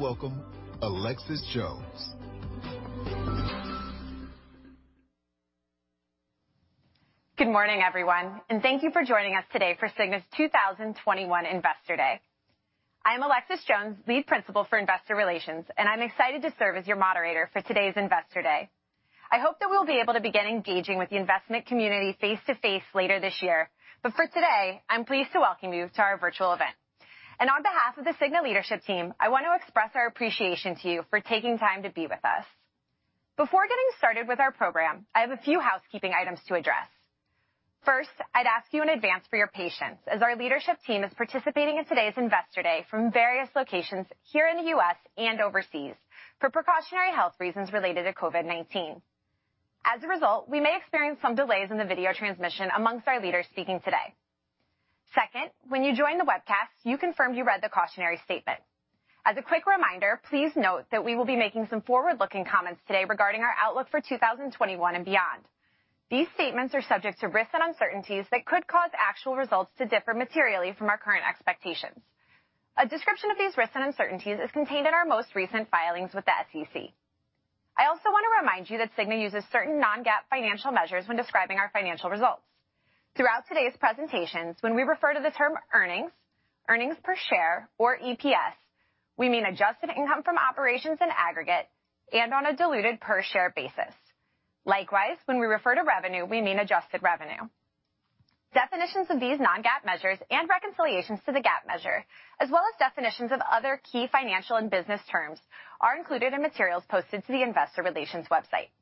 Please welcome Alexis Jones. Good morning everyone and thank you for joining us today for The Cigna Group's 2021 Investor Day. I am Alexis Jones, Lead Principal for Investor Relations, and I'm excited to serve as your moderator for today's Investor Day. I hope that we'll be able to begin engaging with the investment community face to face later this year, but for today, I'm pleased to welcome you to our virtual event. On behalf of The Cigna Group leadership team, I want to express our appreciation to you for taking time to be with us. Before getting started with our program, I have a few housekeeping items to address. First, I'd ask you in advance for your patience as our leadership team is participating in today's Investor Day from various locations here in the U.S. and overseas for precautionary health reasons related to COVID-19. As a result, we may experience some delays in the video transmission amongst our leaders speaking today. Second, when you joined the webcast, you confirmed you read the cautionary statement. As a quick reminder, please note that we will be making some forward-looking comments today regarding our outlook for 2021 and beyond. These statements are subject to risks and uncertainties that could cause actual results to differ materially from our current expectations. A description of these risks and uncertainties is contained in our most recent filings with the SEC. I also want to remind you that The Cigna Group uses certain non-GAAP financial measures when describing our financial results throughout today's presentations. When we refer to the term earnings, earnings per share, or EPS, we mean adjusted income from operations in aggregate and on a diluted per share basis. Likewise, when we refer to revenue, we mean adjusted revenue. Definitions of these non-GAAP measures and reconciliations to the GAAP measure, as well as definitions of other key financial and business terms, are included in materials posted to the Investor Relations website.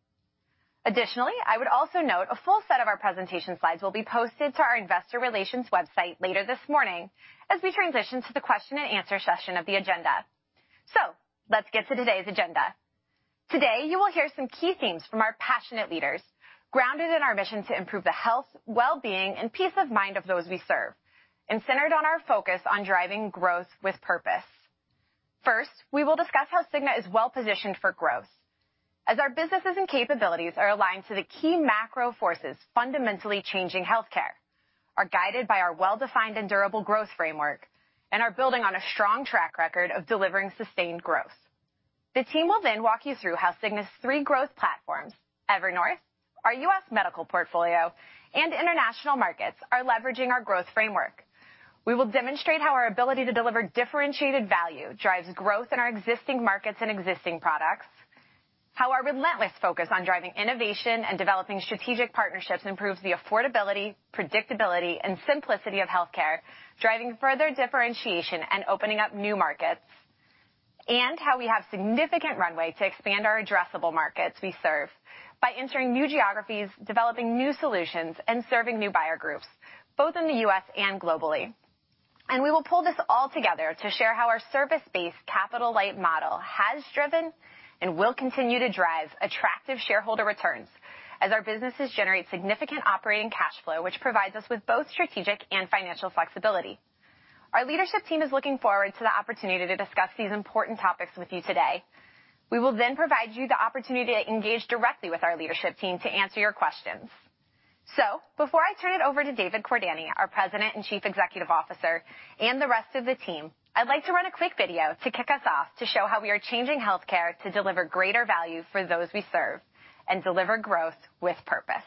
Additionally, I would also note a full set of our presentation slides will be posted to our Investor Relations website later this morning as we transition to the question and answer session of the agenda. Let's get to today's agenda. Today you will hear some key themes from our passionate leaders, grounded in our mission to improve the health, well-being, and peace of mind of those we serve and centered on our focus on driving growth with purpose. First, we will discuss how The Cigna Group is well positioned for growth as our businesses and capabilities are aligned to the key macro forces fundamentally changing healthcare, are guided by our well-defined and durable growth framework, and are building on a strong track record of delivering sustained growth. The team will then walk you through how The Cigna Group's three growth platforms, Evernorth, our U.S. Medical portfolio, and International Markets, are leveraging our growth framework. We will demonstrate how our ability to deliver differentiated value drives growth in our existing markets and existing products, how our relentless focus on driving innovation and developing strategic partnerships improves the affordability, predictability, and simplicity of healthcare, driving further differentiation and opening up new markets, and how we have significant runway to expand our addressable markets we serve by entering new geographies, developing new solutions, and serving new buyer groups both in the U.S. and globally. We will pull this all together to share how our service-based capital light model has driven and will continue to drive attractive shareholder returns as our businesses generate significant operating cash flow, which provides us with both strategic and financial flexibility. Our leadership team is looking forward to the opportunity to discuss these important topics with you today. We will then provide you the opportunity to engage directly with our leadership team to answer your questions. Before I turn it over to David Cordani, our President and Chief Executive Officer, and the rest of the team, I'd like to run a quick video to kick us off to show how we are changing healthcare to deliver greater value for those we serve and deliver growth with purpose.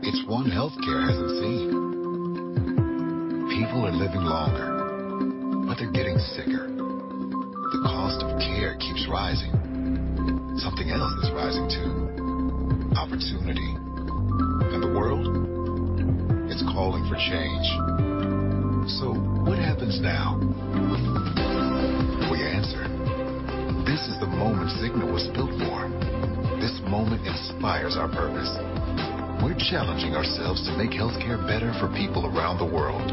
It's one health care as a theme. People are living longer, but they're getting sicker. The cost of care keeps rising, something else rising too: opportunity and the world. It's calling for change. What happens now? We answer. This is the moment The Cigna Group was built for. This moment inspires our purpose. We're challenging ourselves to make healthcare better for people around the world,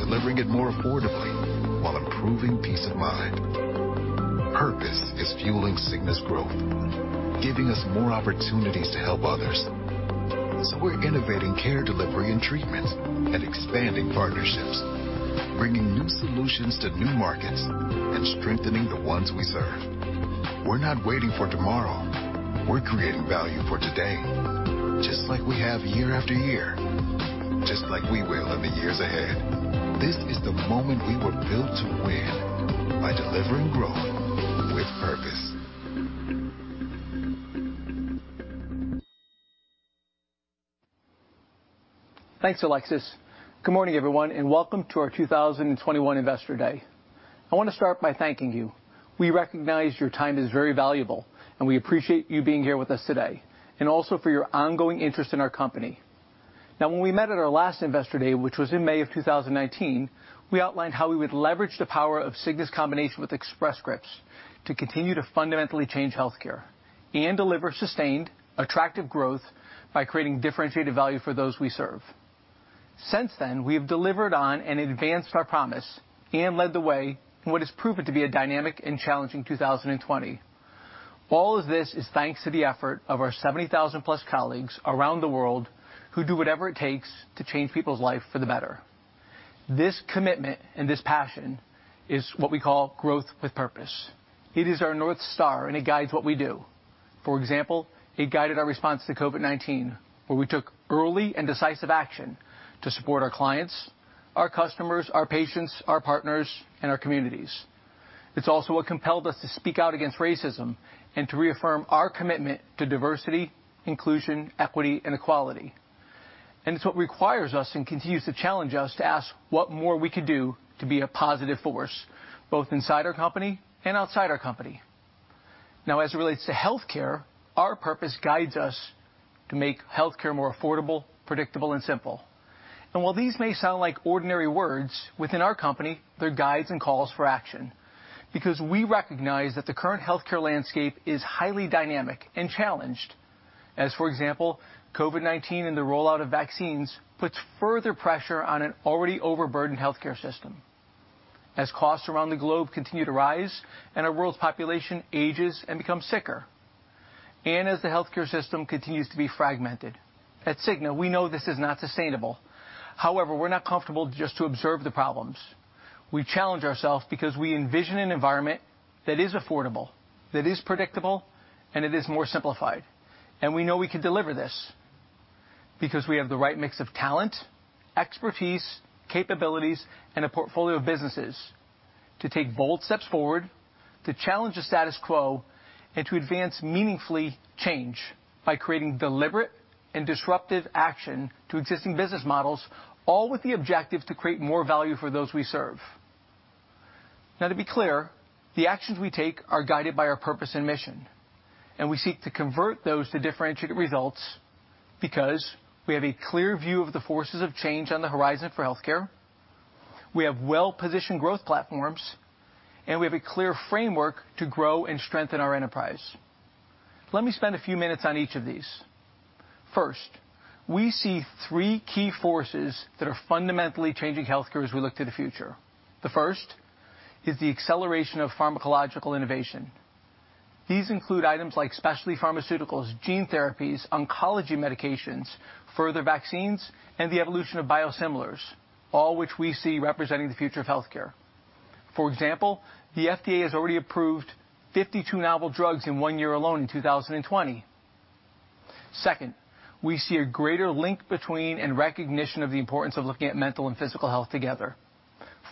delivering it more affordably while improving peace of mind. Purpose is fueling Cigna's growth, giving us. more opportunities to help others. We are innovating care delivery and treatments, expanding partnerships, bringing new solutions to new markets, and strengthening the ones we serve. We are not waiting for tomorrow. We are creating value for today, just like we have year after year, just like we will in the years ahead. This is the moment we were built. To win by delivering growth with purpose. You. Thanks, Alexis. Good morning, everyone, and welcome to our 2021 Investor Day. I want to start by thanking you. We recognize your time is very valuable, and we appreciate you being here with us today and also for your ongoing interest in our company. Now, when we met at our last Investor Day, which was in May of 2019, we outlined how we would leverage the power of Cigna's combination with Express Scripts to continue to fundamentally change healthcare and deliver sustained attractive growth by creating differentiated value for those we serve. Since then, we have delivered on and advanced our promise and led the way in what has proven to be a dynamic and challenging 2020. All of this is thanks to the effort of our 70,000+ colleagues around the world who do whatever it takes to change people's life for the better. This commitment and this passion is what we call growth with purpose. It is our North Star, and it guides what we do. For example, it guided our response to COVID-19, where we took early and decisive action to support our clients, our customers, our patients, our partners, and our communities. It's also what compelled us to speak out against racism and to reaffirm our commitment to diversity, inclusion, equity, and equality. It's what requires us and continues to challenge us to ask what more we could do to be a positive force both inside our company and outside our company. Now, as it relates to healthcare, our purpose guides us to make healthcare more affordable, predictable, and simple. While these may sound like ordinary words, within our company, they're guides and calls for action because we recognize that the current healthcare landscape is highly dynamic and challenged, as, for example, COVID-19. The rollout of vaccines puts further pressure on an already overburdened healthcare system as costs around the globe continue to rise and our world's population ages and becomes sicker, and as the healthcare system continues to be fragmented. At Cigna, we know this is not sustainable. However, we're not comfortable just to observe the problems. We challenge ourselves because we envision an environment that is affordable, that is predictable, and it is more simplified. We know we can deliver this because we have the right mix of talent, expertise, capabilities, and a portfolio of businesses to take bold steps forward to challenge the status quo and to advance meaningful change by creating deliberate and disruptive action to existing business models, all with the objectives to create more value for those we serve. To be clear, the actions we take are guided by our purpose and mission, and we seek to convert those to differentiated results. Because we have a clear view of the forces of change on the horizon for health care, we have well-positioned growth platforms, and we have a clear framework to grow and strengthen our enterprise. Let me spend a few minutes on each of these. First, we see three key forces that are fundamentally changing healthcare as we look to the future. The first is the acceleration of pharmacological innovation. These include items like specialty pharmaceuticals, gene therapies, oncology medications, further vaccines, and the evolution of biosimilars, all of which we see representing the future of healthcare. For example, the FDA has already approved 52 novel drugs in one year alone, in 2020. Second, we see a greater link between and recognition of the importance of looking at mental and physical health together.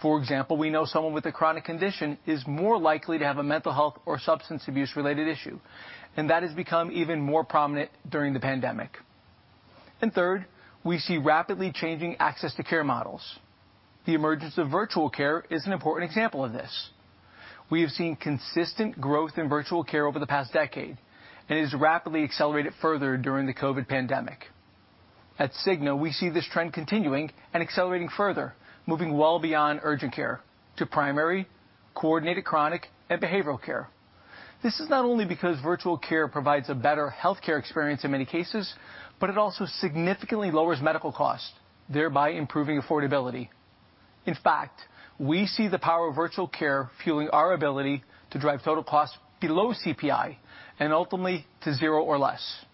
For example, we know someone with a chronic condition is more likely to have a mental health or substance abuse-related issue, and that became even more prominent during the pandemic. Third, we see rapidly changing access to care models. The emergence of virtual care is an important example of this. We have seen consistent growth in virtual care over the past decade, and it has rapidly accelerated further during the COVID-19 pandemic. At The Cigna Group, we see this trend continuing and accelerating further, moving well beyond urgent care to primary, coordinated, chronic, and behavioral care. This is not only because virtual care provides a better healthcare experience in many cases, but it also significantly lowers medical costs, thereby improving affordability. In fact, we see the power of virtual care fueling our ability to drive total costs below CPI and ultimately to zero or less.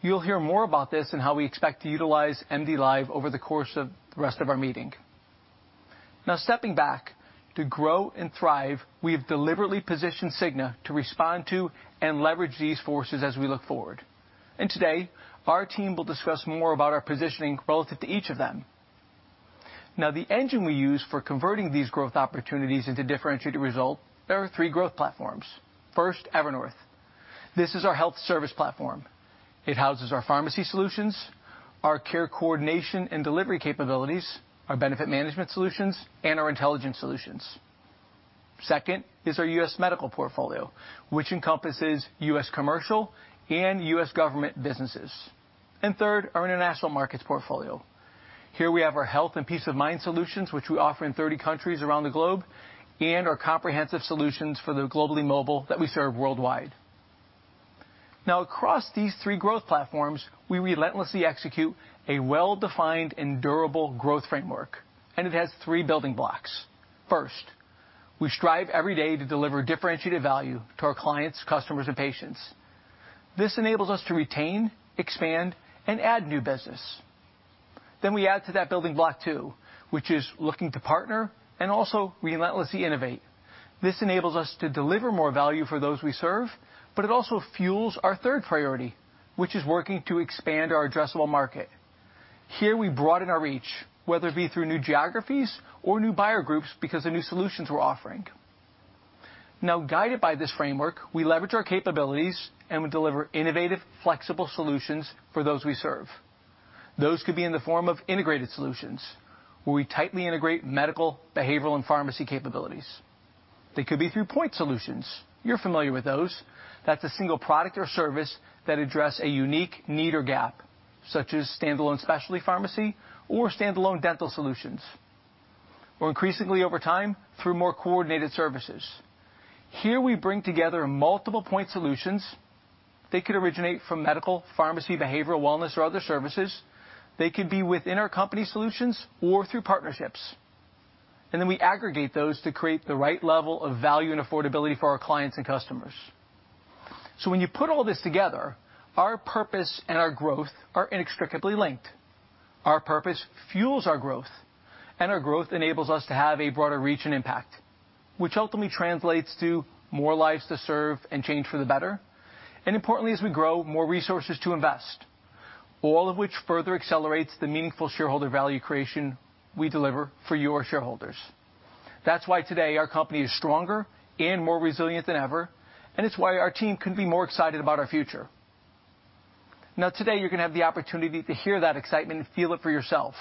You'll hear more about this and how we expect to utilize MDLIVE over the course of the rest of our meeting. Now, stepping back to Grow and Thrive, we have deliberately positioned Cigna to respond to and leverage these forces as we look forward, and today our team will discuss more about our positioning relative to each of them. Now, the engine we use for converting these growth opportunities into differentiated results, there are three growth platforms. First, Evernorth, this is our health service platform. It houses our pharmacy solutions, our care coordination and delivery capabilities, our benefit management solutions, and our intelligence solutions. Second is our U.S. medical portfolio, which encompasses U.S. commercial and U.S. government businesses, and third, our International Markets portfolio. Here, we have our health and peace of mind solutions, which we offer in 30 countries around the globe, and our comprehensive solutions for the globally mobile that we serve worldwide. Now, across these three growth platforms, we relentlessly execute a well-defined and durable growth framework, and it has three building blocks. First, we strive every day to deliver differentiated value to our clients, customers, and patients. This enables us to retain, expand, and add new business. We add to that building block two, which is looking to partner and also relentlessly innovate. This enables us to deliver more value for those we serve, but it also fuels our third priority, which is working to expand our addressable market. Here, we broaden our reach, whether it be through new geographies or new buyer groups because of new solutions we're offering now. Guided by this framework, we leverage our capabilities, and we deliver innovative, flexible solutions for those we serve. Those could be in the form of integrated solutions, where we tightly integrate medical, behavioral, and pharmacy capabilities. They could be through point solutions. You're familiar with those; that's a single product or service that addresses a unique need or gap, such as standalone specialty pharmacy or standalone dental solutions. Or, increasingly over time, through more coordinated services. Here, we bring together multiple point solutions. They could originate from medical, pharmacy, behavioral wellness, or other services. They could be within our company solutions or through partnerships. We aggregate those to create the right level of value and affordability for our clients and customers. When you put all this together, our purpose and our growth are inextricably linked. Our purpose fuels our growth, and our growth enables us to have a broader reach and impact, which ultimately translates to more lives to serve and change for the better. Importantly, as we grow, more resources to invest. All of which further accelerates the meaningful shareholder value creation we deliver for our shareholders. That's why today our company is stronger and more resilient than ever. It's why our team couldn't be more excited about our future. Today you're going to have the opportunity to hear that excitement and feel it for yourself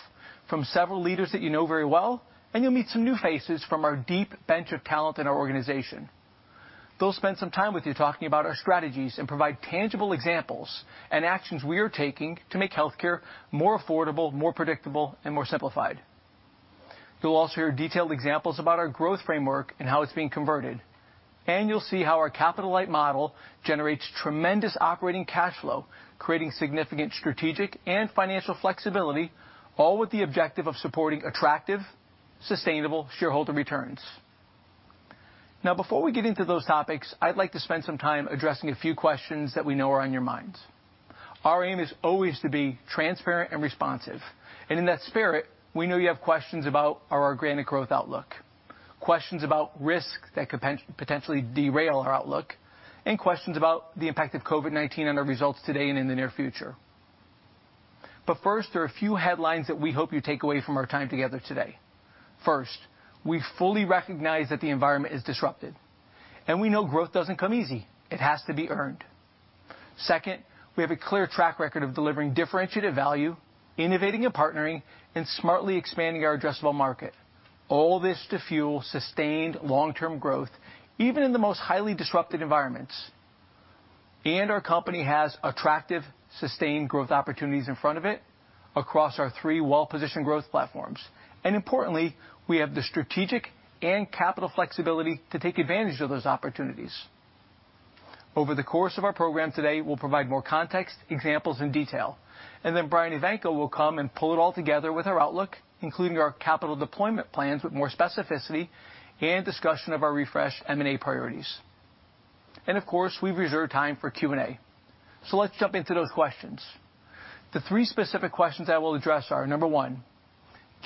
from several leaders that you know very well. You'll meet some new faces from our deep bench of talent in our organization. They'll spend some time with you talking about our strategies and provide tangible examples and actions we are taking to make healthcare more affordable, more predictable, and more simplified. You'll also hear detailed examples about our growth framework and how it's being converted. You'll see how our capital light model generates tremendous operating cash flow, creating significant strategic and financial flexibility, all with the objective of supporting attractive, sustainable shareholder returns. Before we get into those topics, I'd like to spend some time addressing a few questions that we know are on your mind. Our aim is always to be transparent and responsive. In that spirit, we know you have questions about our organic growth outlook, questions about risks that could potentially derail our outlook, and questions about the impact of COVID-19 on our results today and in the near future. First, there are a few headlines that we hope you take away from our time together today. First, we fully recognize that the environment is disrupted and we know growth doesn't come easy. It has to be earned. We have a clear track record of delivering differentiated value, innovating and partnering, and smartly expanding our addressable market. All this to fuel sustained long term growth even in the most highly disrupted environments. Our company has attractive sustained growth opportunities in front of it across our three well positioned growth platforms. Importantly, we have the strategic and capital flexibility to take advantage of those opportunities. Over the course of our program today, we'll provide more context, examples, and detail. Brian Evanko will come and pull it all together with our outlook, including our capital deployment plans with more specificity and discussion of our refreshed M&A priorities. Of course, we reserve time for Q&A. Let's jump into those questions. The three specific questions I will address are: Number one,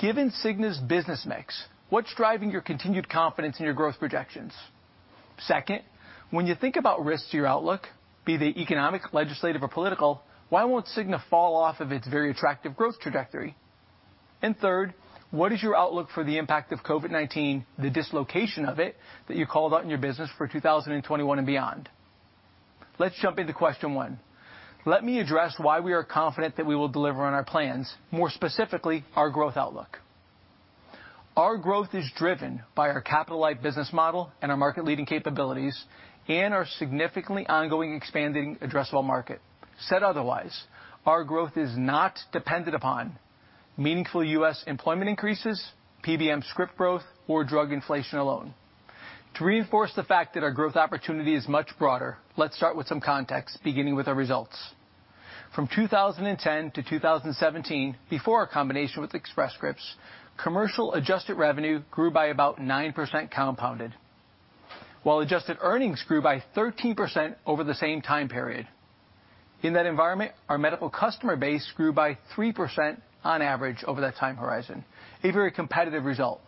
given Cigna's business mix, what's driving your continued confidence in your growth projections? Second, when you think about risks to your outlook, be they economic, legislative, or political, why won't Cigna fall off of its very attractive growth trajectory? Third, what is your outlook for the impact of COVID-19, the dislocation of it that you called out in your business for 2021 and beyond? Let's jump into question one. Let me address why we are confident that we will deliver on our plans, more specifically our growth outlook. Our growth is driven by our capital light business model and our market-leading capabilities and our significantly ongoing expanding addressable market. Said otherwise, our growth is not dependent upon meaningful U.S. employment increases, PBM script growth, or drug inflation alone. To reinforce the fact that our growth opportunity is much broader, let's start with some context. Beginning with our results from 2010-2017, before our combination with Express Scripts, commercial adjusted revenue grew by about 9% compounded, while adjusted earnings grew by 13% over the same time period. In that environment, our medical customer base grew by 3% on average over that time horizon, a very competitive result.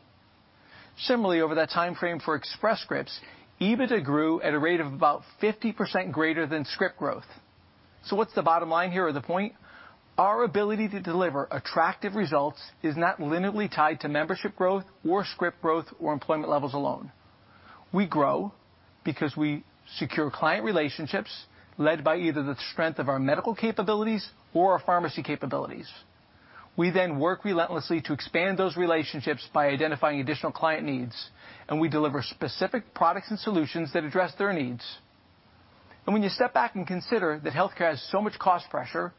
Similarly, over that time frame for Express Scripts, EBITDA grew at a rate of about 50% greater than script growth. What's the bottom line here or the point? Our ability to deliver attractive results is not linearly tied to membership growth or script growth or employment levels alone. We grow because we secure client relationships led by either the strength of our medical capabilities or our pharmacy capabilities. We then work relentlessly to expand those relationships by identifying additional client needs, and we deliver specific products and solutions that address their needs. When you step back and consider that healthcare has so much cost pressure,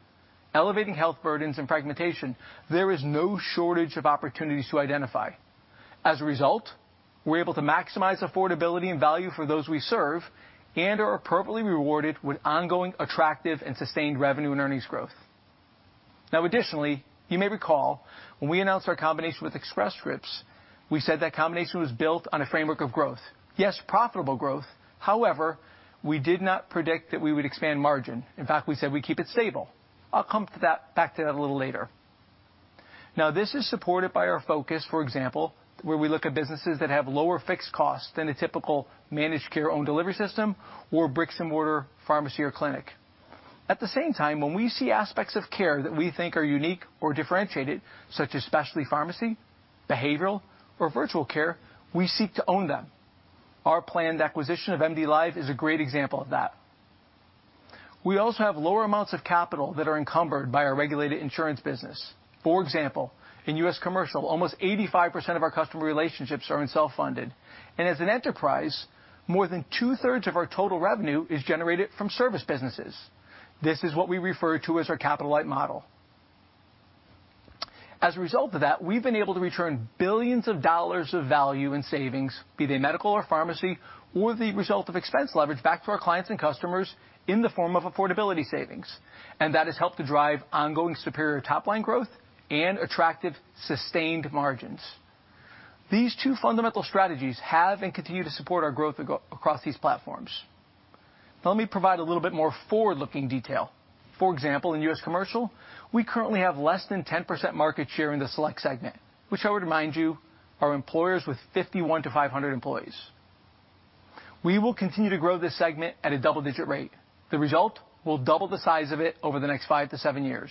elevating health burdens, and fragmentation, there is no shortage of opportunities to identify. As a result, we're able to maximize affordability and value for those we serve and are appropriately rewarded with ongoing attractive and sustained revenue and earnings growth. Now, additionally, you may recall when we announced our combination with Express Scripts, we said that combination was built on a framework of growth, yes, profitable growth. However, we did not predict that we would expand margin. In fact, we said we keep it stable. I'll come back to that a little later. Now, this is supported by our focus, for example, where we look at businesses that have lower fixed costs than a typical managed care owned delivery system or bricks and mortar pharmacy or clinic. At the same time, when we see aspects of care that we think are unique or differentiated, such as specialty pharmacy, behavioral or virtual care, we seek to own them. Our planned acquisition of MDLIVE is a great example of that. We also have lower amounts of capital that are encumbered by our regulated insurance business. For example, in U.S. commercial, almost 85% of our customer relationships are in self-funded and as an enterprise, more than two thirds of our total revenue is generated from service businesses. This is what we refer to as our capital light model. As a result of that, we've been able to return billions of dollars of value in savings, be they medical or pharmacy or the result of expense leverage back to our clients and customers and in the form of affordability savings. That has helped to drive ongoing superior top line growth and attractive sustained margins. These two fundamental strategies have and continue to support our growth across these platforms. Let me provide a little bit more forward looking detail. For example, in U.S. commercial we currently have less than 10% market share in the select segment, which I would remind you are employers with 51-500 employees. We will continue to grow this segment at a double digit rate. The result will double the size of it over the next five to seven years.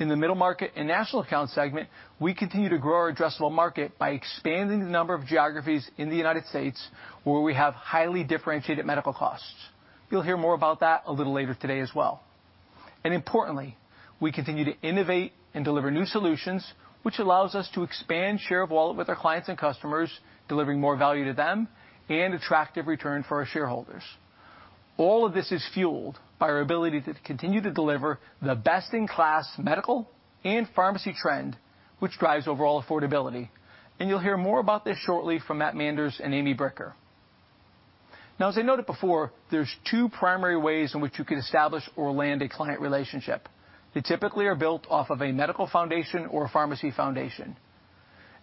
In the middle market and national account segment, we continue to grow our addressable market by expanding the number of geographies in the United States where we have highly differentiated medical costs. You'll hear more about that a little later today as well. Importantly, we continue to innovate and deliver new solutions, which allows us to expand share of wallet with our clients and customers, delivering more value to them and attractive return for our shareholders. All of this is fueled by our ability to continue to deliver the best in class medical and pharmacy trend, which drives overall affordability. You'll hear more about this shortly from Matt Manders and Amy Bricker. As I noted before, there are two primary ways in which you can establish or land a client relationship. They typically are built off of a medical foundation or pharmacy foundation,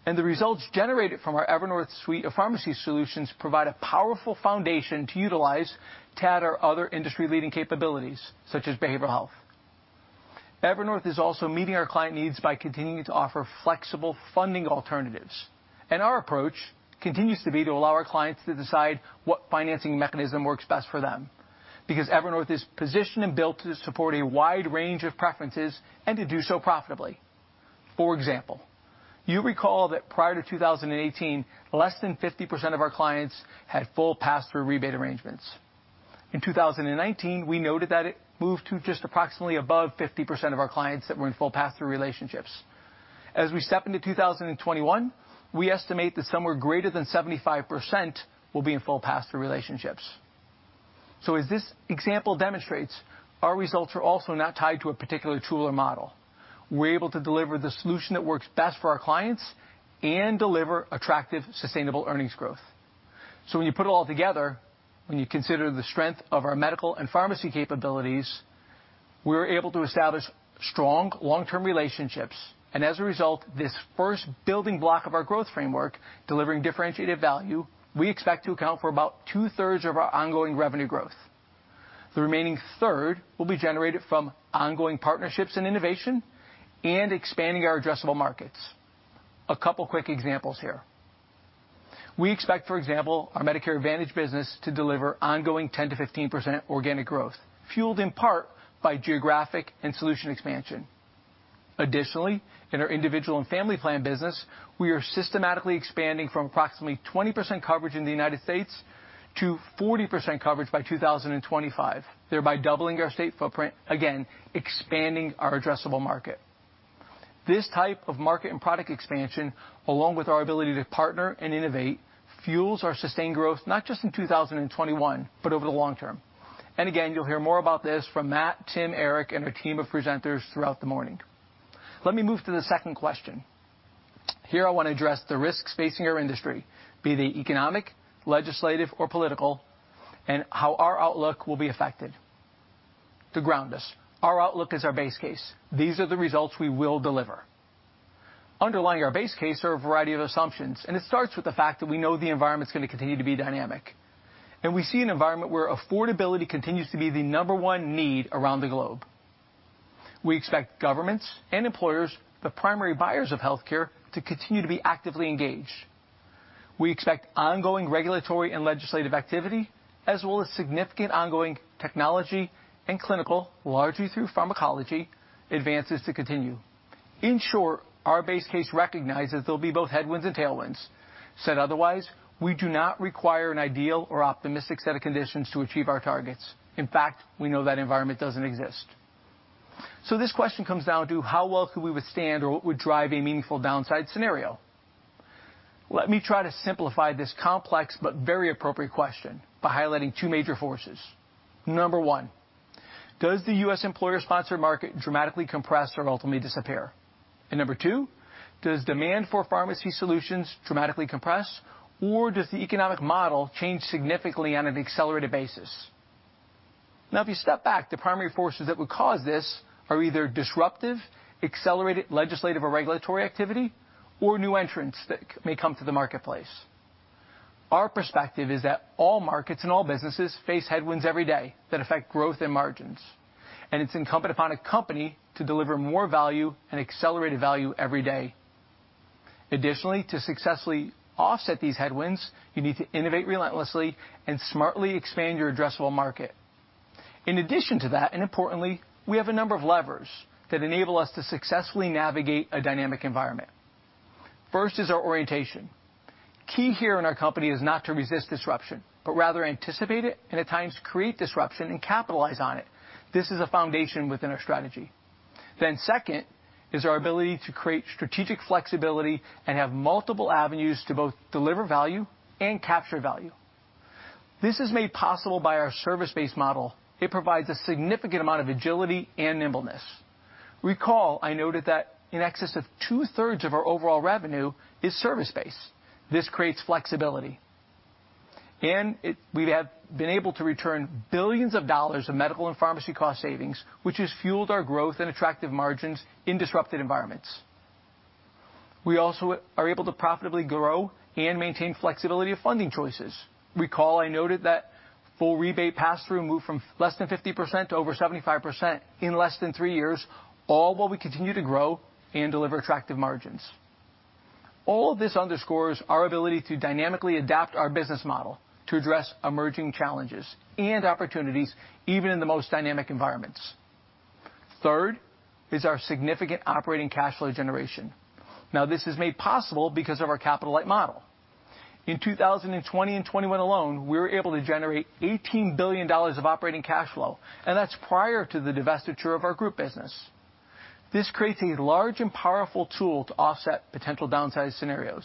and the results generated from our Evernorth suite of pharmacy solutions provide a powerful foundation to utilize TAD or other industry leading capabilities such as behavioral health. Evernorth is also meeting our client needs by continuing to offer flexible funding alternatives, and our approach continues to be to allow our clients to decide what financing mechanism works best for them, because Evernorth is positioned and built to support a wide range of preferences and to do so profitably. For example, you recall that prior to 2018, less than 50% of our clients had full pass through rebate arrangements. In 2019, we noted that it moved to just approximately above 50% of our clients that were in full pass through relationships. As we step into 2021, we estimate that somewhere greater than 75% will be in full pass through relationships. As this example demonstrates, our results are also not tied to a particular tool or model. We're able to deliver the solution that works best for our clients and deliver attractive, sustainable earnings growth. When you put it all together, when you consider the strength of our medical and pharmacy capabilities, we were able to establish strong long term relationships. As a result, this first building block of our growth framework, delivering differentiated value, we expect to account for about two thirds of our ongoing revenue growth. The remaining third will be generated from ongoing partnerships and innovation and expanding our addressable markets. A couple quick examples here. We expect, for example, our Medicare Advantage business to deliver ongoing 10%-15% organic growth, fueled in part by geographic and solution expansion. Additionally, in our individual and family plan business, we are systematically expanding from approximately 20% coverage in the U.S. to 40% coverage by 2025, thereby doubling our state footprint, again expanding our addressable market. This type of market and product expansion, along with our ability to partner and innovate, fuels our sustained growth not just in 2021, but over the long term. You'll hear more about this from Matt, Tim, Eric, and our team of presenters throughout the morning. Let me move to the second question here. I want to address the risks facing our industry, be they economic, legislative, or political, and how our outlook will be affected to ground us. Our outlook is our base case. These are the results we will deliver. Underlying our base case are a variety of assumptions, and it starts with the fact that we know the environment is going to continue to be dynamic, and we see an environment where affordability continues to be the number one need around the globe. We expect governments and employers, the primary buyers of health care, to continue to be actively engaged. We expect ongoing regulatory and legislative activity, as well as significant ongoing technology and clinical, largely through pharmacology, advances to continue. In short, our base case recognizes there will be both headwinds and tailwinds. Said otherwise, we do not require an ideal or optimistic set of conditions to achieve our targets. In fact, we know that environment doesn't exist. This question comes down to how well we could withstand or what would drive a meaningful downside scenario. Let me try to simplify this complex but very appropriate question by highlighting two major forces. Number one, does the U.S. employer-sponsored market dramatically compress or ultimately disappear? Number two, does demand for pharmacy solutions dramatically compress, or does the economic model change significantly on an accelerated basis? If you step back, the primary forces that would cause this are either disruptive, accelerated legislative or regulatory activity, or new entrants that may come to the marketplace. Our perspective is that all markets and all businesses face headwinds every day that affect growth and margins, and it's incumbent upon a company to deliver more value and accelerated value every day. Additionally, to successfully offset these headwinds, you need to innovate relentlessly and smartly expand your addressable market. In addition to that, and importantly, we have a number of levers that enable us to successfully navigate a dynamic environment. First is our orientation. Key here in our company is not to resist disruption, but rather anticipate it and at times create disruption and capitalize on it. This is a foundation within our strategy. Second is our ability to create strategic flexibility and have multiple avenues to both deliver value and capture value. This is made possible by our service-based model. It provides a significant amount of agility and nimbleness. Recall, I noted that in excess of two thirds of our overall revenue is service-based. This creates flexibility and we have been able to return billions of dollars of medical and pharmacy cost savings which has fueled our growth and attractive margins in disrupted environments. We also are able to profitably grow and maintain flexibility of funding choices. Recall I noted that full rebate pass-through moved from less than 50% to over 75% in less than three years, all while we continue to grow and deliver attractive margins. All of this underscores our ability to dynamically adapt our business model to address emerging challenges and opportunities even in the most dynamic environments. Third is our significant operating cash flow generation. This is made possible because of our capital light model. In 2020 and 2021 alone, we were able to generate $18 billion of operating cash flow and that's prior to the divestiture of our group business. This creates a large and powerful tool to offset potential downside scenarios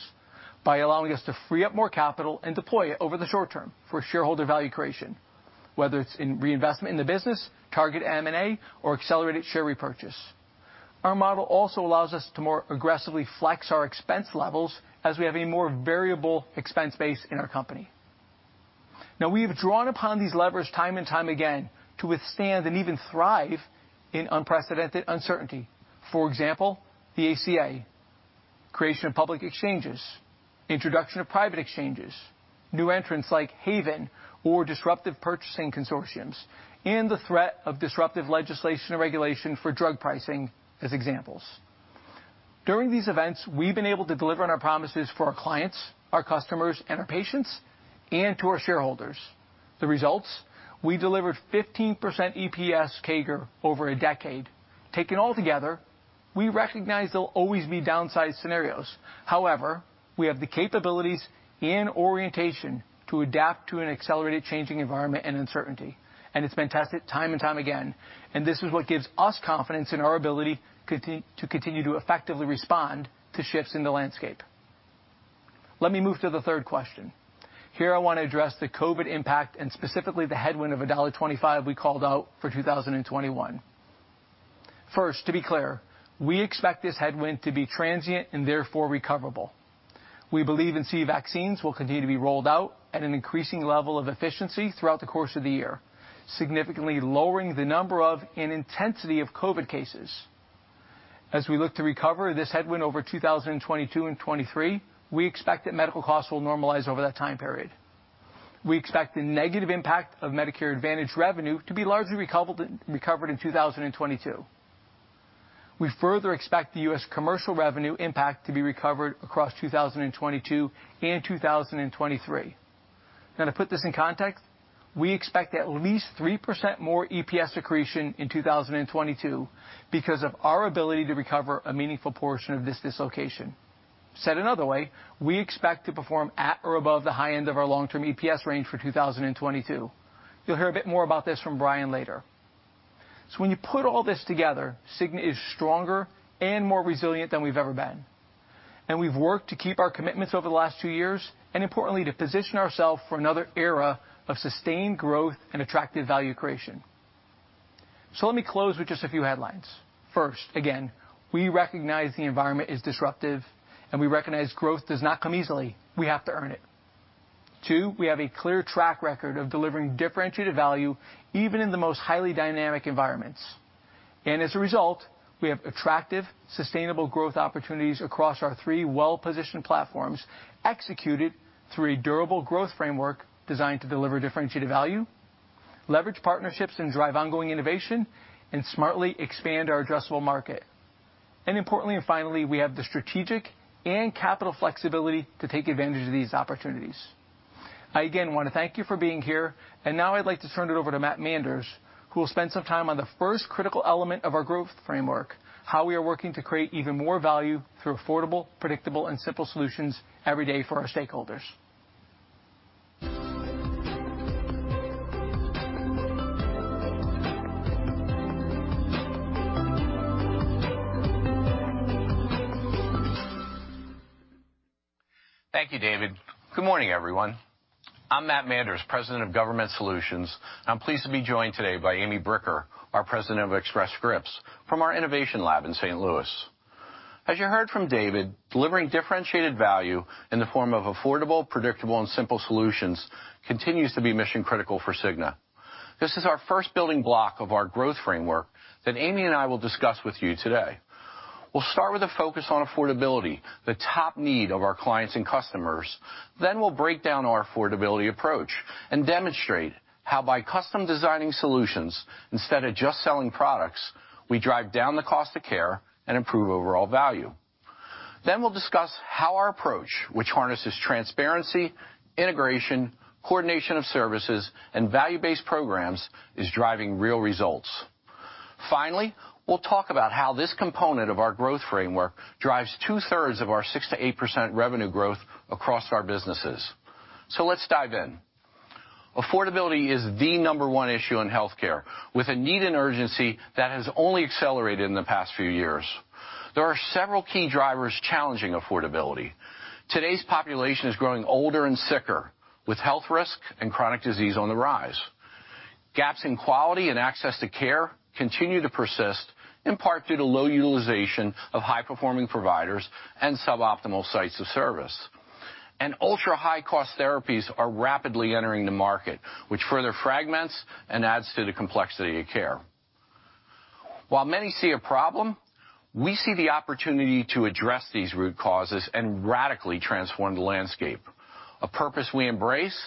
by allowing us to free up more capital and deploy it over the short term for shareholder value creation, whether it's in reinvestment in the business, target M&A, or accelerated share repurchase. Our model also allows us to more aggressively flex our expense levels as we have a more variable expense base in our company now. We have drawn upon these levers time and time again to withstand and even thrive in unprecedented uncertainty. For example, the ACA creation of public exchanges, introduction of private exchanges, new entrants like Haven or disruptive purchasing consortiums, and the threat of disruptive legislation and regulation for drug pricing as examples. During these events we've been able to deliver on our promises for our clients, our customers, our patients, and to our shareholders. The results: we delivered 15% EPS CAGR over a decade. Taken all together, we recognize there will always be downside scenarios. However, we have the capabilities and orientation to adapt to an accelerated changing environment and uncertainty. It's been tested time and time again. This is what gives us confidence in our ability to continue to effectively respond to shifts in the landscape. Let me move to the third question here. I want to address the COVID impact and specifically the headwind of $1.25 we called out for 2021. First, to be clear, we expect this headwind to be transient and therefore recoverable. We believe NC vaccines will continue to be rolled out at an increasing level of efficiency throughout the course of the year, significantly lowering the number of and intensity of COVID cases. As we look to recover this headwind over 2022 and 2023, we expect that medical costs will normalize over that time period. We expect the negative impact of Medicare Advantage revenue to be largely recovered in 2022. We further expect the U.S. commercial revenue impact to be recovered across 2022 and 2023. Now to put this in context, we expect at least 3% more EPS accretion in 2022 because of our ability to recover a meaningful portion of this dislocation. Said another way, we expect to perform at or above the high end of our long-term EPS range for 2022. You'll hear a bit more about this from Brian later. When you put all this together, Cigna is stronger and more resilient than we've ever been and we've worked to keep our commitments over the last two years and, importantly, to position ourselves for another era of sustained growth and attractive value creation. Let me close with just a few headlines. First, again, we recognize the environment is disruptive and we recognize growth does not come easily. We have to earn it. Two. We have a clear track record of delivering differentiated value even in the most highly dynamic environments. As a result, we have attractive, sustainable growth opportunities across our three well-positioned platforms, executed through a durable growth framework designed to deliver differentiated value, leverage partnerships, and drive ongoing innovation and smartly expand our addressable market. Importantly, and finally, we have the strategic and capital flexibility to take advantage of these opportunities. I again want to thank you for being here, and now I'd like to turn it over to Matt Manders, who will spend some time on the first critical element of our growth framework, how we are working to create even more value through affordable, predictable, and simple solutions every day for our stakeholders. Thank you, David. Good morning, everyone. I'm Matt Manders, President of Government Solutions. I'm pleased to be joined today by Amy Bricker, our President of Express Scripts from our innovation lab in St. Louis. As you heard from David, delivering differentiated value in the form of affordable, predictable, and simple solutions continues to be mission critical for Cigna. This is our first building block of our growth framework that Amy and I will discuss with you today. We'll start with a focus on affordability, the top need of our clients and customers. Next, we'll break down our affordability approach and demonstrate how by custom designing solutions instead of just selling products, we drive down the cost of care and improve overall value. We'll discuss how our approach, which harnesses transparency, integration, coordination of services, and value-based programs, is driving real results. Finally, we'll talk about how this component of our growth framework drives 2/3 of our 6%-8% revenue growth across our businesses. Let's dive in. Affordability is the number one issue in healthcare with a need and urgency that has only accelerated in the past few years. There are several key drivers challenging affordability. Today's population is growing older and sicker with health risk and chronic disease on the rise. Gaps in quality and access to care continue to persist in part due to low utilization of high performing providers and suboptimal sites of service, and ultra high cost therapies are rapidly entering the market, which further fragments and adds to the complexity of care. While many see a problem, we see the opportunity to address these root causes and radically transform the landscape, a purpose we embrace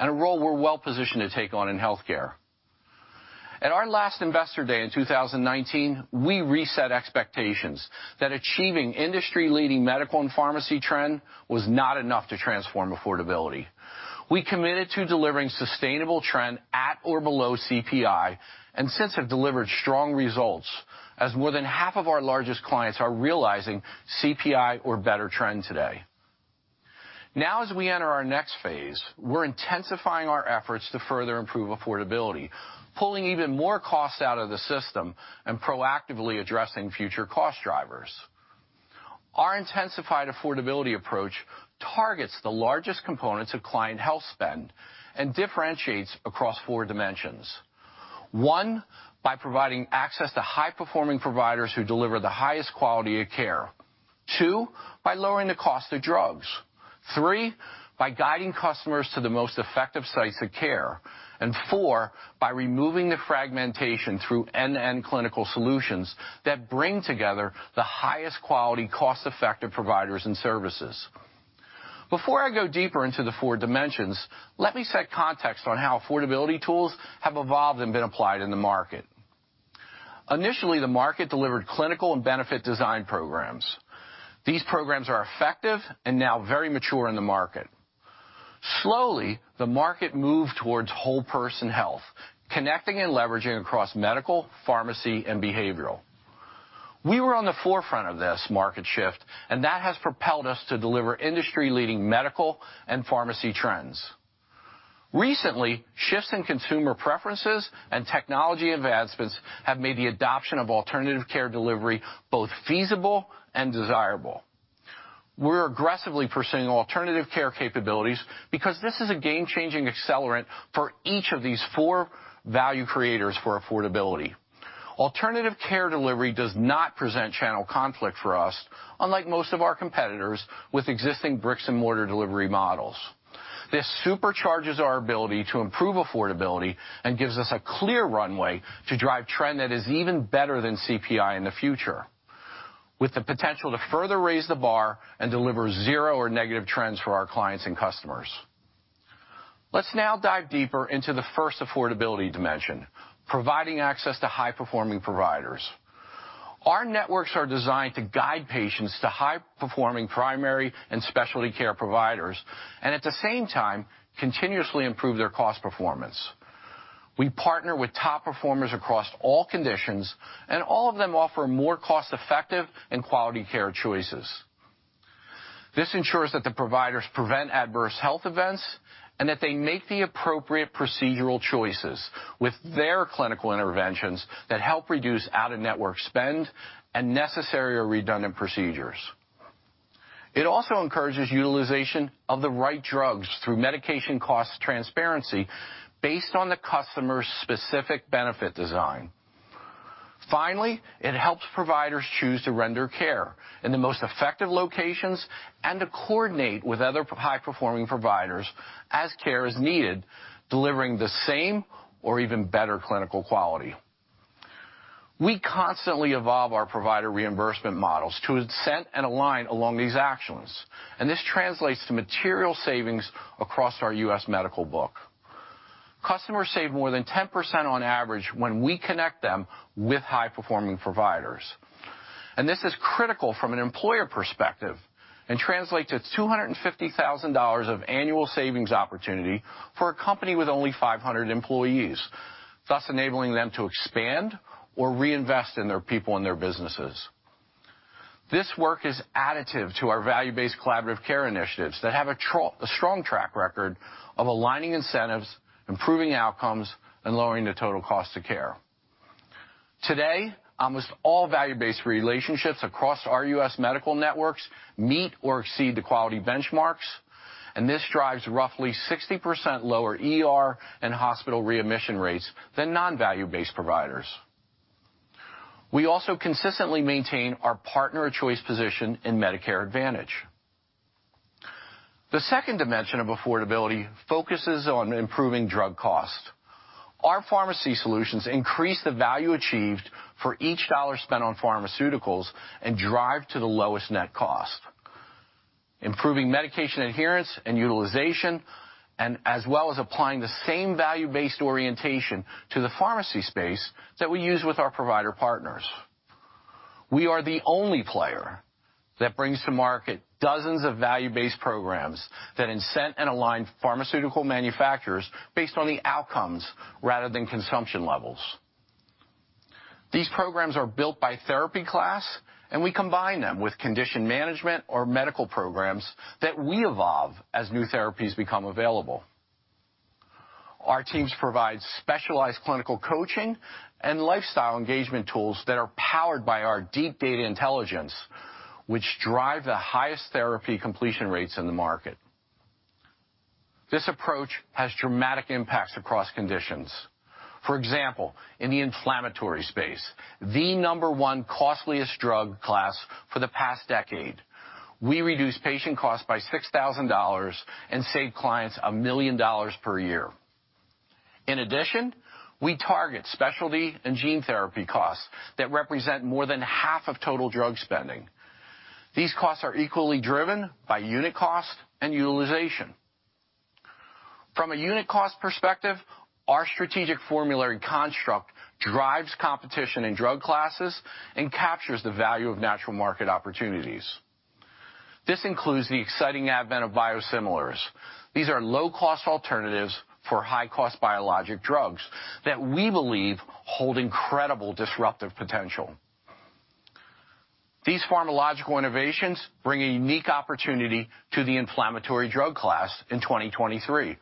and a role we're well positioned to take on in healthcare. At our last Investor Day in 2019, we reset expectations that achieving industry leading medical and pharmacy trend was not enough to transform affordability. We committed to delivering sustainable trend at or below CPI and since have delivered strong results as more than half of our largest clients are realizing CPI or better trend today. Now, as we enter our next phase, we're intensifying our efforts to further improve affordability, pulling even more costs out of the system and proactively addressing future cost drivers. Our intensified affordability approach targets the largest components of client health spend and differentiates across four dimensions: one, by providing access to high performing providers who deliver the highest quality of care; two, by lowering the cost of drugs; three, by guiding customers to the most effective sites of care; and four, by removing the fragmentation through end-to-end clinical solutions that bring together the highest quality, cost effective providers and services. Before I go deeper into the four dimensions, let me set context on how affordability tools have evolved and been applied in the market. Initially, the market delivered clinical and benefit design programs. These programs are effective and now very mature in the market. Slowly, the market moved towards whole person health, connecting and leveraging across medical, pharmacy, and behavioral. We were on the forefront of this market shift and that has propelled us to deliver industry leading medical and pharmacy trends. Recently, shifts in consumer preferences and technology advancements have made the adoption of alternative care delivery both feasible and desirable. We're aggressively pursuing alternative care capabilities because this is a game changing accelerant for each of these four value creators for affordability. Alternative care delivery does not present channel conflict for us. Unlike most of our competitors with existing bricks and mortar delivery models, this supercharges our ability to improve affordability and gives us a clear runway to drive trend that is even better than CPI in the future with the potential to further raise the bar and deliver zero or negative trends for our clients and customers. Let's now dive deeper into the first affordability dimension, providing access to high performing providers. Our networks are designed to guide patients to high performing primary and specialty care providers and at the same time continuously improve their cost performance. We partner with top performers across all conditions and all of them offer more cost effective and quality care choices. This ensures that the providers prevent adverse health events and that they make the appropriate procedural choices with their clinical interventions that help reduce out of network spend and unnecessary or redundant procedures. It also encourages utilization of the right drugs through medication cost transparency based on the customer's specific benefit design. Finally, it helps providers choose to render care in the most effective locations and to coordinate with other high-performing providers as care is needed, delivering the same or even better clinical quality. We constantly evolve our provider reimbursement models to incent and align along these actions, and this translates to material savings. Across our U.S. medical book, customers save more than 10% on average when we connect them with high-performing providers, and this is critical from an employer perspective and translates to $250,000 of annual savings opportunity for a company with only 500 employees, thus enabling them to expand or reinvest in their people and their businesses. This work is additive to our value-based collaborative care initiatives that have a strong track record of aligning incentives, improving outcomes, and lowering the total cost of care. Today, almost all value-based relationships across our U.S. medical networks meet or exceed the quality benchmarks, and this drives roughly 60% lower ER and hospital readmission rates than non-value-based providers. We also consistently maintain our partner of choice position in Medicare Advantage. The second dimension of affordability focuses on improving drug cost. Our pharmacy solutions increase the value achieved for each dollar spent on pharmaceuticals and drive to the lowest net cost, improving medication adherence and utilization as well as applying the same value-based orientation to the pharmacy space that we use with our provider partners. We are the only player that brings to market dozens of value-based programs that incent and align pharmaceutical manufacturers based on the outcomes rather than consumption levels. These programs are built by therapy class, and we combine them with condition management or medical programs that we evolve as new therapies become available. Our teams provide specialized clinical coaching and lifestyle engagement tools that are powered by our deep data intelligence, which drive the highest therapy completion rates in the market. This approach has dramatic impacts across conditions. For example, in the inflammatory space, the number one costliest drug class for the past decade, we reduce patient costs by $6,000 and save clients $1 million per year. In addition, we target specialty and gene therapy costs that represent more than half of total drug spending. These costs are equally driven by unit cost and utilization. From a unit cost perspective, our strategic formulary construct drives competition in drug classes and captures the value of natural market opportunities. This includes the exciting advent of biosimilars. These are low cost alternatives for high cost biologic drugs that we believe hold incredible disruptive potential. These pharmacological innovations bring a unique opportunity to the inflammatory drug class in 2023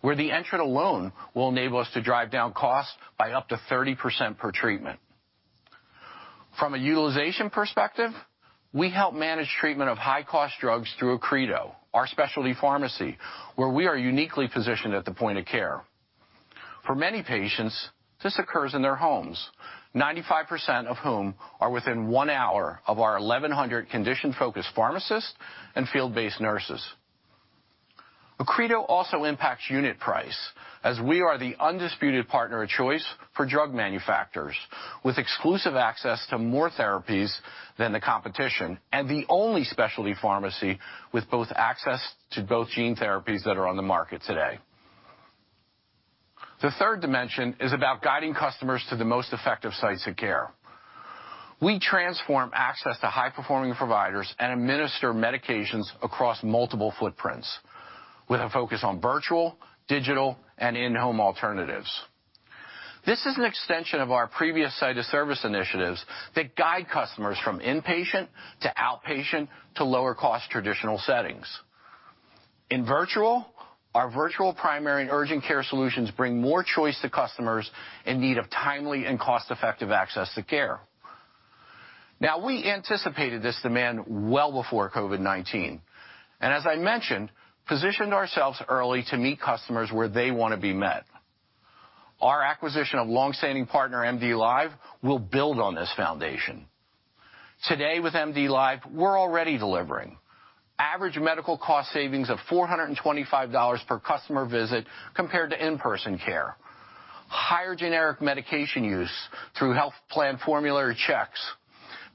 where the entrant alone will enable us to drive down costs by up to 30% per treatment. From a utilization perspective, we help manage treatment of high cost drugs through Accredo, our specialty pharmacy where we are uniquely positioned at the point of care. For many patients, this occurs in their homes, 95% of whom are within one hour of our 1,100 condition-focused pharmacists and field-based nurses. Accredo also impacts unit price as we are the undisputed partner of choice for drug manufacturers with exclusive access to more therapies than the competition and the only specialty pharmacy with access to both gene therapies that are on the market today. The third dimension is about guiding customers to the most effective sites of care. We transform access to high performing providers and administer medications across multiple footprints with a focus on virtual, digital, and in-home alternatives. This is an extension of our previous site of service initiatives that guide customers from inpatient to outpatient to lower cost traditional settings in virtual. Our virtual primary and urgent care solutions bring more choice to customers in need of timely and cost effective access to care. We anticipated this demand well before COVID-19 and, as I mentioned, positioned ourselves early to meet customers where they want to be met. Our acquisition of long standing partner MDLIVE will build on this foundation today. With MDLIVE, we're already delivering average medical cost savings of $425 per customer visit compared to in-person care, higher generic medication use through health plan formulary checks,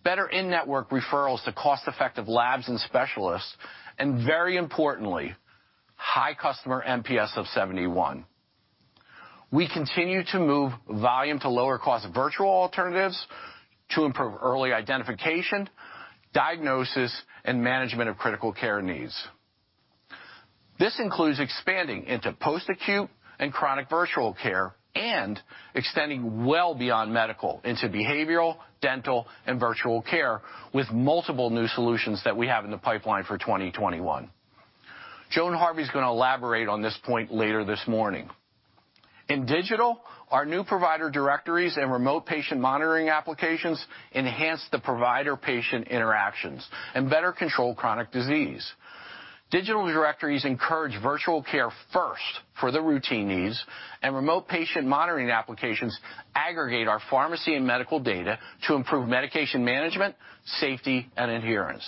better in-network referrals to cost effective labs and specialists, and very importantly high customer NPS of 71. We continue to move volume to lower cost virtual alternatives to improve early identification, diagnosis, and management of critical care needs. This includes expanding into post-acute and chronic virtual care and extending well beyond medical into behavioral, dental, and virtual care with multiple new solutions that we have in the pipeline for 2021. Joan Harvey is going to elaborate on this point later this morning in Digital. Our new provider directories and remote patient monitoring applications enhance the provider-patient interactions and better control chronic disease. Digital directories encourage virtual care first for the routine needs, and remote patient monitoring applications aggregate our pharmacy and medical data to improve medication management, safety, and adherence.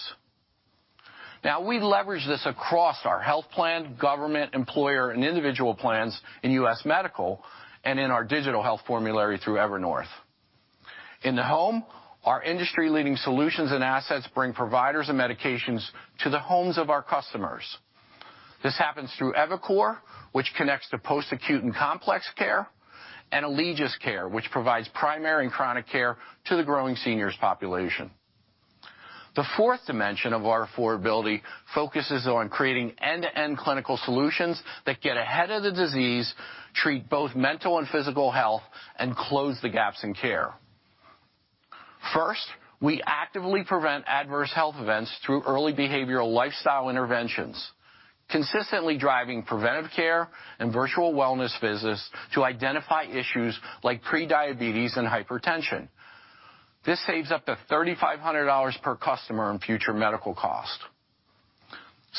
Now we leverage this across our health plan, government, employer, and individual and family plans in U.S. Medical and in our digital health formulary through Evernorth. In the home, our industry-leading solutions and assets bring providers and medications to the homes of our customers. This happens through EviCore, which connects to post-acute and complex care, and Allegiance Care, which provides primary and chronic care to the growing seniors population. The fourth dimension of our affordability focuses on creating end-to-end clinical solutions that get ahead of the disease, treat both mental and physical health, and close the gaps in care. First, we actively prevent adverse health events through early behavioral lifestyle interventions, consistently driving preventive care and virtual wellness visits to identify issues like pre-diabetes and hypertension. This saves up to $3,500 per customer in future medical cost.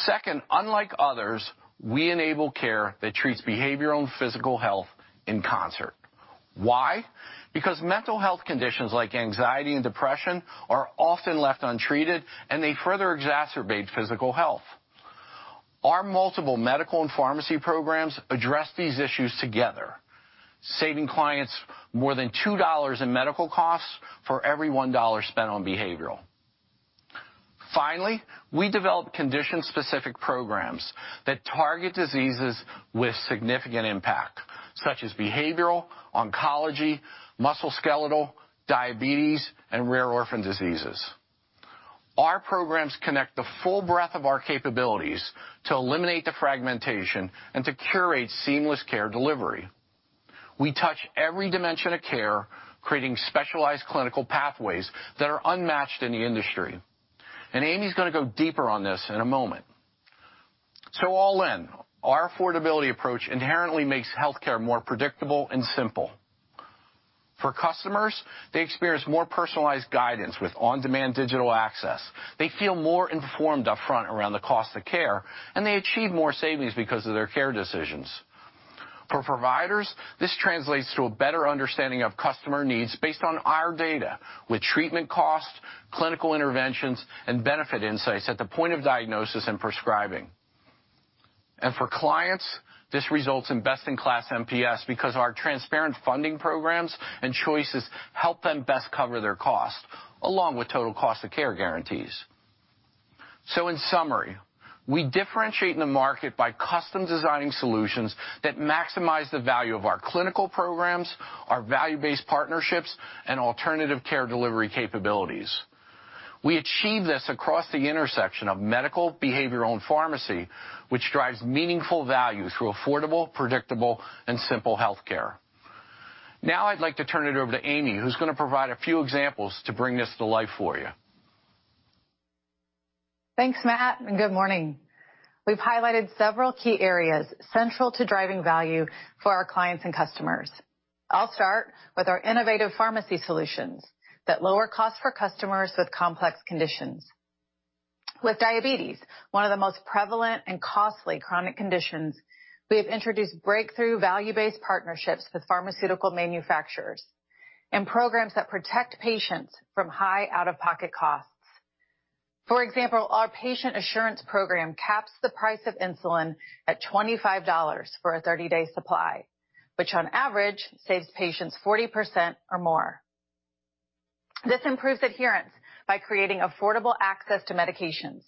Second, unlike others, we enable care that treats behavioral and physical health in concert. Why? Because mental health conditions like anxiety and depression are often left untreated, and they further exacerbate physical health. Our multiple medical and pharmacy programs address these issues together, saving clients more than $2 in medical costs for every $1 spent on behavioral. Finally, we develop condition-specific programs that target diseases with significant impact, such as behavioral oncology, musculoskeletal, diabetes, and rare orphan diseases. Our programs connect the full breadth of our capabilities to eliminate the fragmentation and to curate seamless care delivery. We touch every dimension of care, creating specialized clinical pathways that are unmatched in the industry, and Amy's going to go deeper on this in a moment. All in, our affordability approach inherently makes healthcare more predictable and simple for customers. They experience more personalized guidance with on-demand digital access, they feel more informed up front around the cost of care, and they achieve more savings because of their care decisions. For providers, this translates to a better understanding of customer needs based on our data with treatment cost, clinical interventions, and benefit insights at the point of diagnosis and prescribing. For clients, this results in best-in-class MPS because our transparent funding programs and choices help them best cover their cost along with total cost of care guarantees. In summary, we differentiate in the market by custom designing solutions that maximize the value of our clinical programs, our value-based partnerships, and alternative care delivery capabilities. We achieve this across the intersection of medical, behavioral, and pharmacy, which drives meaningful value through affordable, predictable, and simple healthcare. Now I'd like to turn it over to Amy, who's going to provide a few examples to bring this to life for you. Thanks, Matt, and good morning. We've highlighted several key areas central to driving value for our clients and customers. I'll start with our innovative pharmacy solutions that lower costs for customers with complex conditions. With diabetes one of the most prevalent and costly chronic conditions, we have introduced breakthrough value-based partnerships with pharmaceutical manufacturers and programs that protect patients from high out-of-pocket costs. For example, our patient assurance program caps the price of insulin at $25 for a 30-day supply, which on average saves patients 40% or more. This improves adherence by creating affordable access to medications,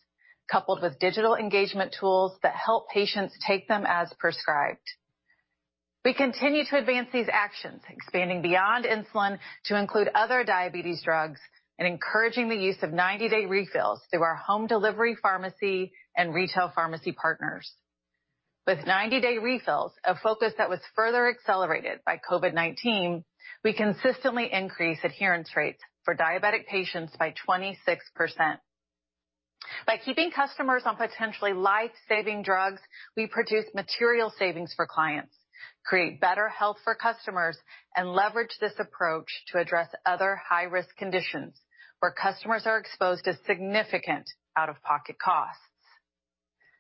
coupled with digital engagement tools that help patients take them as prescribed. We continue to advance these actions, expanding beyond insulin to include other diabetes drugs and encouraging the use of 90-day refills through our home delivery, pharmacy, and retail pharmacy partners. With 90-day refills, a focus that was further accelerated by COVID-19, we consistently increase adherence rates for diabetic patients by 26%. By keeping customers on potentially life-saving drugs, we produce material savings for clients, create better health for customers, and leverage this approach to address other high-risk conditions where customers are exposed to significant out-of-pocket costs.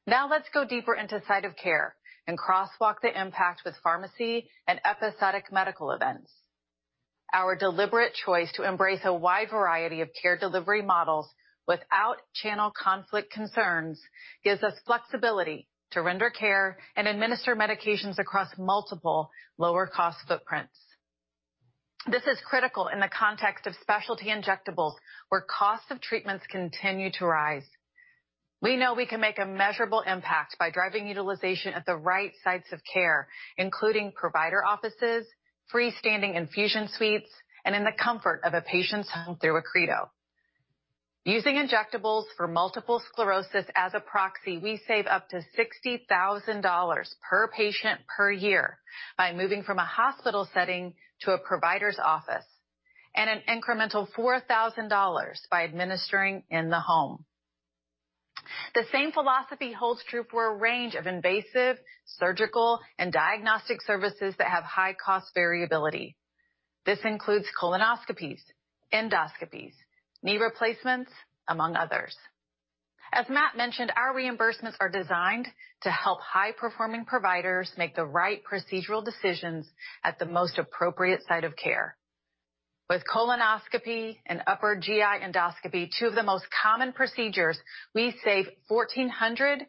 Now let's go deeper into site of care and crosswalk the impact with pharmacy and episodic medical events. Our deliberate choice to embrace a wide variety of care delivery models without channel conflict concerns gives us flexibility to render care and administer medications across multiple lower-cost footprints. This is critical in the context of specialty injectables, where costs of treatments continue to rise. We know we can make a measurable impact by driving utilization at the right sites of care, including provider offices, freestanding infusion suites, and in the comfort of a patient's home through Accredo. Using injectables for multiple sclerosis as a proxy, we save up to $60,000 per patient per year by moving from a hospital setting to a provider's office and an incremental $4,000 by administering in the home. The same philosophy holds true for a range of invasive surgical and diagnostic services that have high cost variability. This includes colonoscopies, endoscopies, knee replacements, among others. As Matt mentioned, our reimbursements are designed to help high-performing providers make the right procedural decisions at the most appropriate site of care. With colonoscopy and upper GI endoscopy, two of the most common procedures, we save $1.402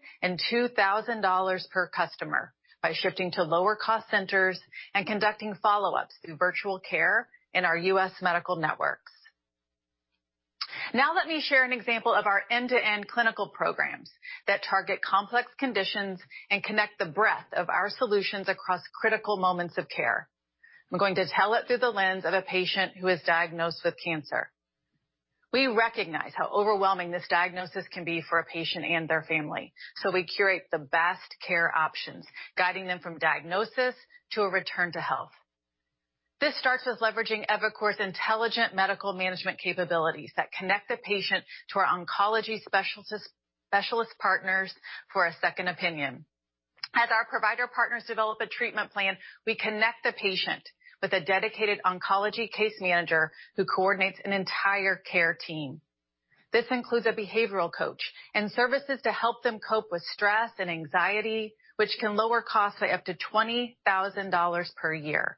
million per customer by shifting to lower-cost centers and conducting follow-ups through virtual care in our U.S. Medical networks. Now let me share an example of our end-to-end clinical programs that target complex conditions and connect the breadth of our solutions across critical moments of care. We're going to tell it through the lens of a patient who is diagnosed with cancer. We recognize how overwhelming this diagnosis can be for a patient and their family, so we curate the best care options, guiding them from diagnosis to a return to health. This starts with leveraging EviCore's intelligent medical management capabilities that connect the patient to our oncology specialist partners for a second opinion. As our provider partners develop a treatment plan, we connect the patient with a dedicated oncology case manager who coordinates an entire care team. This includes a behavioral coach and services to help them cope with stress and anxiety, which can lower costs by up to $20,000 per year.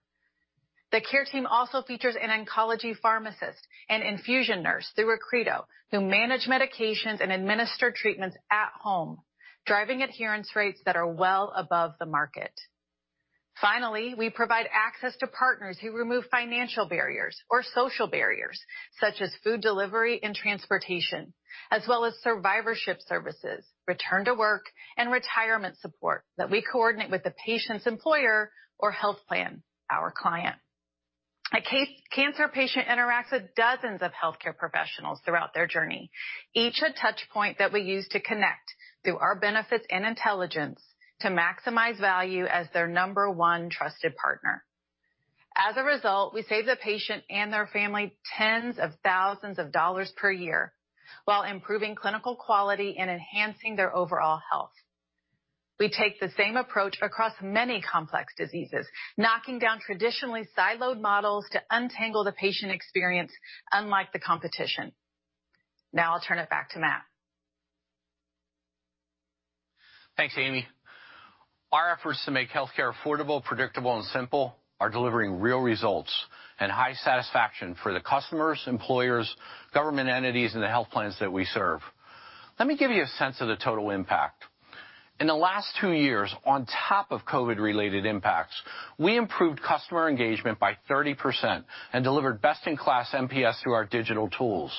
The care team also features an oncology pharmacist and infusion nurse through Accredo who manage medications and administer treatments at home, driving adherence rates that are well above the market. Finally, we provide access to partners who remove financial barriers or social barriers such as food delivery and transportation, as well as survivorship services, return to work and retirement support that we coordinate with the patient's employer or health plan. Our client, a cancer patient, interacts with dozens of healthcare professionals throughout their journey, each a touchpoint that we use to connect through our benefits and intelligence to maximize value as their number one trusted partner. As a result, we save the patient and their family tens of thousands of dollars per year while improving clinical quality and enhancing their overall health. We take the same approach across many complex diseases, knocking down traditionally siloed models to untangle the patient experience unlike the competition. Now I'll turn it back to Matt. Thanks Amy. Our efforts to make healthcare affordable, predictable, and simple are delivering real results and high satisfaction for the customers, employers, government entities, and the health plans that we serve. Let me give you a sense of the total impact in the last two years. On top of COVID-19-related impacts, we improved customer engagement by 30% and delivered best-in-class NPS through our digital tools.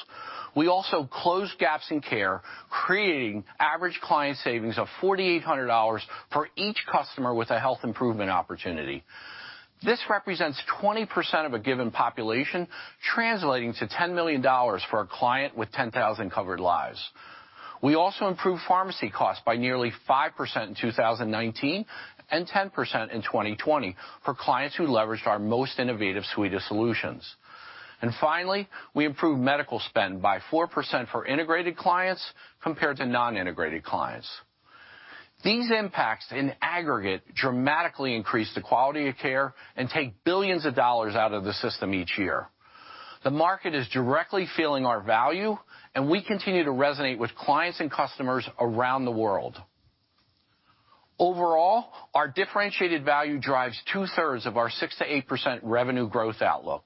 We also closed gaps in care, creating average client savings of $4,800 for each customer with a health improvement opportunity. This represents 20% of a given population, translating to $10 million for a client with 10,000 covered lives. We also improved pharmacy costs by nearly 5% in 2019 and 10% in 2020 for clients who leveraged our most innovative suite of solutions. Finally, we improved medical spend by 4% for integrated clients compared to non-integrated clients. These impacts in aggregate dramatically increase the quality of care and take billions of dollars out of the system each year. The market is directly feeling our value, and we continue to resonate with clients and customers around the world. Overall, our differentiated value drives two-thirds of our 6%-8% revenue growth outlook.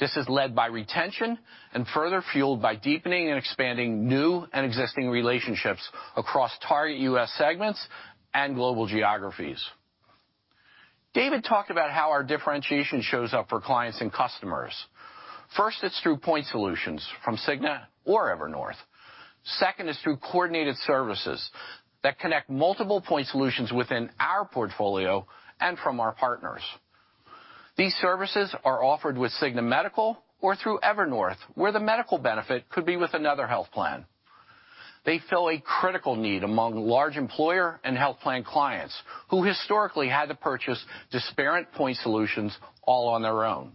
This is led by retention and further fueled by deepening and expanding new and existing relationships across target U.S. segments and global geographies. David talked about how our differentiation shows up for clients and customers. First, it's through point solutions from Cigna or Evernorth. Second is through coordinated services that connect multiple point solutions within our portfolio and from our partners. These services are offered with Cigna Medical or through Evernorth, where the medical benefit could be with another health plan. They fill a critical need among large employer and health plan clients who historically had to purchase disparate point solutions all on their own.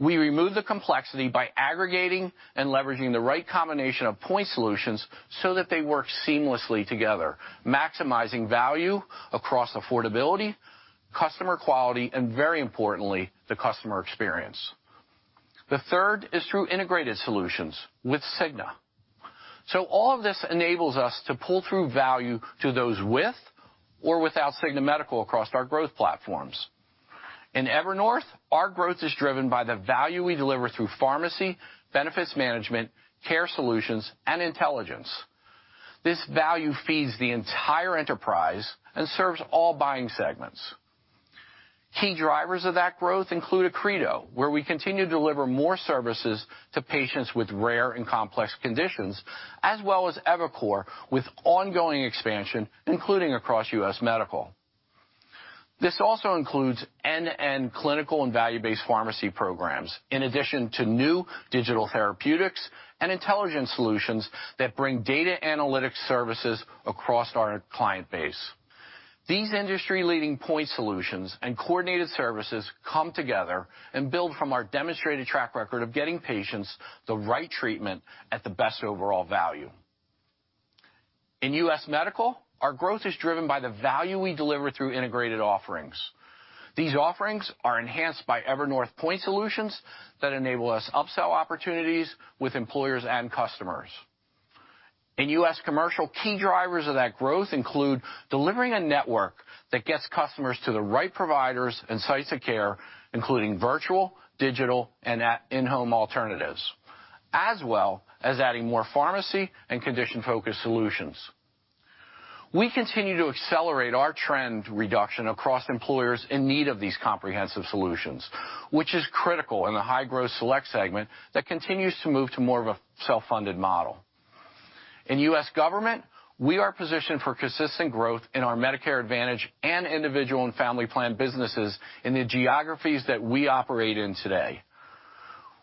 We removed the complexity by aggregating and leveraging the right combination of point solutions so that they work seamlessly together, maximizing value across affordability, customer quality, and very importantly, the customer experience. The third is through integrated solutions with Cigna. All of this enables us to pull through value to those with or without Cigna Medical across our growth platforms. In Evernorth, our growth is driven by the value we deliver through pharmacy benefit management, care solutions, and intelligence. This value feeds the entire enterprise and serves all buying segments. Key drivers of that growth include Accredo, where we continue to deliver more services to patients with rare and complex conditions, as well as Evernorth. With ongoing expansion, including across U.S. Medical, this also includes end-to-end clinical and value-based pharmacy programs in addition to new digital therapeutics and intelligence solutions that bring data and analytics services across our client base. These industry-leading point solutions and coordinated services come together and build from our demonstrated track record of getting patients the right treatment at the best overall value in U.S. Medical. Our growth is driven by the value we deliver through integrated offerings. These offerings are enhanced by Evernorth point solutions that enable us upsell opportunities with employers and customers in U.S. Commercial. Key drivers of that growth include delivering a network that gets customers to the right providers and sites of care, including virtual, digital, and in-home alternatives, as well as adding more pharmacy and condition-focused solutions. We continue to accelerate our trend reduction across employers in need of these comprehensive solutions, which is critical in the high-growth select segment that continues to move to more of a self-funded model in U.S. Government. We are positioned for consistent growth in our Medicare Advantage and individual and family plan businesses in the geographies that we operate in today.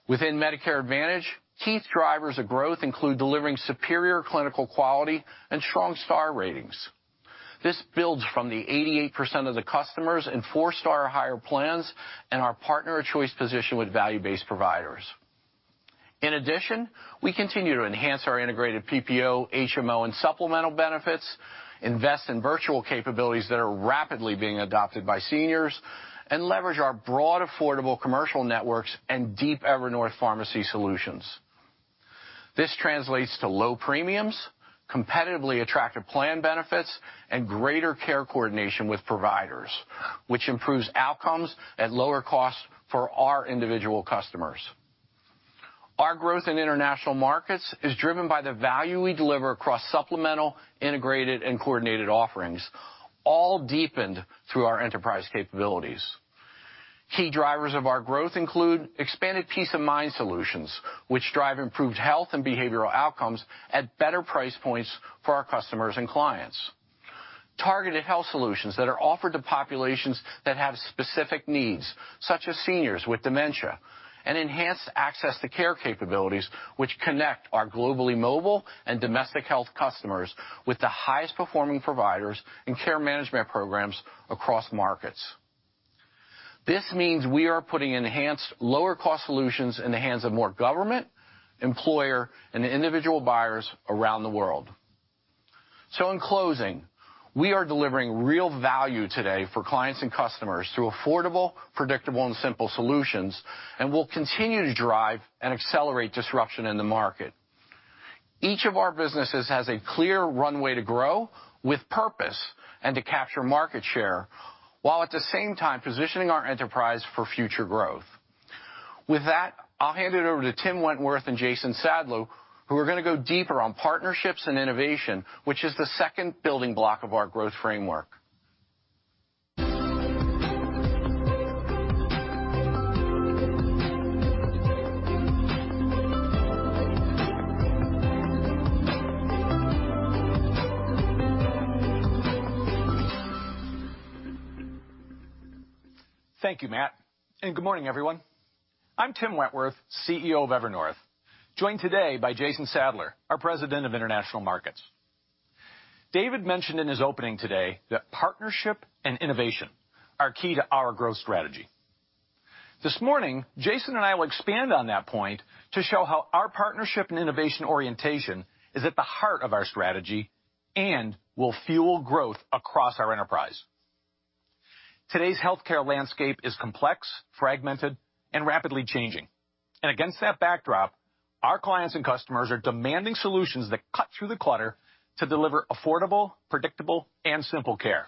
Within Medicare Advantage, key drivers of growth include delivering superior clinical quality and strong star ratings. This builds from the 88% of the customers in four-star or higher plans and our partner-of-choice position with value-based providers. In addition, we continue to enhance our integrated PPO, HMO, and supplemental benefits, invest in virtual capabilities that are rapidly being adopted by seniors, and leverage our broad, affordable commercial networks and deep Evernorth pharmacy solutions. This translates to low premiums, competitively attractive plan benefits, and greater care coordination with providers, which improves outcomes at lower cost for our individual customers. Our growth in international markets is driven by the value we deliver across supplemental, integrated, and coordinated offerings, all deepened through our enterprise capabilities. Key drivers of our growth include expanded peace of mind solutions, which drive improved health and behavioral outcomes at better price points for our customers and clients, targeted health solutions that are offered to populations that have specific needs such as seniors with dementia, and enhanced access to care capabilities which connect our globally mobile and domestic health customers with the highest performing providers and care management programs across markets. This means we are putting enhanced lower cost solutions in the hands of more government, employer, and individual buyers around the world. In closing, we are delivering real value today for clients and customers through affordable, predictable, and simple solutions and will continue to drive and accelerate disruption in the market. Each of our businesses has a clear runway to grow with purpose and to capture market share while at the same time positioning our enterprise for future growth. With that, I'll hand it over to Tim Wentworth and Jason Sadler, who are going to go deeper on partnerships and innovation, which is the second building block of our growth framework. Thank you, Matt. Good morning, everyone. I'm Tim Wentworth, CEO of Evernorth, joined today by Jason Sadler, our President of International Markets. David mentioned in his opening today that partnership and innovation are key to our growth strategy. This morning, Jason and I will expand on that point to show how our partnership and innovation orientation is at the heart of our strategy and will fuel growth across our enterprise. Today's healthcare landscape is complex, fragmented, and rapidly changing. Against that backdrop, our clients and customers are demanding solutions that cut through the clutter to deliver affordable, predictable, and simple care.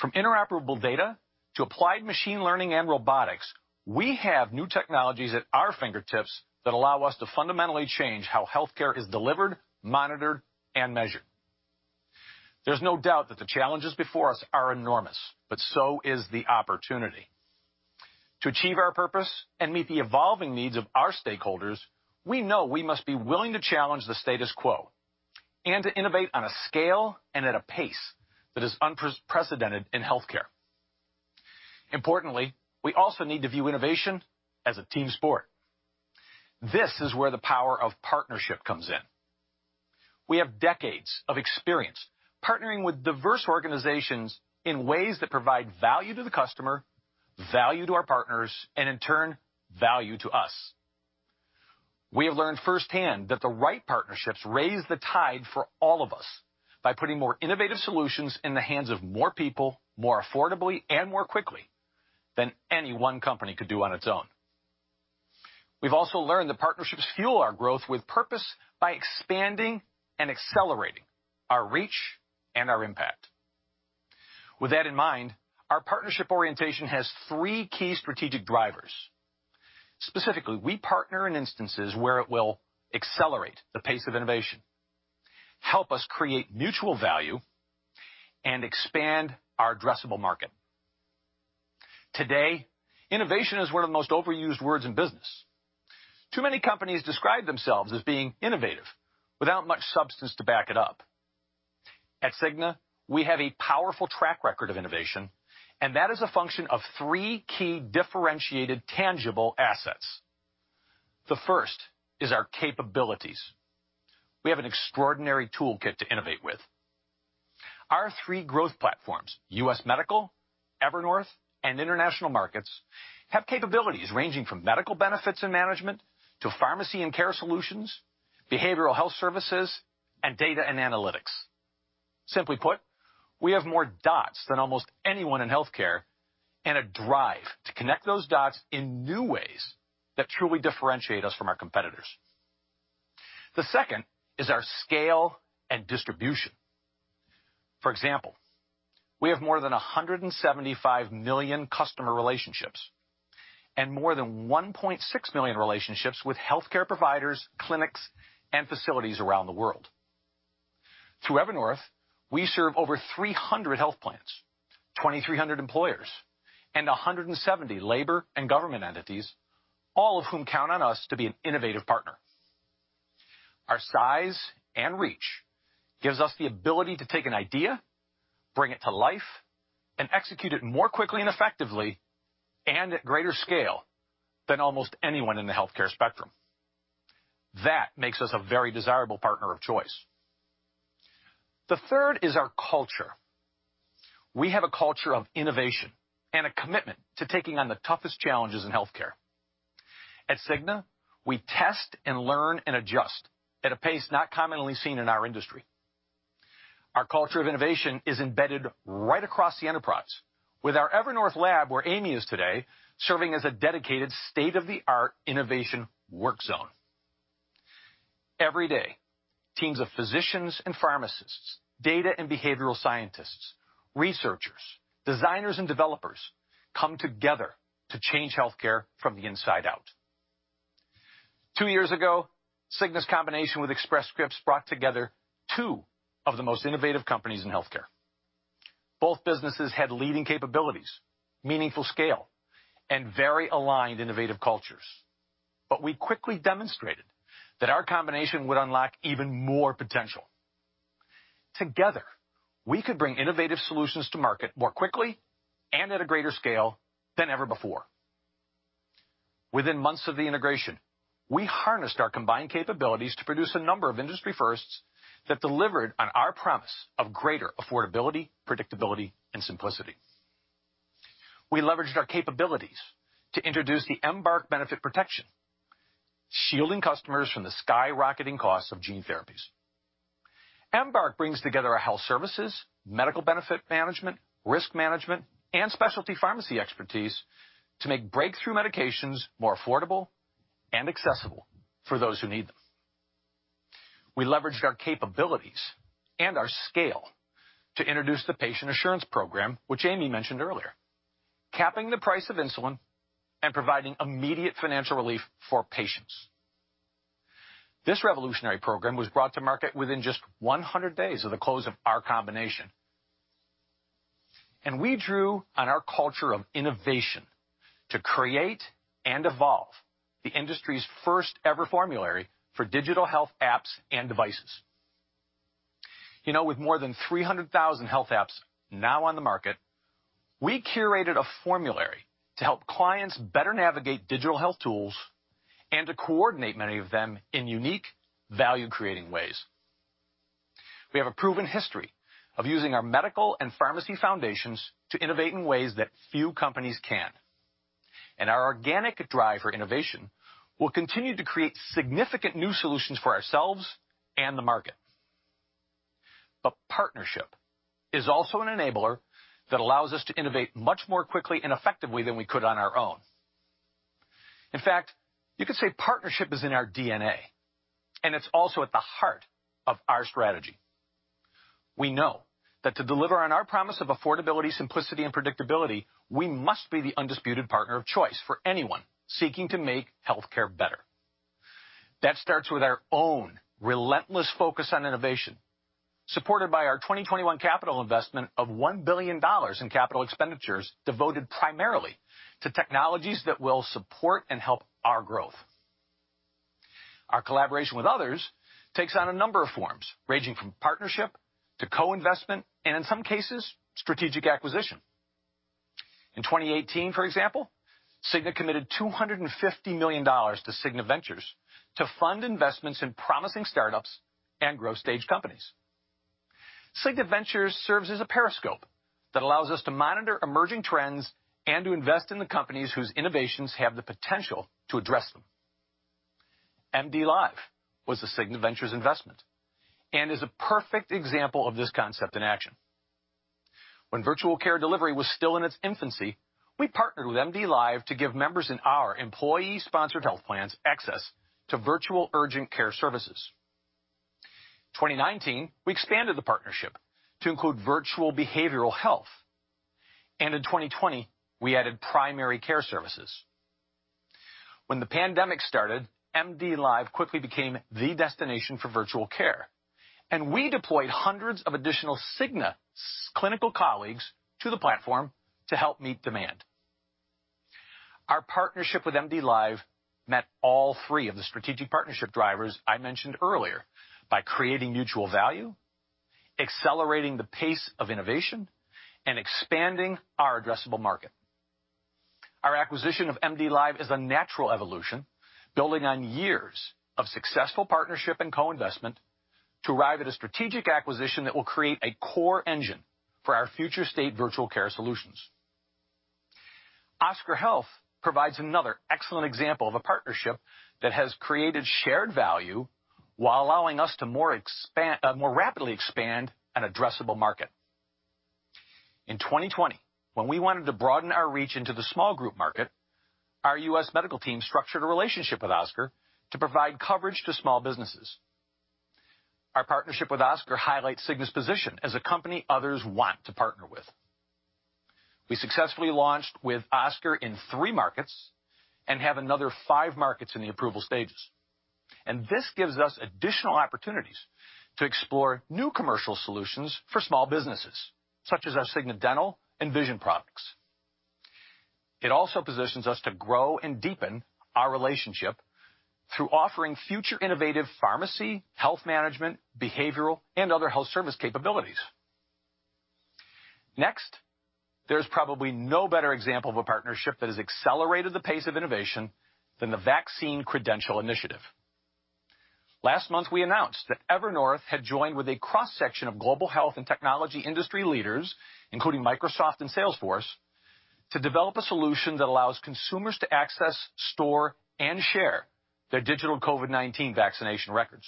From interoperable data to applied machine learning and robotics, we have new technologies at our fingertips that allow us to fundamentally change how healthcare is delivered, monitored, and measured. There is no doubt that the challenges before us are enormous, but so is the opportunity to achieve our purpose and meet the evolving needs of our stakeholders. We know we must be willing to challenge the status quo and to innovate on a scale and at a pace that is unprecedented in healthcare. Importantly, we also need to view innovation as a team sport. This is where the power of partnership comes in. We have decades of experience partnering with diverse organizations in ways that provide value to the customer, value to our partners, and in turn, value to us. We have learned firsthand that the right partnerships raise the tide for all of us by putting more innovative solutions in the hands of more people, more affordably and more quickly than any one company could do on its own. We have also learned that partnerships fuel our growth with purpose by expanding and accelerating our reach and our impact. With that in mind, our partnership orientation has three key strategic drivers. Specifically, we partner in instances where it will accelerate the pace of innovation, help us create mutual value, and expand our addressable market. Today, innovation is one of the most overused words in business. Too many companies describe themselves as being innovative without much substance to back it up. At Cigna, we have a powerful track record of innovation, and that is a function of three key differentiated, tangible assets. The first is our capabilities. We have an extraordinary toolkit to innovate with. Our three growth platforms, U.S. Medical, Evernorth, and International Markets have capabilities ranging from medical benefits and management to pharmacy and care solutions, behavioral health services, and data and analytics. Simply put, we have more dots than almost anyone in health care and a drive to connect those dots in new ways that truly differentiate us from our competitors. The second is our scale and distribution. For example, we have more than 175 million customer relationships and more than 1.6 million relationships with healthcare providers, clinics, and facilities around the world. Through Evernorth, we serve over 300 health plans, 2,300 employers, and 170 labor and government entities, all of whom count on us to be an innovative partner. Our size and reach give us the ability to take an idea, bring it to life, and execute it more quickly and effectively and at greater scale than almost anyone in the healthcare spectrum. That makes us a very desirable partner of choice. The third is our culture. We have a culture of innovation and a commitment to taking on the toughest challenges in healthcare. At The Cigna Group, we test and learn and adjust at a pace not commonly seen in our industry. Our culture of innovation is embedded right across the enterprise with our Evernorth lab, where Amy is today serving as a dedicated state-of-the-art innovation work zone. Every day, teams of physicians and pharmacists, data and behavioral scientists, researchers, designers, and developers come together to change healthcare from the inside out. Two years ago, Cigna's combination with Express Scripts brought together two of the most innovative companies in healthcare. Both businesses had leading capabilities, meaningful scale, and very aligned innovative cultures. We quickly demonstrated that our combination. Would unlock even more potential. Together, we could bring innovative solutions to market more quickly and at a greater scale than ever before. Within months of the integration, we harnessed our combined capabilities to produce a number of industry firsts that delivered on our promise of greater affordability, predictability, and simplicity. We leveraged our capabilities to introduce the EMBARK benefit, protecting customers from the skyrocketing costs of gene therapies. EMBARK brings together our health services, medical benefit management, risk management, and specialty pharmacy expertise to make breakthrough medications more affordable and accessible for those who need them. We leveraged our capabilities and our scale to introduce the Patient Assurance Program, which Amy mentioned earlier, capping the price of insulin and providing immediate financial relief for patients. This revolutionary program was brought to market within just 100 days of the close of our combination. We drew on our culture of innovation to create and evolve the industry's first ever formulary for digital health apps and devices. With more than 300,000 health apps now on the market, we curated a formulary to help clients better navigate digital health tools and to coordinate many of them in unique value-creating ways. We have a proven history of using our medical and pharmacy foundations to innovate in ways that few companies can. Our organic drive for innovation will continue to create significant new solutions for ourselves and the market. Partnership is also an enabler that allows us to innovate much more quickly and effectively than we could on our own. In fact, you could say partnership is in our DNA, and it's also at the heart of our strategy. We know that to deliver on our promise of affordability, simplicity, and predictability, we must be the undisputed partner of choice for anyone seeking to make healthcare better. That starts with our own relentless focus on innovation, supported by our 2021 capital investment of $1 billion in capital expenditures devoted primarily to technologies that will support and help our growth. Our collaboration with others takes on a number of forms, ranging from partnership to co-investment and, in some cases, strategic acquisition. In 2018, for example, Cigna committed $250 million to Cigna Ventures to fund investments in promising startups and growth stage companies. Cigna Ventures serves as a periscope that allows us to monitor emerging trends and to invest in the companies whose innovations have the potential to address them. MDLIVE was a Cigna Ventures investment and is a perfect example of this concept in action. When virtual care delivery was still in its infancy, we partnered with MDLIVE to give members in our employee-sponsored health plans access to virtual urgent care services. In 2019, we expanded the partnership to include virtual behavioral health, and in 2020 we added primary care services. When the pandemic started, MDLIVE quickly became the destination for virtual care, and we deployed hundreds of additional Cigna clinical colleagues to the platform to help meet demand. Our partnership with MDLIVE met all three of the strategic partnership drivers I mentioned earlier by creating mutual value, accelerating the pace of innovation, and expanding our addressable market. Our acquisition of MDLIVE is a natural evolution, building on years of successful partnership and co-investment to arrive at a strategic acquisition that will create a core engine for our future state. Virtual care solutions with Oscar Health provide another excellent example of a partnership that has created shared value while allowing us to more rapidly expand an addressable market. In 2020, when we wanted to broaden our reach into the small group market, our U.S. Medical team structured a relationship with Oscar to provide coverage to small businesses. Our partnership with Oscar highlights Cigna's position as a company others want to partner with. We successfully launched with Oscar in three markets and have another five markets in the approval stages, and this gives us additional opportunities to explore new commercial solutions for small businesses such as our Cigna dental and vision products. It also positions us to grow and deepen our relationship through offering future innovative pharmacy, health management, behavioral, and other health service capabilities. Next, there's probably no better example of a partnership that has accelerated the pace of innovation than the Vaccine Credential initiative. Last month we announced that Evernorth had joined with a cross section of global health and technology industry leaders, including Microsoft and Salesforce, to develop a solution that allows consumers to access, store, and share their digital COVID-19 vaccination records.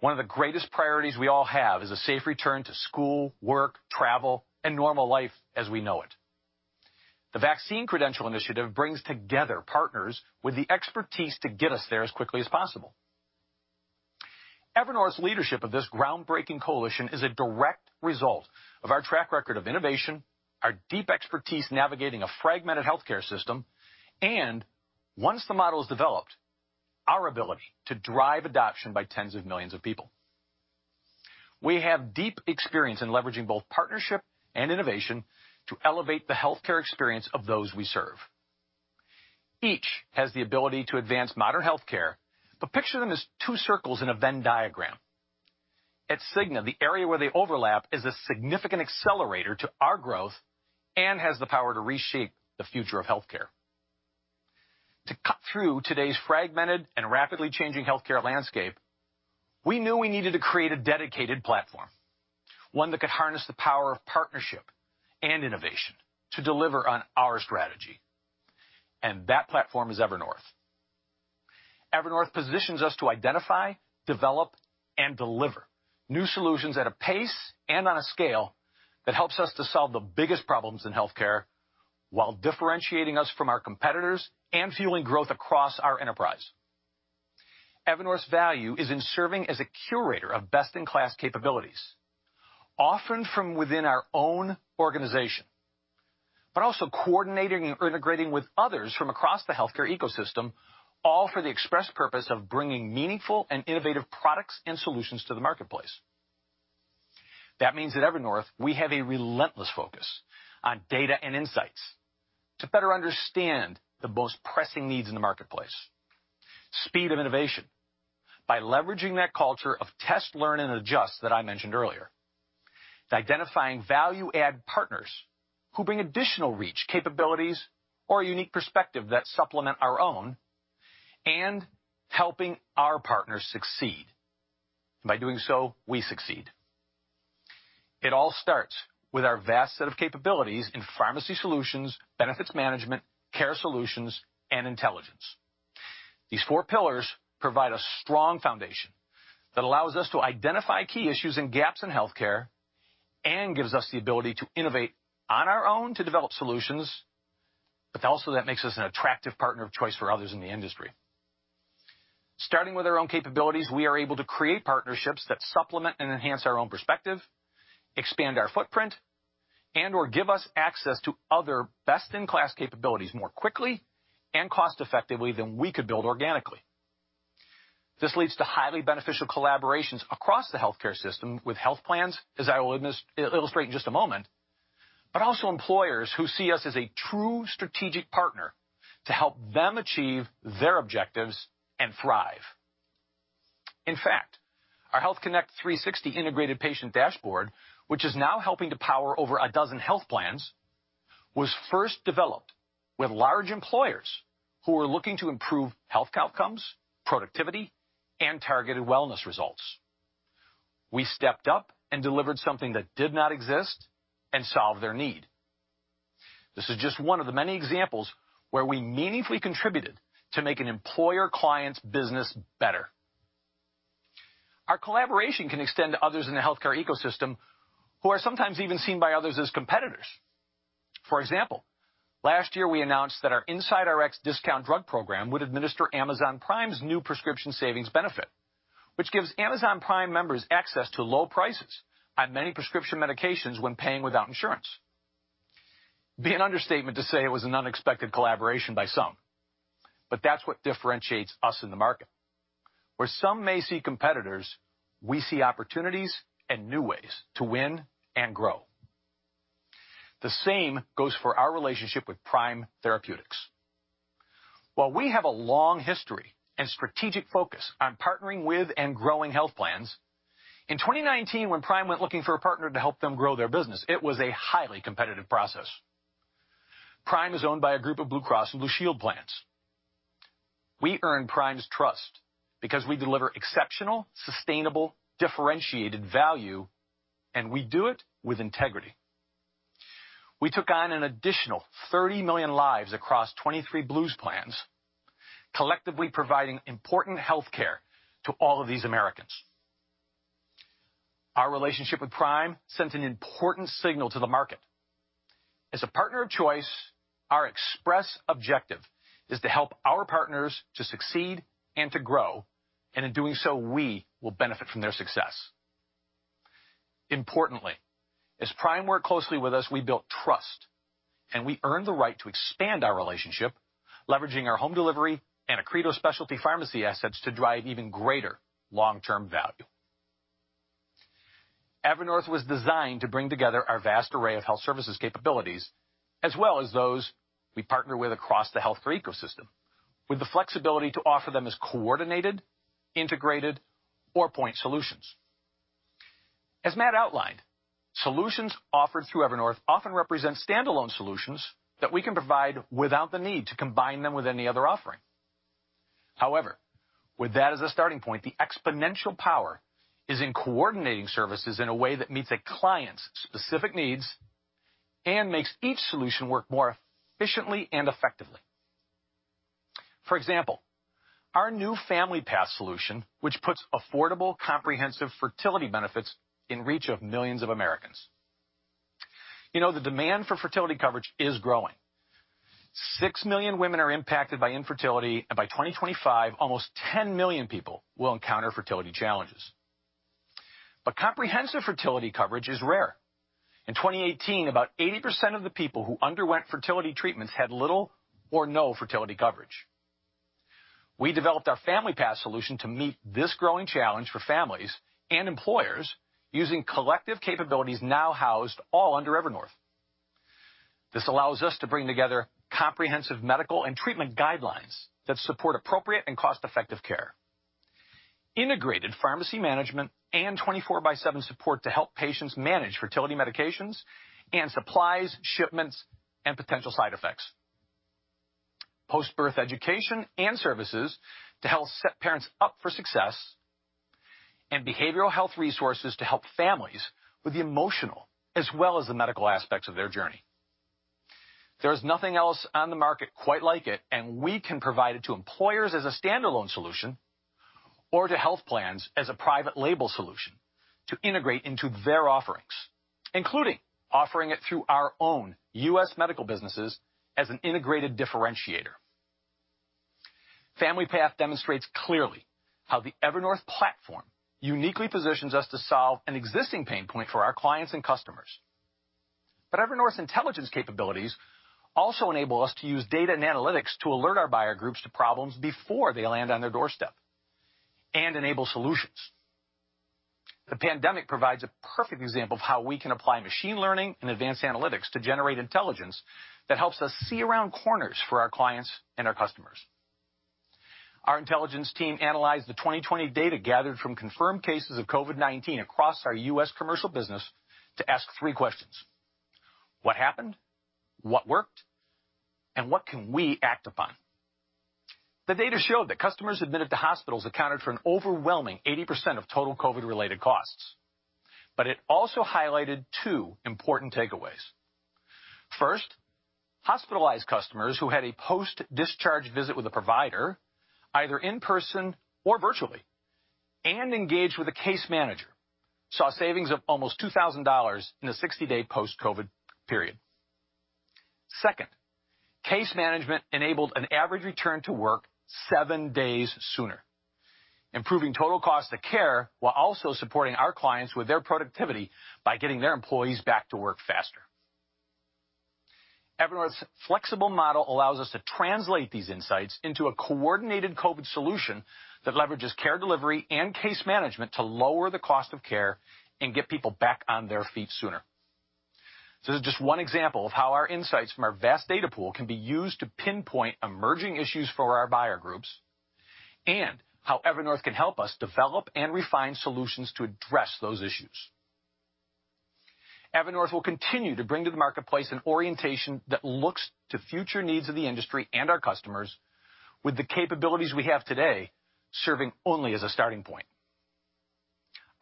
One of the greatest priorities we all have is a safe return to school, work, travel, and normal life as we know it. The Vaccine Credential Initiative brings together partners with the expertise to get us there as quickly as possible. Evernorth's leadership of this groundbreaking coalition is a direct result of our track record of innovation, our deep expertise navigating a fragmented healthcare system, and, once the model is developed, our ability to drive adoption by tens of millions of people. We have deep experience in leveraging both partnership and innovation to elevate the healthcare experience of those we serve. Each has the ability to advance modern healthcare, but picture them as two circles in a Venn diagram at Cigna. The area where they overlap is a significant accelerator to our growth and has the power to reshape the future of healthcare. To cut through today's fragmented and rapidly changing healthcare landscape, we knew we needed to create a dedicated platform, one that could harness the power of partnership and innovation to deliver on our strategy. That platform is Evernorth. Evernorth positions us to identify, develop, and deliver new solutions at a pace and on a scale that helps us to solve the biggest problems in healthcare while differentiating us from our competitors and fueling growth across our enterprise. Evernorth's value is in serving as a curator of best-in-class capabilities, often from within our own organization, but also coordinating and integrating with others from across the healthcare ecosystem, all for the express purpose of bringing meaningful and innovative products and solutions to the marketplace. That means that at Evernorth we have a relentless focus on data and insights to better understand the most pressing needs in the marketplace, speed of innovation by leveraging that culture of test, learn, and adjust that I mentioned earlier, identifying value-add partners who bring additional reach, capabilities, or a unique perspective that supplement our own, and helping our partners succeed. By doing so, we succeed. It all starts with our vast set of capabilities in pharmacy solutions, benefits management, care solutions, and intelligence. These four pillars provide a strong foundation that allows us to identify key issues and gaps in healthcare and gives us the ability to innovate on our own to develop solutions. That also makes us an attractive partner of choice for others in the industry. Starting with our own capabilities, we are able to create partnerships that supplement and enhance our own perspective, expand our footprint, and or give us access to other best-in-class capabilities more quickly and cost effectively than we could build organically. This leads to highly beneficial collaborations across the healthcare system with health plans, as I will illustrate in just a moment, and also employers who see us as a true strategic partner to help them achieve their objectives and thrive. In fact, our Health Connect360 integrated patient dashboard, which is now helping to power over a dozen health plans, was first developed with large employers who are looking to improve health outcomes, productivity, and targeted wellness results. We stepped up and delivered something that did not exist and solved their need. This is just one of the many examples where we meaningfully contributed to make an employer client's business better. Our collaboration can extend to others in the healthcare ecosystem who are sometimes even seen by others as competitors. For example, last year we announced that our Inside Rx discount drug program would administer Amazon Prime's new prescription savings benefit, which gives Amazon Prime members access to low prices on many prescription medications when paying without insurance. It would be an understatement to say it was an unexpected collaboration by some, but that's what differentiates us in the market. Where some may see competitors, we see opportunities and new ways to win and grow. The same goes for our relationship with Prime Therapeutics. While we have a long history and strategic focus on partnering with and growing health plans, in 2019 when Prime went looking for a partner to help them grow their business, it was a highly competitive process. Prime is owned by a group of Blue Cross and Blue Shield plans. We earned Prime's trust because we deliver exceptional, sustainable, differentiated value and we do it with integrity. We took on an additional 30 million lives across 23 Blues plans, collectively providing important healthcare to all of these Americans. Our relationship with Prime sent an important signal to the market. As a partner of choice, our express objectives is to help our partners to succeed and to grow, and in doing so we will benefit from their success. Importantly, as Prime work closely with us, we built trust and we earned the right to expand our relationship, leveraging our home delivery and Accredo Specialty Pharmacy assets to drive even greater long-term value. Evernorth was designed to bring together our vast array of health services capabilities as well as those we partner with across the healthcare ecosystem, with the flexibility to offer them as coordinated, integrated four-point solutions. As Matt outlined, solutions offered through Evernorth often represent standalone solutions that we can provide without the need to combine them with any other offering. However, with that as a starting point, the exponential power is in coordinating services in a way that meets a client's specific needs and makes each solution work more efficiently and effectively. For example, our new Family Path solution, which puts affordable, comprehensive fertility benefits in reach of millions of Americans. You know the demand for fertility coverage is growing. Six million women are impacted by infertility, and by 2025, almost 10 million people will encounter fertility challenges. Comprehensive fertility coverage is rare. In 2018, about 80% of the people who underwent fertility treatments had little or no fertility coverage. We developed our Family Path solution to meet this growing challenge for families and employers using collective capabilities now housed all under Evernorth. This allows us to bring together comprehensive medical and treatment guidelines that support appropriate and cost-effective care, integrated pharmacy management, and 24x7 support to help patients manage fertility medications and supplies, shipments and potential side effects, post-birth education and services to help set parents up for success, and behavioral health resources to help families with the emotional as well as the medical aspects of their journey. There is nothing else on the market quite like it, and we can provide it to employers as a standalone solution or to health plans as a private label solution to integrate into their offerings, including offering it through our own U.S. Medical businesses as an integrated differentiator. Family Path demonstrates clearly how the Evernorth platform uniquely positions us to solve an existing pain point for our clients and customers. Evernorth's intelligence capabilities also enable us to use data and analytics to alert our buyer groups to problems before they land on their doorsteps and enable solutions. The pandemic provides a perfect example of how we can apply machine learning and advanced analytics to generate intelligence that helps us see around corners for our clients and our customers. Our intelligence team analyzed the 2020 data gathered from confirmed cases of COVID-19 across our U.S. commercial business to ask three questions: what happened? What worked? What can we act upon? The data showed that customers admitted to hospitals accounted for an overwhelming 80% of total COVID-19-related costs, but it also highlighted two important takeaways. First, hospitalized customers who had a post-discharge visit with a provider, either in person or virtually, and engaged with a case manager saw savings of almost $2,000 in a 60-day post-COVID period. Second, case management enabled an average return to work seven days sooner, improving total cost of care while also supporting our clients with their productivity by getting their employees back to work faster. Evernorth's flexible model allows us to translate these insights into a coordinated COVID solution that leverages care delivery and case management to lower the cost of care and get people back on their feet sooner. This is just one example of how our insights from our vast data pool can be used to pinpoint emerging issues for our buyer groups and how Evernorth can help us develop and refine solutions to address those issues. Evernorth will continue to bring to the marketplace an orientation that looks to future needs of the industry and our customers. With the capabilities we have today serving only as a starting point,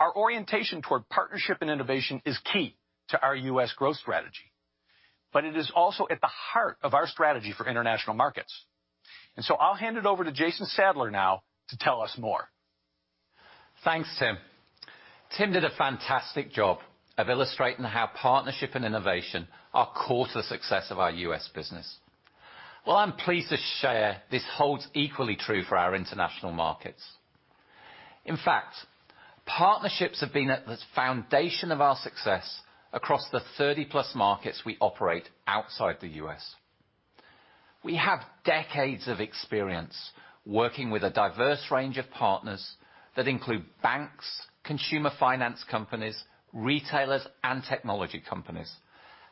our orientation toward partnership and innovation is key to our U.S. growth strategy, but it is also at the heart of our strategy for international markets, and I'll hand it over to Jason Sadler now to tell us more. Thanks, Tim. Tim did a fantastic job of illustrating how partnership and innovation are core to the success of our U.S. business. I'm pleased to share this holds equally true for our international markets. In fact, partnerships have been at the foundation of our success across the 30+ markets we operate outside the U.S. We have decades of experience working with a diverse range of partners that include banks, consumer finance companies, retailers, and technology companies,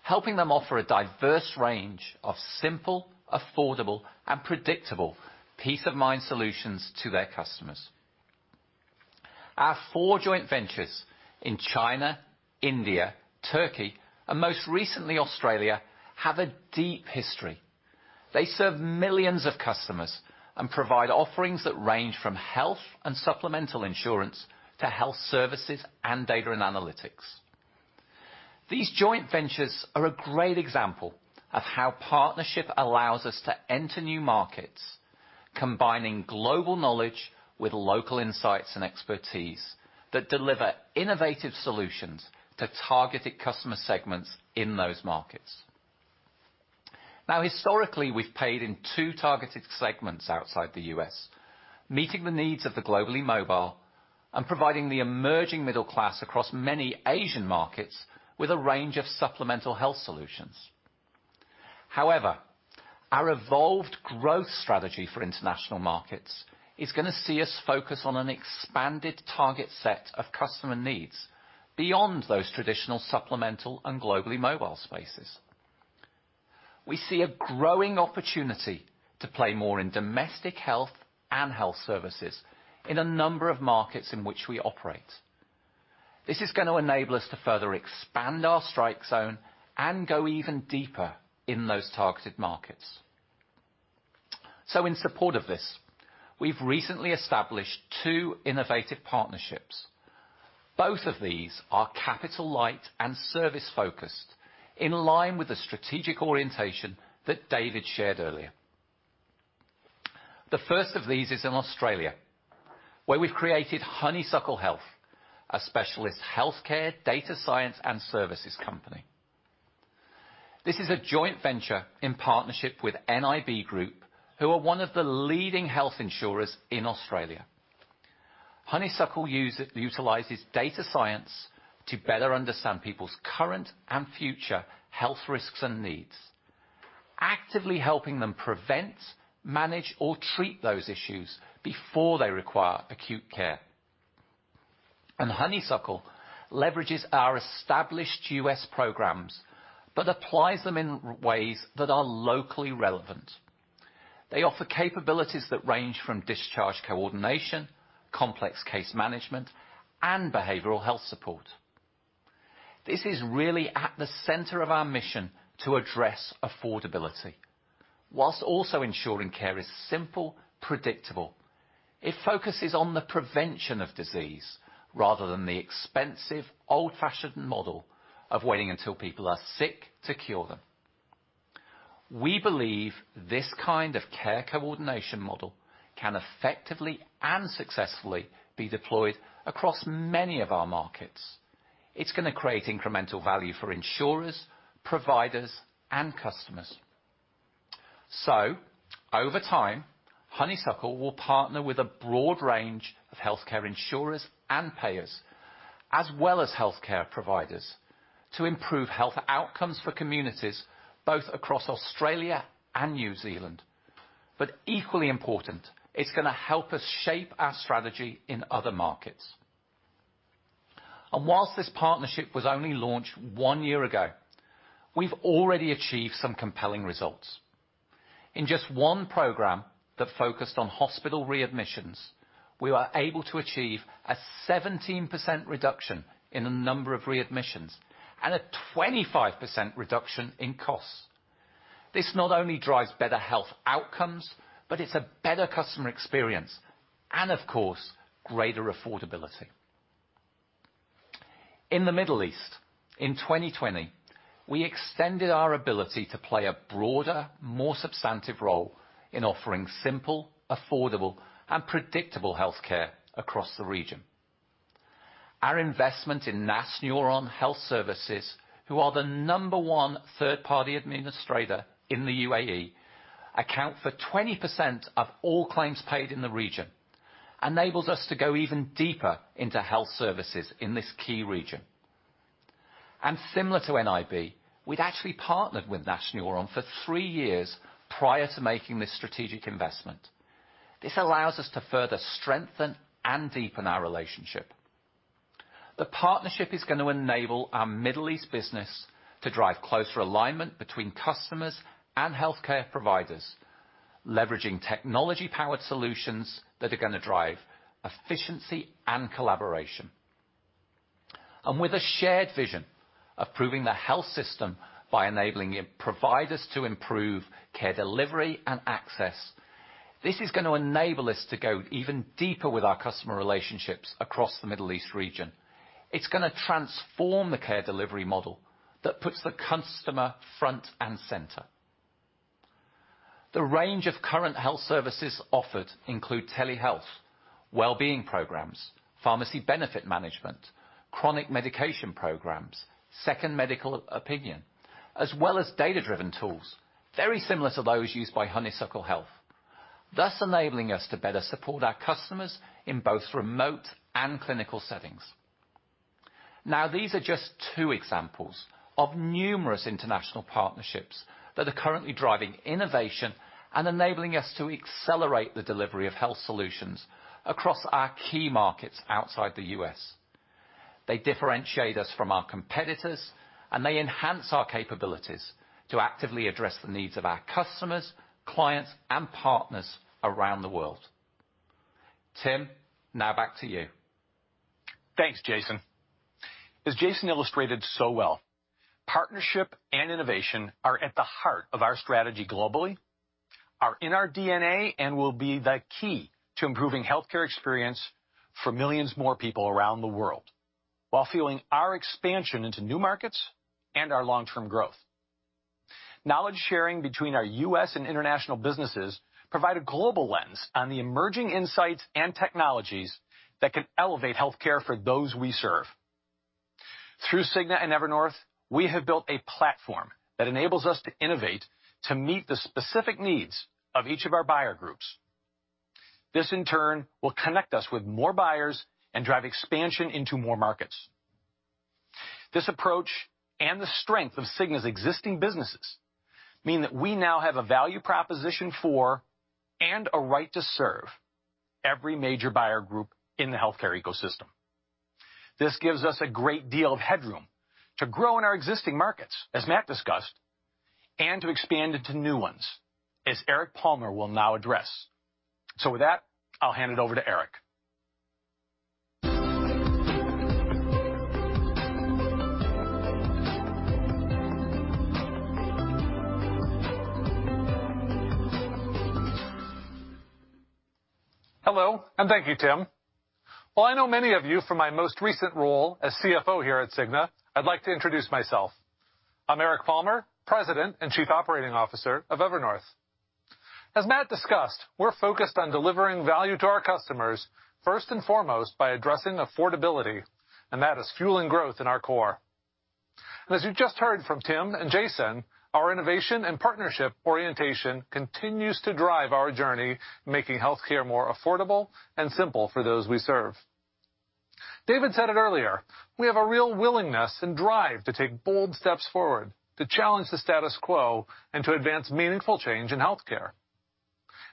helping them offer a diverse range of simple, affordable, and predictable peace of mind solutions to their customers. Our four joint ventures in China, India, Turkey, and most recently Australia have a deep history. They serve millions of customers and provide offerings that range from health and supplemental insurance to health services and data and analytics. These joint ventures are a great example of how partnership allows us to enter new markets, combining global knowledge with local insights and expertise that deliver innovative solutions to targeted customer segments in those markets. Historically, we've played in two targeted segments outside the U.S., meeting the needs of the globally mobile and providing the emerging middle class across many Asian markets with a range of supplemental health solutions. However, our evolved growth strategy for international markets is going to see us focus on an expanded target set of customer needs beyond those traditional supplemental and globally mobile spaces. We see a growing opportunity to play more in domestic health and health services in a number of markets in which we operate. This is going to enable us to further expand our strike zone and go even deeper in those targeted markets. In support of this, we've recently established two innovative partnerships. Both of these are capital light and service focused, in line with the strategic orientation that David shared earlier. The first of these is in Australia, where we've created Honeysuckle Health, a specialist healthcare data science and services company. This is a joint venture in partnership with NIB Group, who are one of the leading health insurers in Australia. Honeysuckle utilizes data science to better understand people's current and future health risks and needs, actively helping them prevent, manage, or treat those issues before they require acute care. Honeysuckle leverages our established U.S. programs but applies them in ways that are locally relevant. They offer capabilities that range from discharge coordination, complex case management, and behavioral health support. This is really at the center of our mission to address affordability whilst also ensuring care is simple and predictable. It focuses on the prevention of disease rather than the expensive old-fashioned model of waiting until people are sick to cure them. We believe this kind of care coordination model can effectively and successfully be deployed across many of our markets. It's going to create incremental value for insurers, providers, and customers. Over time, Honeysuckle will partner with a broad range of healthcare insurers and payers as well as healthcare providers to improve health outcomes for communities both across Australia and New Zealand. Equally important, it's going to help us shape our strategy in other markets. Whilst this partnership was only launched one year ago, we've already achieved some compelling results. In just one program that focused on hospital readmissions, we were able to achieve a 17% reduction in the number of readmissions and a 25% reduction in costs. This not only drives better health outcomes, but it's a better customer experience and of course greater affordability in the Middle East. In 2020, we extended our ability to play a broader, more substantive role in offering simple, affordable, and predictable health care across the region. Our investment in NASS Neuron Health Services, who are the number one third-party administrator in the UAE, account for 20% of all claims paid in the region, enables us to go even deeper into health services in this key region. Similar to nib, we'd actually partnered with National for three years prior to making this strategic investment. This allows us to further strengthen and deepen our relationship. The partnership is going to enable our Middle East business to drive closer alignment between customers and healthcare providers, leveraging technology-powered solutions that are going to drive efficiency and collaboration with a shared vision of improving the health system by enabling providers to improve care delivery and access. This is going to enable us to go even deeper with our customer relationships across the Middle East region. It's going to transform the care delivery model that puts the customer front and center. The range of current health services offered include telehealth, well-being programs, pharmacy benefit management, chronic medication programs, second medical opinion, as well as data-driven tools very similar to those used by Honeysuckle Health, thus enabling us to better support our customers in both remote and clinical settings. These are just two examples of numerous international partnerships that are currently driving innovation and enabling us to accelerate the delivery of health solutions across our key markets outside the U.S. They differentiate us from our competitors, and they enhance our capabilities to actively address the needs of our customers, clients, and partners around the world. Tim, now back to you. Thanks, Jason. As Jason illustrated so well, partnership and innovation are at the heart of our strategy globally, are in our DNA, and will be the key to improving healthcare experience for millions more people around the world while fueling our expansion into new markets and our long-term growth. Knowledge sharing between our U.S. and international businesses provides a global lens on the emerging insights and technologies that can elevate healthcare for those we serve. Through Cigna and Evernorth, we have built a platform that enables us to innovate to meet the specific needs of each of our buyer groups. This, in turn, will connect us with more buyers and drive expansion into more markets. This approach and the strength of Cigna's existing businesses mean that we now have a value proposition for and a right to serve every major buyer group in the healthcare ecosystem. This gives us a great deal of headroom to grow in our existing markets, as Matt discussed, and to expand into new ones, as Eric Palmer will now address. With that, I'll hand it over to Eric. Hello and thank you, Tim. I know many of you from my most recent role as CFO here at Cigna. I'd like to introduce myself. I'm Eric Palmer, President and Chief Operating Officer of Evernorth. As Matt discussed, we're focused on delivering value to our customers first and foremost by addressing affordability, and that is fueling growth in our core. As you just heard from Tim and Jason, our innovation and partnership orientation continues to drive our journey, making healthcare more affordable and simple for those we serve. David said it earlier, we have a real willingness and drive to take bold steps forward to challenge the status quo and to advance meaningful change in health care.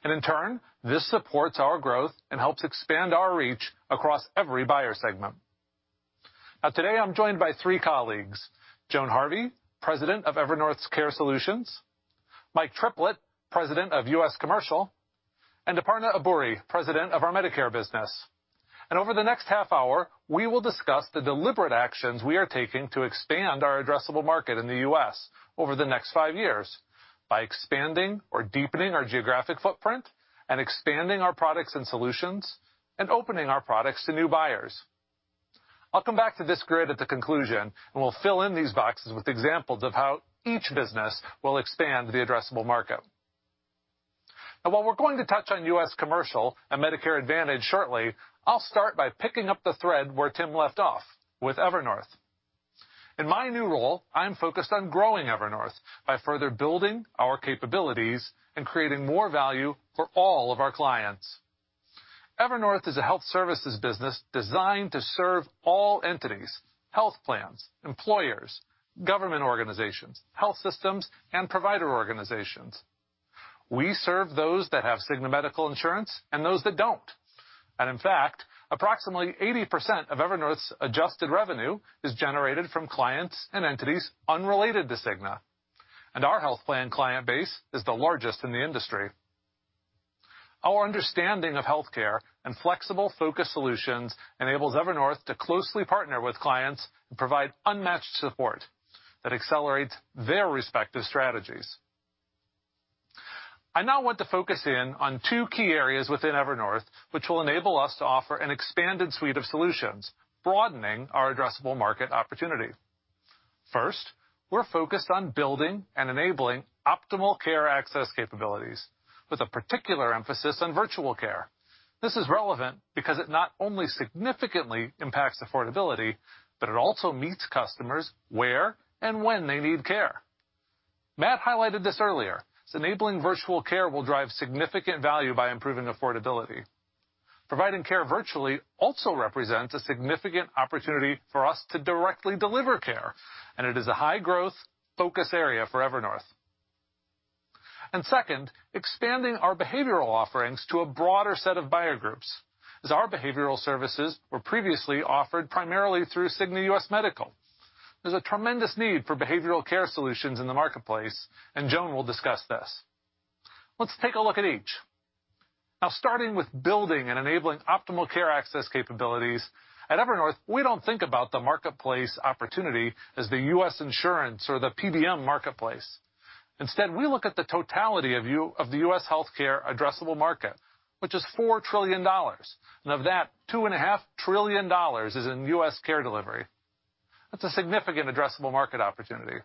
In turn, this supports our growth and helps expand our reach across every buyer segment. Today, I'm joined by three colleagues: Joan Harvey, President of Evernorth Care Solutions, Mike Triplett, President of U.S. Commercial, and Aparna Abburi, President of our Medicare business. Over the next half hour, we will discuss the deliberate actions we are taking to expand our addressable market in the U.S. over the next five years by expanding or deepening our geographic footprint and expanding our products and solutions and opening our products to new buyers. I'll come back to this grid at the conclusion and we'll fill in these boxes with examples of how each business will expand the addressable market. While we're going to touch on U.S. Commercial and Medicare Advantage shortly, I'll start by picking up the thread where Tim left off with Evernorth. In my new role, I'm focused on growing Evernorth by further building our capabilities and creating more value for all of our clients. Evernorth is a health services business designed to serve all entities: health plans, employers, government organizations, health systems, and provider organizations. We serve those that have Cigna medical insurance and those that don't, and in fact, approximately 80% of Evernorth's adjusted revenue is generated from clients and entities unrelated to Cigna, and our health plan client base is the largest in the industry. Our understanding of health care and flexible focus solutions enables Evernorth to closely partner with clients and provide unmatched support that accelerates their respective strategies. I now want to focus in on two key areas within Evernorth which will enable us to offer an expanded suite of solutions, broadening our addressable market opportunity. First, we're focused on building and enabling optimal care access capabilities with a particular emphasis on virtual care. This is relevant because it not only significantly impacts affordability, but it also meets customers where and when they need care. Matt highlighted this earlier. Enabling virtual care will drive significant value by improving affordability. Providing care virtually also represents a significant opportunity for us to directly deliver care, and it is a high growth focus area for Evernorth. Second, expanding our behavioral offerings to a broader set of buyer groups. As our behavioral services were previously offered primarily through Cigna U.S. Medical, there's a tremendous need for behavioral care solutions in the marketplace, and Joan will discuss this. Let's take a look at each now, starting with building and enabling optimal care access capabilities. At Evernorth, we don't think about the marketplace opportunity as the U.S. insurance or the PBM marketplace. Instead, we look at the totality of the U.S. health care addressable market, which is $4 trillion, and of that, $2.5 trillion is in U.S. care delivery. That's a significant addressable market opportunity,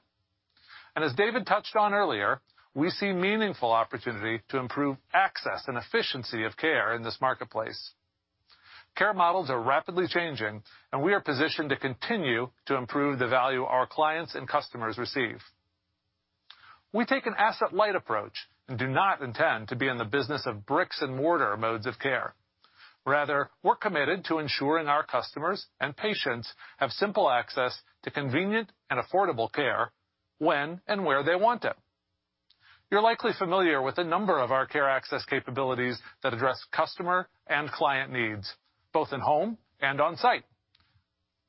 and as David touched on earlier, we see meaningful opportunity to improve access and efficiency of care in this marketplace. Care models are rapidly changing, and we are positioned to continue to improve the value our clients and customers receive. We take an asset light approach and do not intend to be in the business of bricks and mortar modes of care. Rather, we're committed to ensuring our customers and patients have simple access to convenient and affordable care when and where they want it. You're likely familiar with a number of our care access capabilities that address customer and client needs both in home and on site.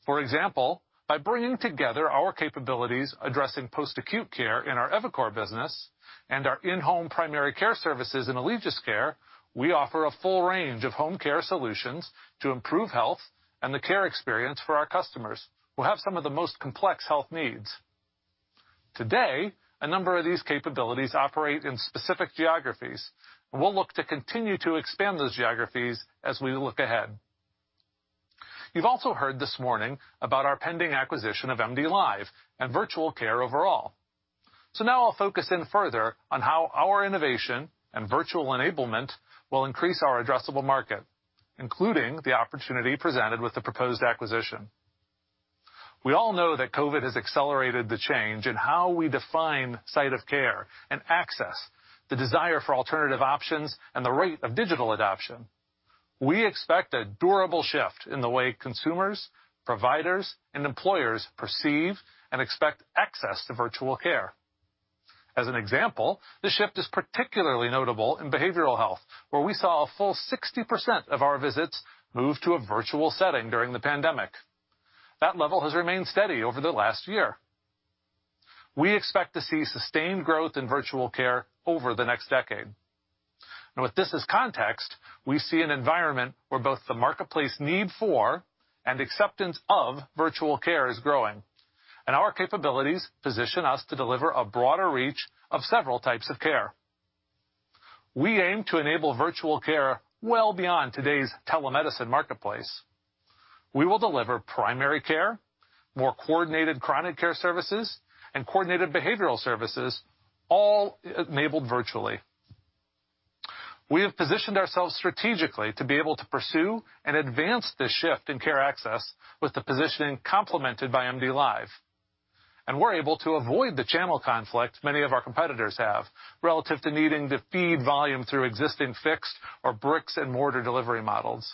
For example, by bringing together our capabilities addressing post-acute care in our EviCore business and our in-home primary care services in Allegis Care, we offer a full range of home care solutions to improve health and the care experience for our customers who have some of the most complex health needs today. A number of these capabilities operate in specific geographies, and we'll look to continue to expand those geographies as we look ahead. You've also heard this morning about our pending acquisition of MDLIVE and virtual care overall. Now I'll focus in further on how our innovation and virtual enablement will increase our addressable market, including the opportunity presented with the proposed acquisition. We all know that COVID-19 has accelerated the change in how we define site of care and access, the desire for alternative options, and the rate of digital adoption. We expect a durable shift in the way consumers, providers, and employers perceive and expect access to virtual care. As an example, the shift is particularly notable in behavioral health, where we saw a full 60% of our visits move to a virtual setting during the pandemic. That level has remained steady over the last year. We expect to see sustained growth in virtual care over the next decade. With this as context, we see an environment where both the marketplace need for and acceptance of virtual care is growing, and our capabilities position us to deliver a broader reach of several types of care. We aim to enable virtual care well beyond today's telemedicine marketplace. We will deliver primary care, more coordinated chronic care services, and coordinated behavioral services, all enabled virtually. We have positioned ourselves strategically to be able to pursue and advance this shift in care access with the positioning complemented by MDLIVE, and we're able to avoid the channel conflict many of our competitors have relative to needing to feed volume through existing fixed or bricks and mortar delivery models.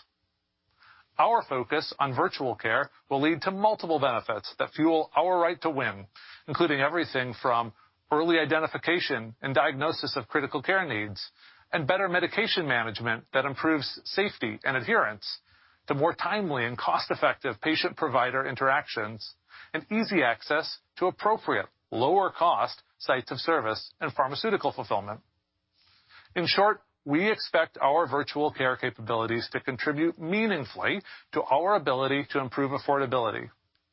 Our focus on virtual care will lead to multiple benefits that fuel our right to win, including everything from early identification and diagnosis of critical care needs and better medication management that improves safety and adherence to more timely and cost-effective patient-provider interactions and easy access to appropriate lower-cost sites of service and pharmaceutical fulfillment. In short, we expect our virtual care capabilities to contribute meaningfully to our ability to improve affordability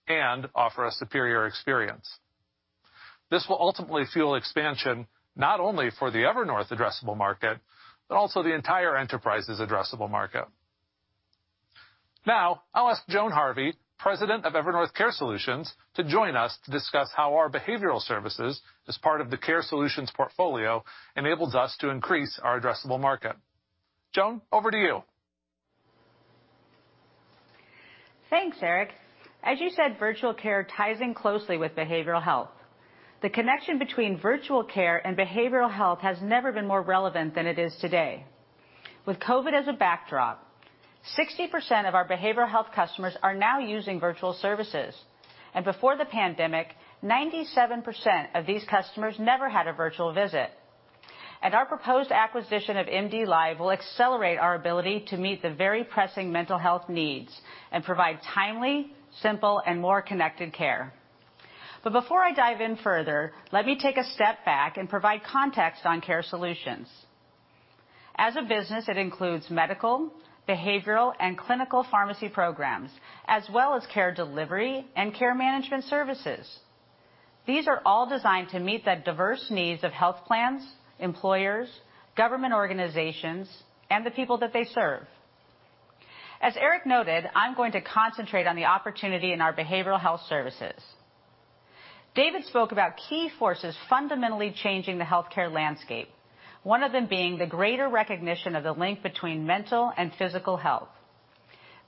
and offer a superior experience. This will ultimately fuel expansion not only for the Evernorth addressable market, but also the entire enterprise's addressable market. Now I'll ask Joan Harvey, President of Evernorth Care Solutions, to join us to discuss how our behavioral services as part of the Care Solutions portfolio enables us to increase our addressable market. Joan, over to you. Thanks, Eric. As you said, virtual care ties in closely with behavioral health. The connection between virtual care and behavioral health has never been more relevant than it is today. With COVID as a backdrop, 60% of our behavioral health customers are now using virtual services, and before the pandemic, 97% of these customers never had a virtual visit. Our proposed acquisition of MDLIVE will accelerate our ability to meet the very pressing mental health needs and provide timely, simple, and more connected care. Before I dive in further, let me take a step back and provide context on Care Solutions as a business. It includes medical, behavioral, and clinical pharmacy programs as well as care delivery and care management services. These are all designed to meet the diverse needs of health plans, employers, government organizations, and the people that they serve. As Eric noted, I'm going to concentrate on the opportunity in our behavioral health services. David spoke about key forces fundamentally changing the healthcare landscape, one of them being the greater recognition of the link between mental and physical health.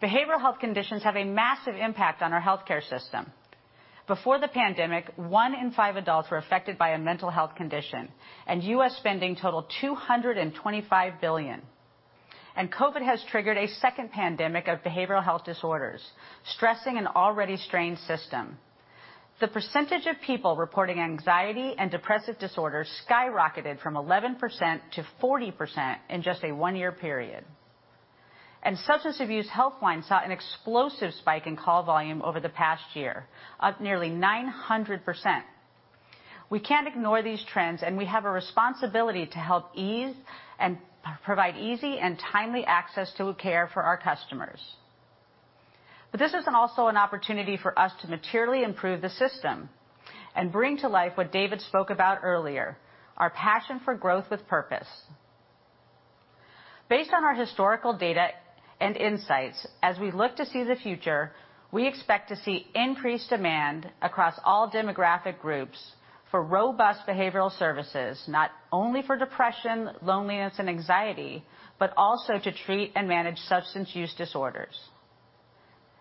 Behavioral health conditions have a massive impact on our health care system. Before the pandemic, 1/5 adults were affected by a mental health condition, and U.S. spending totaled $225 billion. COVID has triggered a second pandemic of behavioral health disorders, stressing an already strained system. The percentage of people reporting anxiety and depressive disorders skyrocketed from 11%-40% in just a one-year period, and substance abuse Healthline saw an explosive spike in call volume over the past year, up nearly 900%. We can't ignore these trends, and we have a responsibility to help ease and provide easy and timely access to care for our customers. This is also an opportunity for us to materially improve the system and bring to life what David spoke about earlier, our passion for growth with purpose based on our historical data and insights. As we look to see the future, we expect to see increased demand across all demographic groups for robust behavioral services not only for depression, loneliness, and anxiety, but also to treat and manage substance use disorders.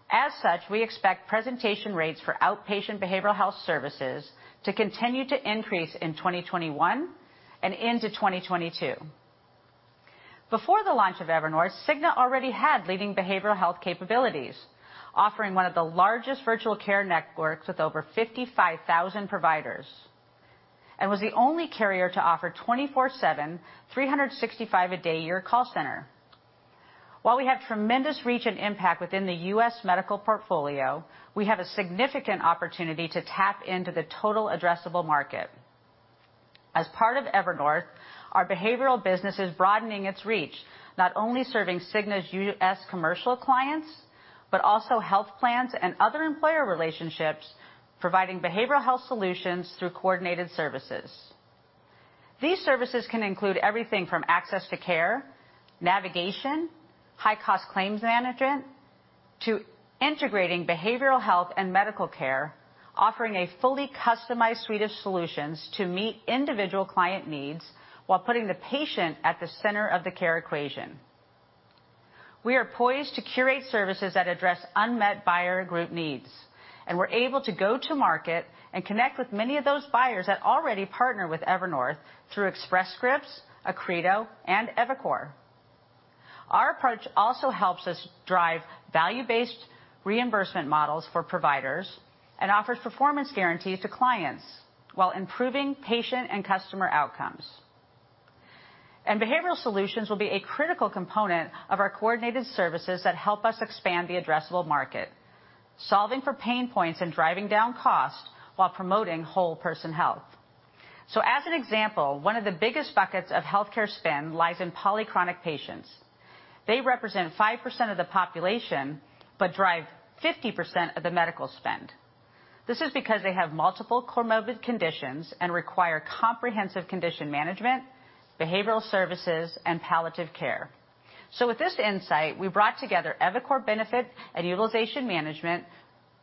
As such, we expect presentation rates for outpatient behavioral health services to continue to increase in 2021 and into 2022. Before the launch of Evernorth, Cigna already had leading behavioral health capabilities, offering one of the largest virtual care networks with over 55,000 providers and was the only carrier to offer 24/7, 365-day-a-year call center. While we have tremendous reach and impact within the U.S. Medical portfolio, we have a significant opportunity to tap into the total addressable market. As part of Evernorth, our behavioral business is broadening its reach, not only serving Cigna's U.S. commercial clients, but also health plans and other employer relationships, providing behavioral health solutions through coordinated services. These services can include everything from access to care, navigation, high-cost claims management to integrating behavioral health and medical care, offering a fully customized suite of solutions to meet individual client needs while putting the patient at the center of the care equation. We are poised to curate services that address unmet buyer group needs, and we're able to go to market and connect with many of those buyers that already partner with Evernorth through Express Scripts, Accredo, and EviCore. Our approach also helps us drive value-based reimbursement models for providers and offers performance guarantees to clients while improving patient and customer outcomes. Behavioral solutions will be a critical component of our coordinated services that help us expand the addressable market, solving for pain points and driving down cost while promoting whole person health. For example, one of the biggest buckets of healthcare spend lies in polychronic patients. They represent 5% of the population but drive 50% of the medical spend. This is because they have multiple comorbid conditions and require comprehensive condition management, behavioral services, and palliative care. With this insight, we brought together EviCore benefits and utilization management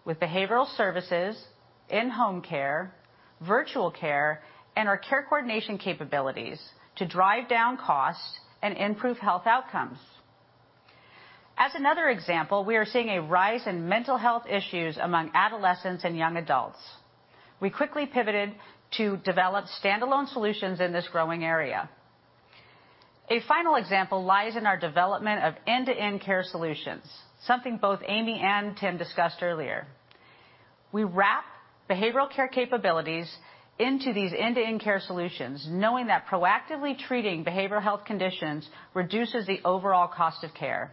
with behavioral services, in-home care, virtual care, and our care coordination capabilities to drive down costs and improve health outcomes. As another example, we are seeing a rise in mental health issues among adolescents and young adults. We quickly pivoted to develop standalone solutions in this growing area. A final example lies in our development of end-to-end care solutions, something both Amy and Tim discussed earlier. We wrap behavioral care capabilities into these end-to-end care solutions, knowing that proactively treating behavioral health conditions reduces the overall cost of care.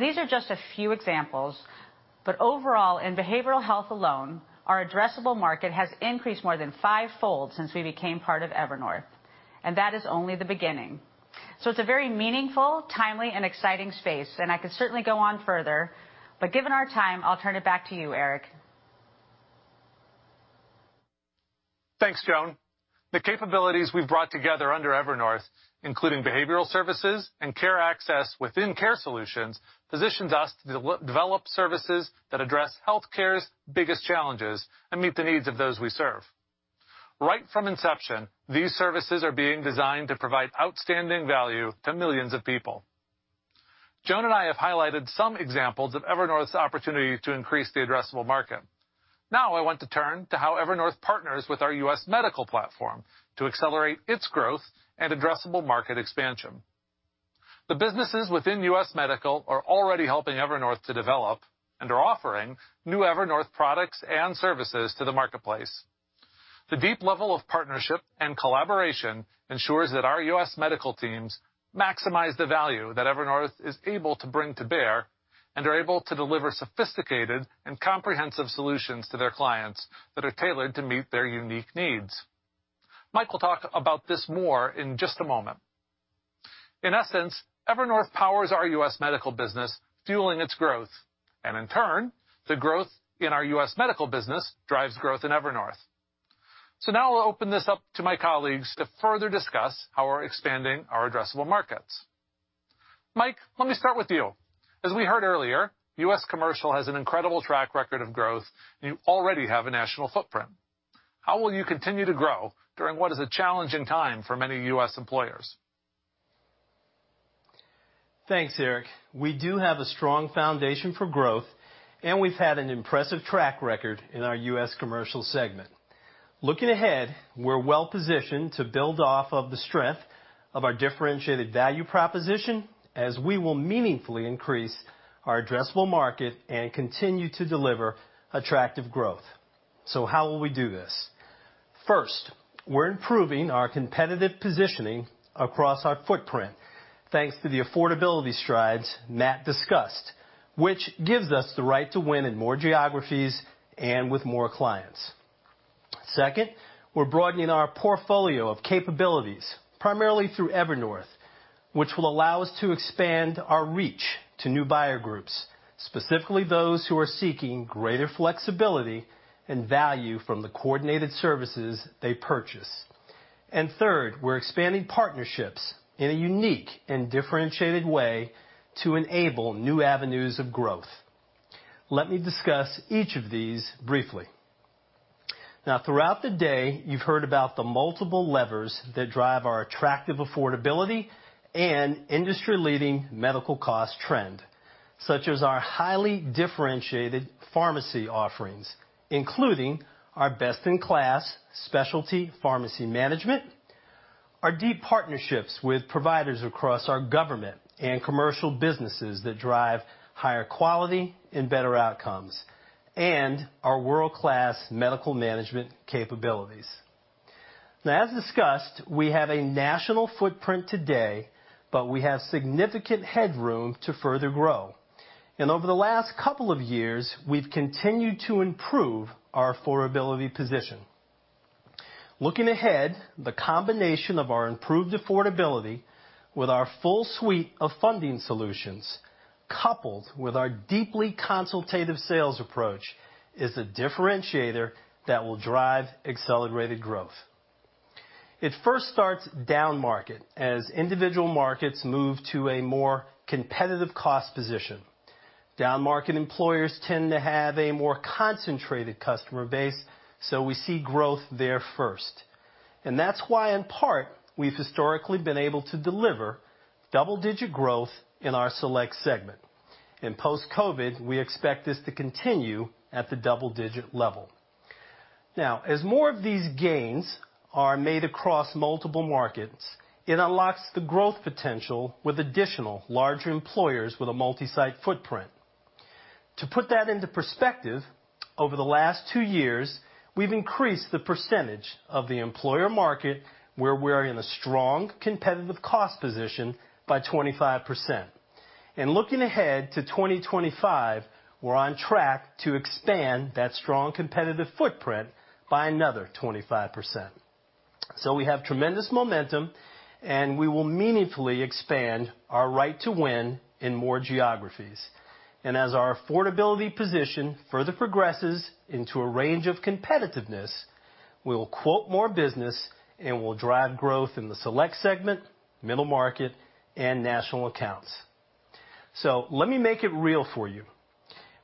These are just a few examples. Overall, in behavioral health alone, our addressable market has increased more than fivefold since we became part of Evernorth. That is only the beginning. It is a very meaningful, timely, and exciting space. I could certainly go on further, but given our time, I'll turn it back to you, Eric. Thanks, Joan. The capabilities we've brought together under Evernorth, including behavioral services and care access within Care Solutions, positions us to develop services that address healthcare's biggest challenges and meet the needs of those we serve. Right from inception, these services are being designed to provide outstanding value to millions of people. Joan and I have highlighted some examples of Evernorth's opportunity to increase the addressable market. Now I want to turn to how Evernorth partners with our U.S. Medical platform to accelerate its growth and addressable market expansion. The businesses within U.S. Medical are already helping Evernorth to develop and are offering new Evernorth products and services to the marketplace. The deep level of partnership and collaboration ensures that our U.S. Medical teams maximize the value that Evernorth is able to bring to bear and are able to deliver sophisticated and comprehensive solutions to their clients that are tailored to meet their unique needs. Mike will talk about this more in just a moment. In essence, Evernorth powers our U.S. Medical business, fueling its growth and in turn, the growth in our U.S. Medical business drives growth in Evernorth. Now I'll open this up to my colleagues to further discuss how we're expanding our addressable markets. Mike, let me start with you. As we heard earlier, U.S. Commercial has an incredible track record of growth and you already have a national footprint. How will you continue to grow during what is a challenging time for many U.S. employers? Thanks, Eric. We do have a strong foundation for growth, and we've had an impressive track record in our U.S. commercial segment. Looking ahead, we're well positioned to build off of the strength of our differentiated value proposition as we will meaningfully increase our addressable market and continue to deliver attractive growth. How will we do this? First, we're improving our competitive positioning across our footprint thanks to the affordability strides Matt discussed, which gives us the right to win in more geographies and with more clients. Second, we're broadening our portfolio of capabilities primarily through Evernorth, which will allow us to expand our reach to new buyer groups, specifically those who are seeking greater flexibility and value from the coordinated services they purchase. Third, we're expanding partnerships in a unique and differentiated way to enable new avenues of growth. Let me discuss each of these briefly now. Throughout the day, you've heard about the multiple levers that drive our attractive affordability and industry-leading medical cost trend, such as our highly differentiated pharmacy offerings, including our best-in-class specialty pharmacy management, our deep partnerships with providers across our government and commercial businesses that drive higher quality and better outcomes, and our world-class medical management capabilities. As discussed, we have a national footprint today, but we have significant headroom to further grow, and over the last couple of years we've continued to improve our affordability position. Looking ahead, the combination of our improved affordability with our full suite of funding solutions, coupled with our deeply consultative sales approach, is a differentiator that will drive accelerated growth. It first starts down market as individual markets move to a more competitive cost position. Down market employers tend to have a more concentrated customer base, so we see growth there first. That's why in part we've historically been able to deliver double-digit growth in our select segment, and post-COVID, we expect this to continue at the double-digit level. Now, as more of these gains are made across multiple markets, it unlocks the growth potential with additional larger employers with a multi-site footprint. To put that into perspective, over the last two years we've increased the percentage of the employer market where we're in a strong competitive cost position by 25%. Looking ahead to 2025, we're on track to expand that strong competitive footprint by another 25%. We have tremendous momentum and we will meaningfully expand our right to win in more geographies. As our affordability position further progresses into a range of competitiveness, we will quote more business and will drive growth in the select segment, middle market, and national accounts. Let me make it real for you.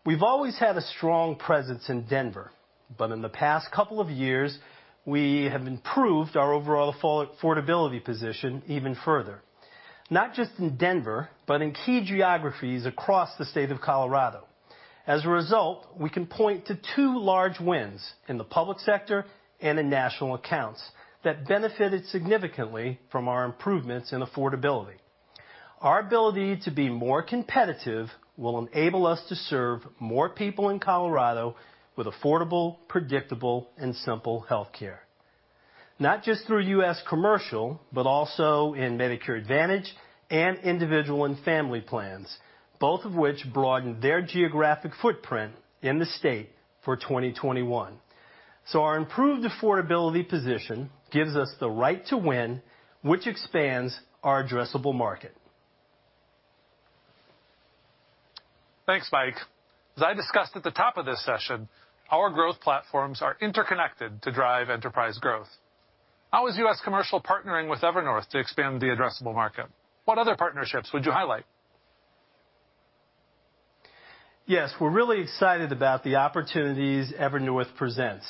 We've always had a strong presence in Denver, but in the past couple of years we have improved our overall affordability position even further, not just in Denver, but in key geographies across the state of Colorado. As a result, we can point to two large wins in the public sector and in national accounts that benefited significantly from our improvements in affordability. Our ability to be more competitive will enable us to serve more people in Colorado with affordable, predictable, and simple health care, not just through U.S. Commercial, but also in Medicare Advantage and individual and family plans, both of which broaden their geographic footprint in the state for 2021. Our improved affordability position gives us the right to win, which expands our addressable market. Thanks, Mike. As I discussed at the top of this session, our growth platforms are interconnected to drive enterprise growth. How is U.S. Commercial partnering with Evernorth to expand the addressable market? What other partnerships would you highlight? Yes, we're really excited about the opportunities Evernorth presents.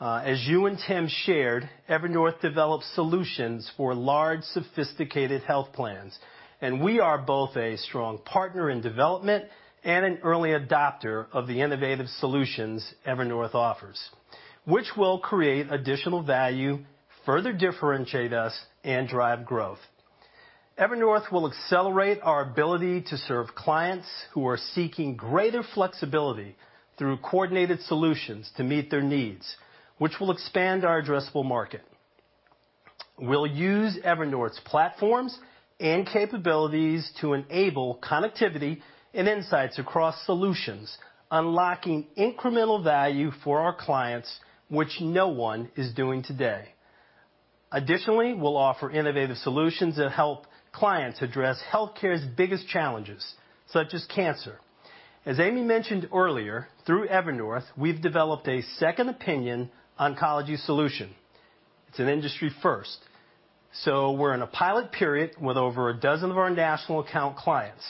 As you and Tim shared, Evernorth develops solutions for large, sophisticated health plans and we are both a strong partner in development and an early adopter of the innovative solutions Evernorth offers, which will create additional value, further differentiate us, and drive growth. Evernorth will accelerate our ability to serve clients who are seeking greater flexibility through coordinated solutions to meet their needs, which will expand our addressable market. We'll use Evernorth's platforms and capabilities to enable connectivity and insights across solutions, unlocking incremental value for our clients, which no one is doing today. Additionally, we'll offer innovative solutions that help clients address healthcare's biggest challenges, such as cancer. As Amy mentioned earlier, through Evernorth we've developed a second opinion oncology solution. It's an industry first, so we're in a pilot period with over a dozen of our national account clients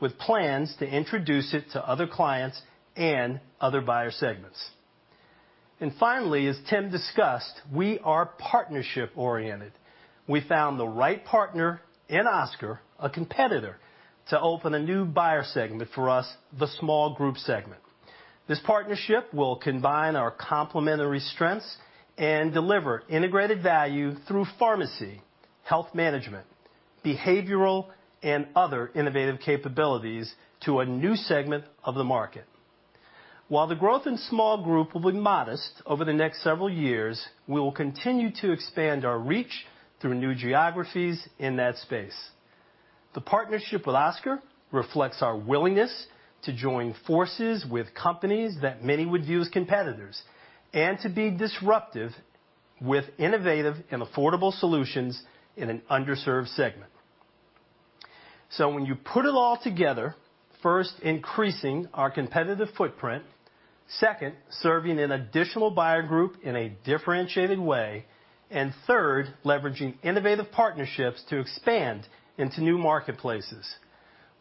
with plans to introduce it to other clients and other buyer segments. Finally, as Tim discussed, we are partnership oriented. We found the right partner in Oscar, a competitor, to open a new buyer segment for us, the small group segment. This partnership will combine our complementary strengths and deliver integrated value through pharmacy, health management, behavioral, and other innovative capabilities to a new segment of the market. While the growth in small group will be modest over the next several years, we will continue to expand our reach through new geographies in that space. The partnership with Oscar reflects our willingness to join forces with companies that many would view as competitors and to be disruptive with innovative and affordable solutions in an underserved segment. When you put it all together, first, increasing our competitive footprint, second, serving an additional buyer group in a differentiated way, and third, leveraging innovative partnerships to expand into new marketplaces,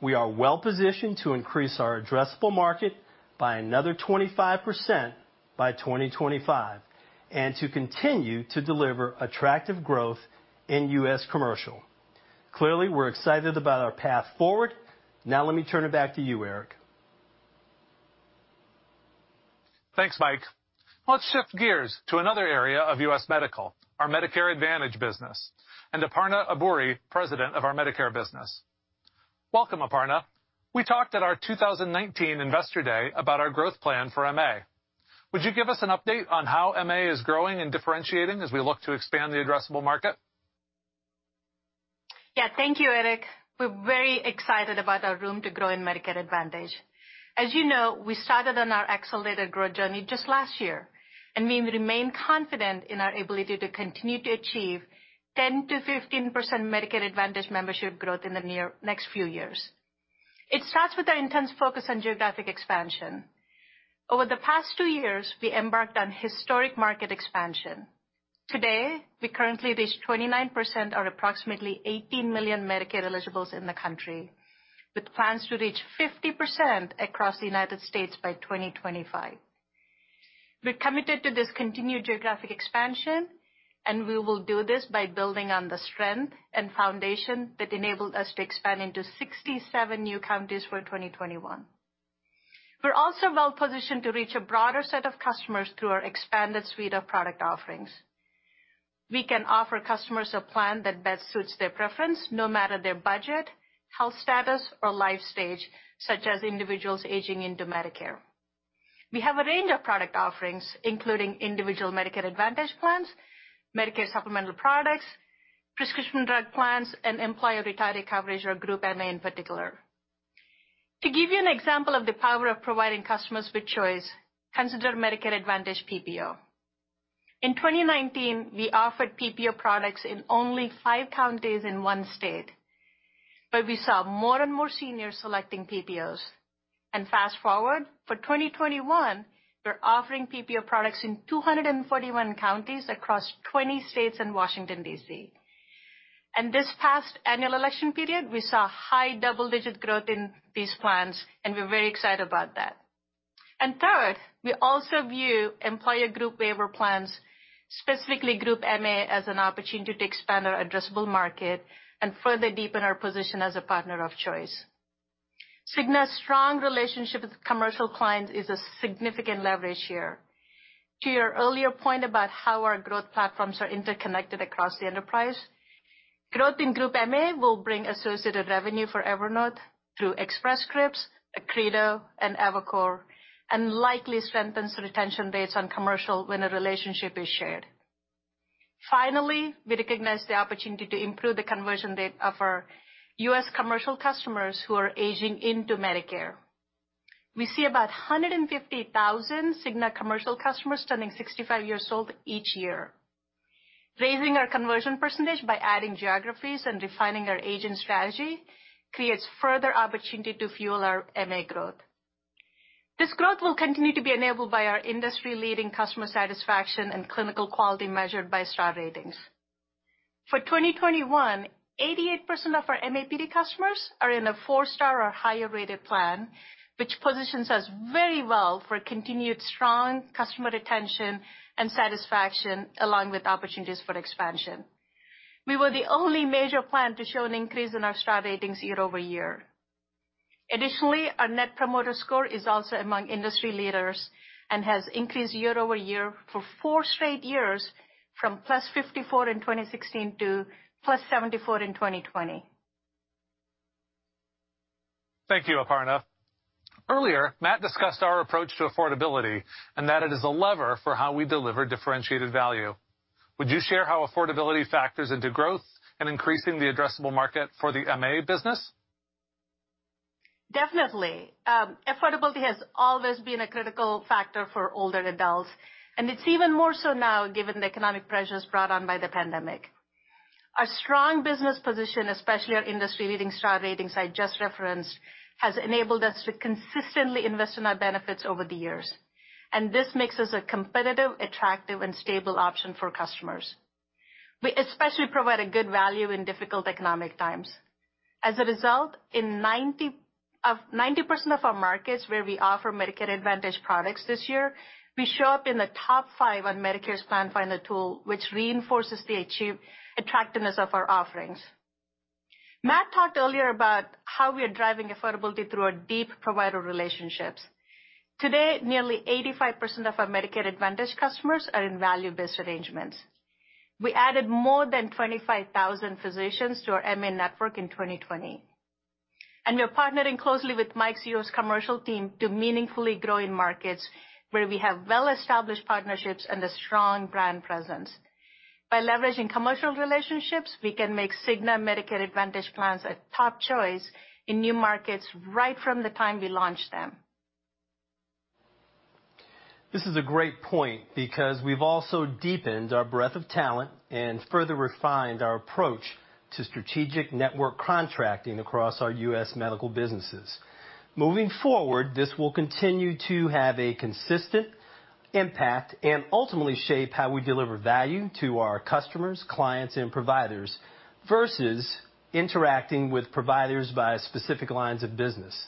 we are well positioned to increase our addressable market by another 25% by 2025 and to continue to deliver attractive growth in U.S. Commercial. Clearly, we're excited about our path forward. Now let me turn it back to you, Eric. Thanks, Mike. Let's shift gears to another area of U.S. Medical, our Medicare Advantage business, and Aparna Abburi, President of our Medicare business. Welcome, Aparna. We talked at our 2019 investor day about our growth plan for Medicare Advantage. Would you give us an update on how Medicare Advantage is growing and differentiating as we look to expand the addressable market? Thank you, Eric. We're very excited about our room to grow in Medicare Advantage. As you know, we started on our accelerated growth journey just last year, and we remain confident in our ability to continue to achieve 10%-15% Medicare Advantage membership growth in the next few years. It starts with our intense focus on geographic expansion. Over the past two years, we embarked on historic market expansion. Today we currently reach 29%, or approximately 18 million Medicaid eligibles in the country, with plans to reach 50% across the U.S. by 2025. We're committed to this continued geographic expansion, and we will do this by building on the strength and foundation that enabled us to expand into 67 new counties for 2021. We're also well positioned to reach a broader set of customers through our expanded suite of product offerings. We can offer customers a plan that best suits their preference, no matter their budget, health status, or life stage, such as individuals aging into Medicare. We have a range of product offerings, including individual Medicare Advantage plans, Medicare supplemental products, prescription drug plans, and employer retiree coverage or Group MA. In particular, to give you an example of the power of providing customers with choice, consider Medicare Advantage PPO. In 2019, we offered PPO products in only five counties in one state, but we saw more and more seniors selecting PPOs. For 2021, we're offering PPO products in 241 counties across 20 states and Washington, D.C., and this past annual election period we saw high double-digit growth in these plans and we're very excited about that. Third, we also view employer Group Waiver plans, specifically Group MA, as an opportunity to expand our addressable market and further deepen our position as a partner of choice. Cigna's strong relationship with commercial clients is a significant leverage here to your earlier point about how our growth platforms are interconnected across the enterprise. Growth in Group MA will bring associated revenue for Evernorth through Express Scripts, Accredo, and Evernorth and likely strengthens retention rates on commercial when a relationship is shared. Finally, we recognize the opportunity to improve the conversion rate of our U.S. Commercial customers who are aging into Medicare. We see about 150,000 Cigna commercial customers turning 65 years old each year. Raising our conversion percentage by adding geographies and refining our agent strategy creates further opportunity to fuel our MA growth. This growth will continue to be enabled by our industry-leading customer satisfaction and clinical quality measured by star ratings. For 2021, 88% of our MAPD customers are in a four-star or higher rated plan, which positions us very well for continued strong customer retention and satisfaction. Along with opportunities for expansion, we were the only major plan to show an increase in our star ratings year-over-year. Additionally, our Net Promoter Score is also among industry leaders and has increased year-over-year for four straight years from +54 in 2016 to +74 in 2020. Thank you, Aparna. Earlier, Matt discussed our approach to affordability and that it is a lever for how we deliver differentiated value. Would you share how affordability factors into growth and increasing the addressable market for the Medicare Advantage business? Definitely. Affordability has always been a critical factor for older adults, and it's even more so now given the economic pressures brought on by the pandemic. Our strong business position, especially our industry-leading Star ratings I just referenced, has enabled us to consistently invest in our benefits over the years, and this makes us a competitive, attractive, and stable option for customers. We especially provide a good value in difficult economic times. As a result, in 90% of our markets where we offer Medicare Advantage products this year, we show up in the top five on Medicare's plan finder tool, which reinforces the attractiveness of our offerings. Matt talked earlier about how we are driving affordability through a deep provider relationship. Today, nearly 85% of our Medicare Advantage customers are in value-based arrangements. We added more than 25,000 physicians to our MA network in 2020, and we are partnering closely with Mike's U.S. Commercial team to meaningfully grow in markets where we have well-established partnerships and a strong brand presence. By leveraging commercial relationships, we can make Cigna Medicare Advantage plans a top choice in new markets right from the time we launch them. This is a great point because we've also deepened our breadth of talent and further refined our approach to strategic network contracting across our U.S. Medical businesses. Moving forward, this will continue to have a consistent impact and ultimately shape how we deliver value to our customers, clients, and providers versus interacting with providers by specific lines of business.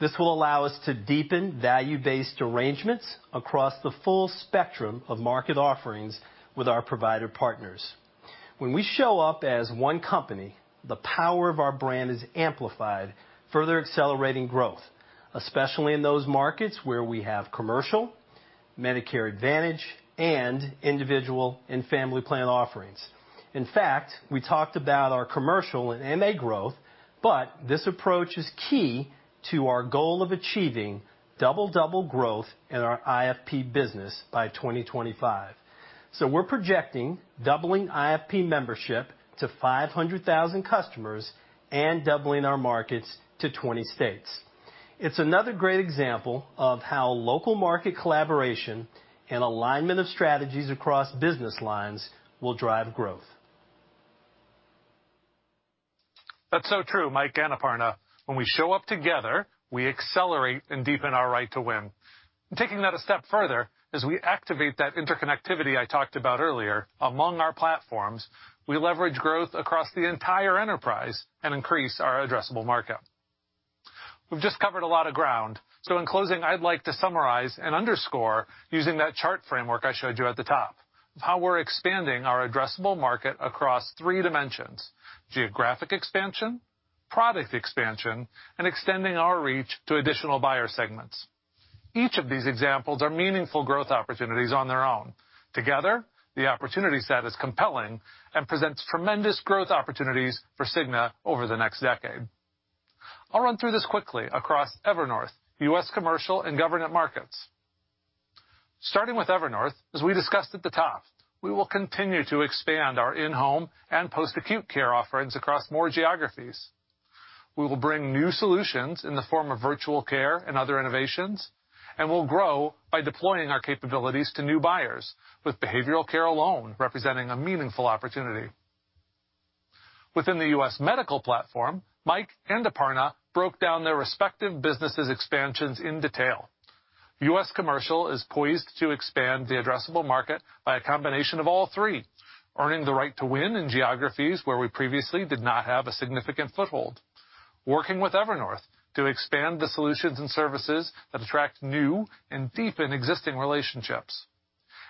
This will allow us to deepen value-based arrangements across the full spectrum of market offerings with our provider partners. When we show up as one company, the power of our brand is amplified, further accelerating growth, especially in those markets where we have commercial, Medicare Advantage, and individual and family plan offerings. In fact, we talked about our commercial and MA growth, but this approach is key to our goal of achieving double double growth in our IFP business by 2025. We're projecting doubling IFP membership to 500,000 customers and doubling our markets to 20 states. It's another great example of how local market collaboration and alignment of strategies across business lines will drive growth. That's so true, Mike and Aparna. When we show up together, we accelerate and deepen our right to win. Taking that a step further, as we activate that interconnectivity I talked about earlier among our platforms, we leverage growth across the entire enterprise and increase our addressable market. We've just covered a lot of ground, so in closing, I'd like to summarize and underscore using that chart framework I showed you at the top, how we're expanding our addressable market across three dimensions: geographic expansion, product expansion, and extending our reach to additional buyer segments. Each of these examples are meaningful growth opportunities on their own. Together, the opportunity set is compelling and presents tremendous growth opportunities for Cigna over the next decade. I'll run through this quickly across Evernorth, U.S. Commercial, and government markets. Starting with Evernorth, as we discussed at the top, we will continue to expand our in-home and post-acute care offerings across more geographies. We will bring new solutions in the form of virtual care and other innovations, and we'll grow by deploying our capabilities to new buyers, with behavioral care alone representing a meaningful opportunity within the U.S. Medical platform. Mike and Aparna broke down their respective businesses' expansions in detail. U.S. Commercial is poised to expand the addressable market by a combination of all three: earning the right to win in geographies where we previously did not have a significant foothold, working with Evernorth to expand the solutions and services that attract new and deepen existing relationships,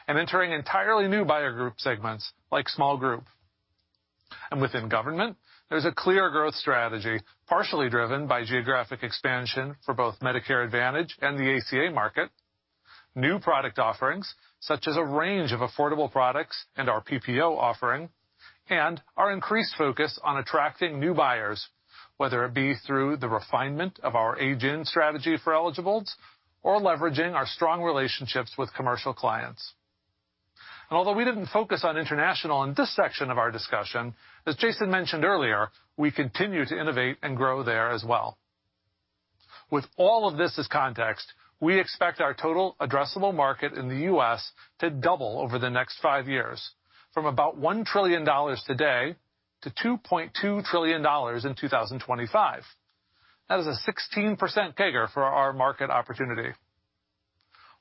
and entering entirely new buyer group segments like small group. Within government, there's a clear growth strategy partially driven by geographic expansion for both Medicare Advantage and the ACA market, new product offerings such as a range of affordable products and our PPO offering, and our increased focus on attracting new buyers, whether it be through the refinement of our age-in strategy for eligible or leveraging our strong relationships with commercial clients. Although we didn't focus on international in this section of our discussion, as Jason mentioned earlier, we continue to innovate and grow there as well. With all of this as context, we expect our total addressable market in the U.S. to double over the next five years from about $1 trillion today to $2.2 trillion in 2025. That is a 16% CAGR for our market opportunity,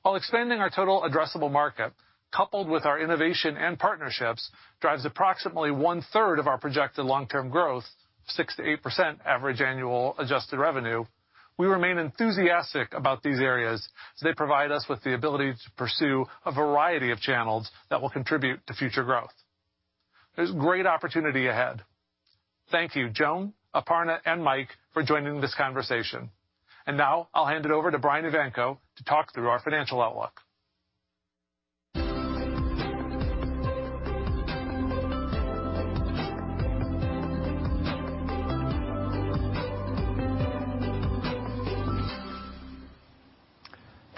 while expanding our total addressable market coupled with our innovation and partnerships drives approximately one third of our projected long-term growth, 6%-8% average annual adjusted revenue. We remain enthusiastic about these areas as they provide us with the ability to pursue a variety of channels that will contribute to future growth. There's great opportunity ahead. Thank you, Joan, Aparna, and Mike for joining this conversation. Now I'll hand it over to Brian Evanko to talk through our financial outlook.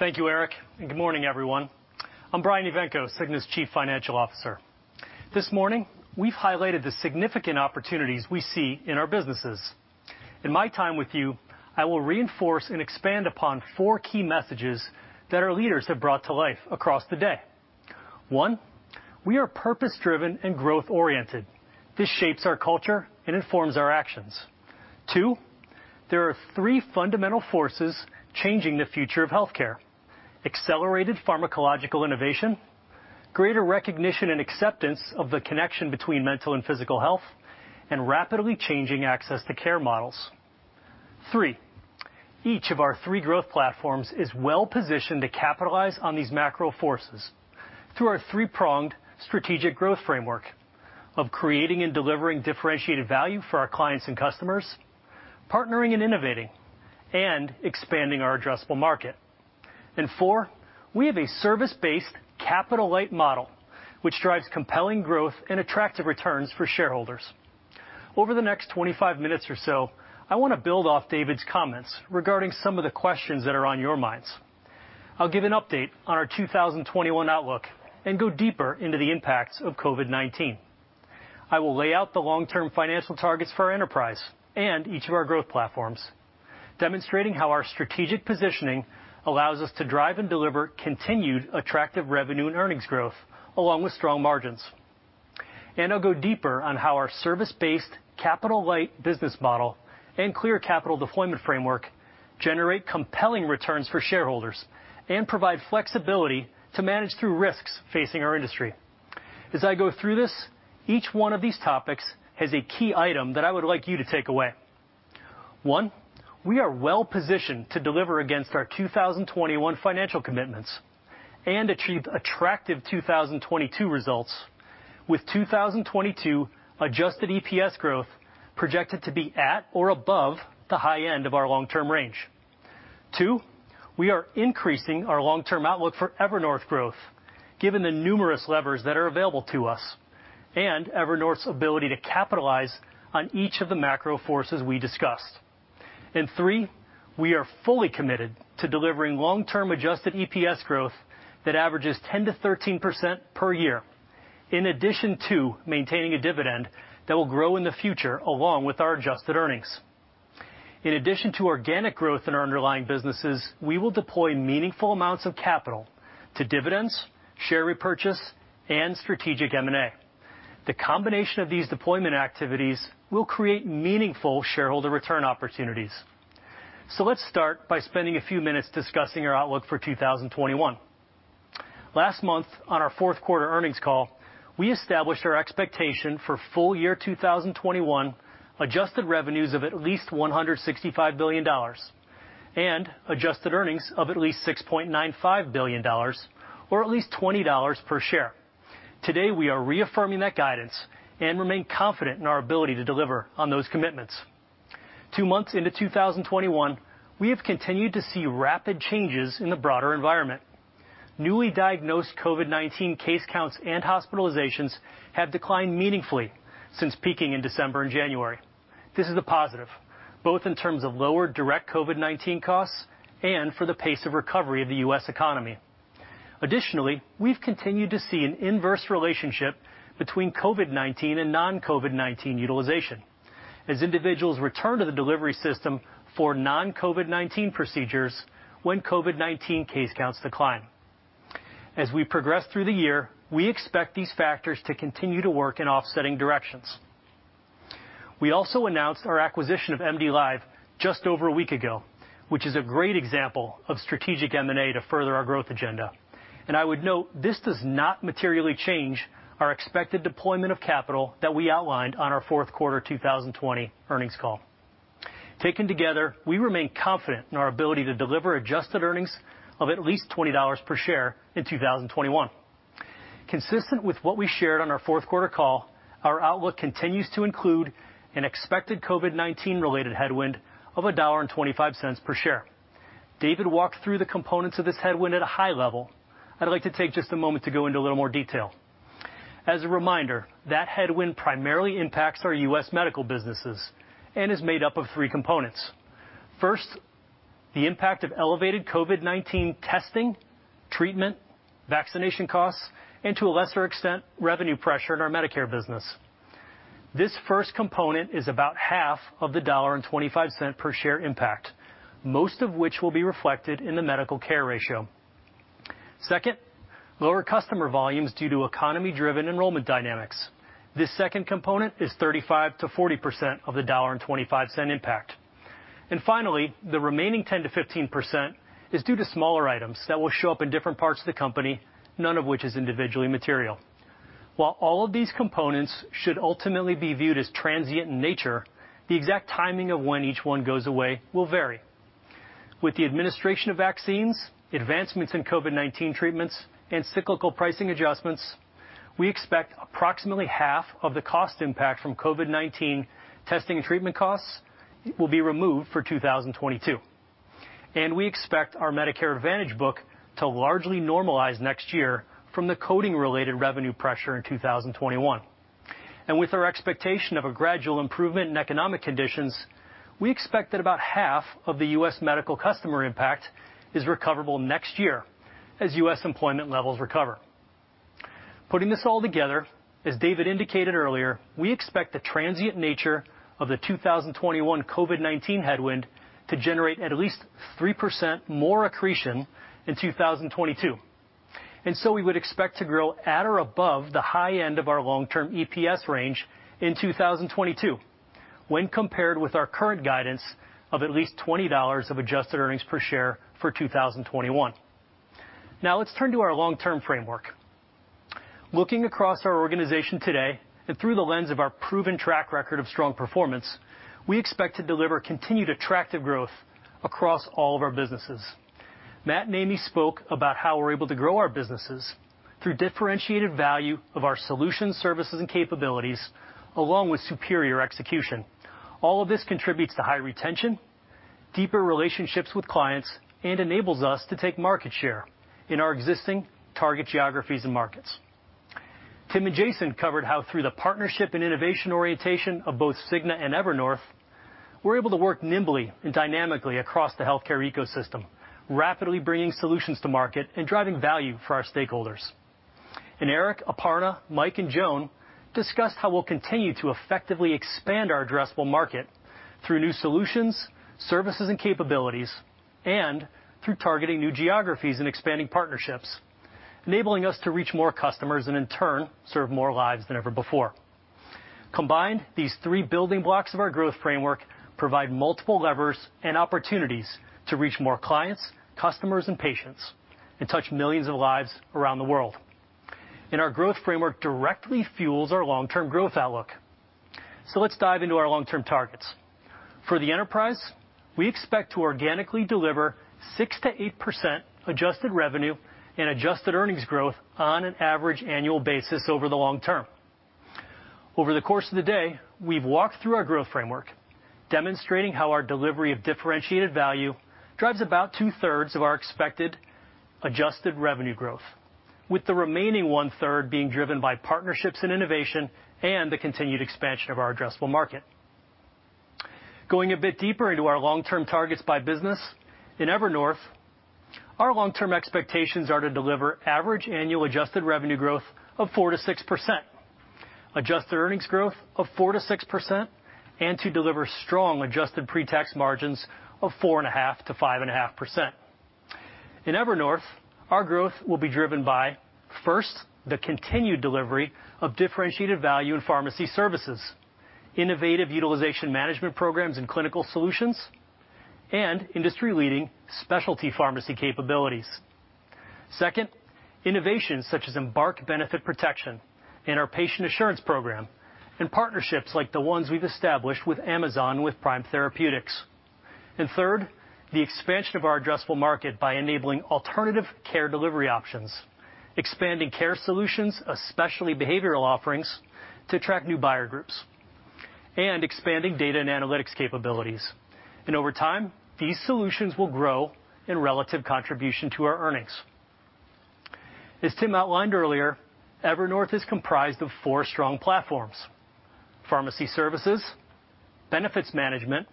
Thank you, Eric, and good morning, everyone. I'm Brian Evanko, Cigna's Chief Financial Officer. This morning we've highlighted the significant opportunities we see in our businesses. In my time with you, I will reinforce and expand upon four key messages that our leaders have brought to life across the day. One, we are purpose driven and growth oriented. This shapes our culture and informs our actions. Two. There are three fundamental forces changing the future of health care: accelerated pharmacological innovation, greater recognition and acceptance of the connection between mental and physical health, and rapidly changing access to care models. Each of our three growth platforms is well positioned to capitalize on these macro forces through our three-pronged strategic growth framework of creating and delivering differentiated value for our clients and customers, partnering and innovating, and expanding our addressable market. We have a service-based, capital light model which drives compelling growth and attractive returns for shareholders. Over the next 25 minutes or so, I want to build off David's comments regarding some of the questions that are on your minds. I'll give an update on our 2021 outlook and go deeper into the impacts of COVID-19. I will lay out the long-term financial targets for our enterprise and each of our growth platforms, demonstrating how our strategic positioning allows us to drive and deliver continued attractive revenue and earnings growth along with strong margins. I'll go deeper on how our service-based, capital light business model and clear capital deployment framework generate compelling returns for shareholders and provide flexibility to manage through risks facing our industry. As I go through this, each one of these topics has a key item that I would like you to take away. One, we are well positioned to deliver against our 2021 financial commitments and achieve attractive 2022 results, with 2022 adjusted EPS growth projected to be at or above the high end of our long-term range. Two, we are increasing our long-term outlook for Evernorth growth given the numerous levers that are available to us and Evernorth's ability to capitalize on each of the macro forces we discussed. Three, we are fully committed to delivering long-term adjusted EPS growth that averages 10%-13% per year, in addition to maintaining a dividend that will grow in the future along with our adjusted earnings. In addition to organic growth in our underlying businesses, we will deploy meaningful amounts of capital to dividends, share repurchase, and strategic M&A. The combination of these deployment activities will create meaningful shareholder return opportunities. Let's start by spending a few minutes discussing our outlook for 2021. Last month, on our fourth quarter earnings call, we established our expectation for full year 2021 adjusted revenues of at least $165 billion and adjusted earnings of at least $6.95 billion or at least $20 per share. Today, we are reaffirming that guidance and remain confident in our ability to deliver on those commitments. Two months into 2021, we have continued to see rapid changes in the broader environment. Newly diagnosed COVID-19 case counts and hospitalizations have declined meaningfully since peaking in December and January. This is a positive both in terms of lower direct COVID-19 costs and for the pace of recovery of the U.S. economy. Additionally, we've continued to see an inverse relationship between COVID-19 and non-COVID-19 utilization as individuals return to the delivery system for non-COVID-19 procedures when COVID-19 case counts decline. As we progress through the year, we expect these factors to continue to work in offsetting directions. We also announced our acquisition of MDLIVE just over a week ago, which is a great example of strategic M&A to further our growth agenda. I would note this does not materially change our expected deployment of capital that we outlined on our fourth quarter 2020 earnings call. Taken together, we remain confident in our ability to deliver adjusted earnings of at least $20 per share in 2021. Consistent with what we shared on our fourth quarter call, our outlook continues to include an expected COVID-19-related headwind of $1.25 per share. David walked through the components of this headwind at a high level. I'd like to take just a moment to go into a little more detail as a reminder that headwind primarily impacts our U.S. medical businesses and is made up of three components. First, the impact of elevated COVID-19 testing, treatment, vaccination costs and to a lesser extent revenue pressure in our Medicare business. This first component is about half of the $1.25 per share impact, most of which will be reflected in the medical care ratio. Second, lower customer volumes due to economy-driven enrollment dynamics. This second component is 35%-40% of the $1.25 impact and finally the remaining 10%-15% is due to smaller items that will show up in different parts of the company, none of which is individually material. While all of these components should ultimately be viewed as transient in nature, the exact timing of when each one goes away will vary. With the administration of vaccines, advancements in COVID-19 treatments, and cyclical pricing adjustments, we expect approximately half of the cost impact from COVID-19 testing and treatment costs will be removed for 2022, and we expect our Medicare Advantage book to largely normalize next year. From the coding-related revenue pressure in 2021 and with our expectation of a gradual improvement in economic conditions, we expect that about half of the U.S. Medical customer impact is recoverable next year as U.S. employment levels recover. Putting this all together, as David indicated earlier, we expect the transient nature of the 2021 COVID-19 headwind to generate at least 3% more accretion in 2022, and we would expect to grow at or above the high end of our long-term EPS range in 2022 when compared with our current guidance of at least $20 of adjusted earnings per share for 2021. Now let's turn to our long-term framework. Looking across our organization today and through the lens of our proven track record of strong performance, we expect to deliver continued attractive growth across all of our businesses. Matt and Amy spoke about how we're able to grow our businesses through differentiated value of our solutions, services, and capabilities along with superior execution. All of this contributes to high retention, deeper relationships with clients, and enables us to take market share in our existing target geographies and markets. Tim and Jason covered how through the partnership and innovation orientation of both Cigna and Evernorth, we're able to work nimbly and dynamically across the healthcare ecosystem, rapidly bringing solutions to market and driving value for our stakeholders. Eric, Aparna, Mike, and Joan discussed how we'll continue to effectively expand our addressable market through new solutions, services, and capabilities and through targeting new geographies and expanding partnerships, enabling us to reach more customers and in turn serve more lives than ever before. Combined, these three building blocks of our growth framework provide multiple levers and opportunities to reach more clients, customers, and patients and touch millions of lives around the world. Our growth framework directly fuels our long-term growth outlook. Let's dive into our long-term targets for the enterprise. We expect to organically deliver 6%-8% adjusted revenue and adjusted earnings growth on an average annual basis over the long term. Over the course of the day we've walked through our growth framework, demonstrating how our delivery of differentiated value drives about 2/3 of our expected adjusted revenue growth, with the remaining 1/3 being driven by partnerships and innovation and the continued expansion of our addressable market. Going a bit deeper into our long term targets by business in Evernorth, our long term expectations are to deliver average annual adjusted revenue growth of 4%-6%, adjusted earnings growth of 4%-6%, and to deliver strong adjusted pre-tax margins of 4.5%-5.5%. In Evernorth, our growth will be driven by, first, the continued delivery of differentiated value in pharmacy services, innovative utilization management programs and clinical solutions, and industry-leading specialty pharmacy capabilities. Second, innovations such as Embark Benefit Protection and our Patient Assurance Program, and partnerships like the ones we've established with Amazon, with Prime Therapeutics, and, third, the expansion of our addressable market by enabling alternative care delivery options, expanding care solutions, especially behavioral offerings to attract new buyer groups, and expanding data and analytics capabilities. Over time, these solutions will grow in relative contribution to our earnings. As Tim Wentworth outlined earlier, Evernorth is comprised of four strong pharmacy services: benefits management,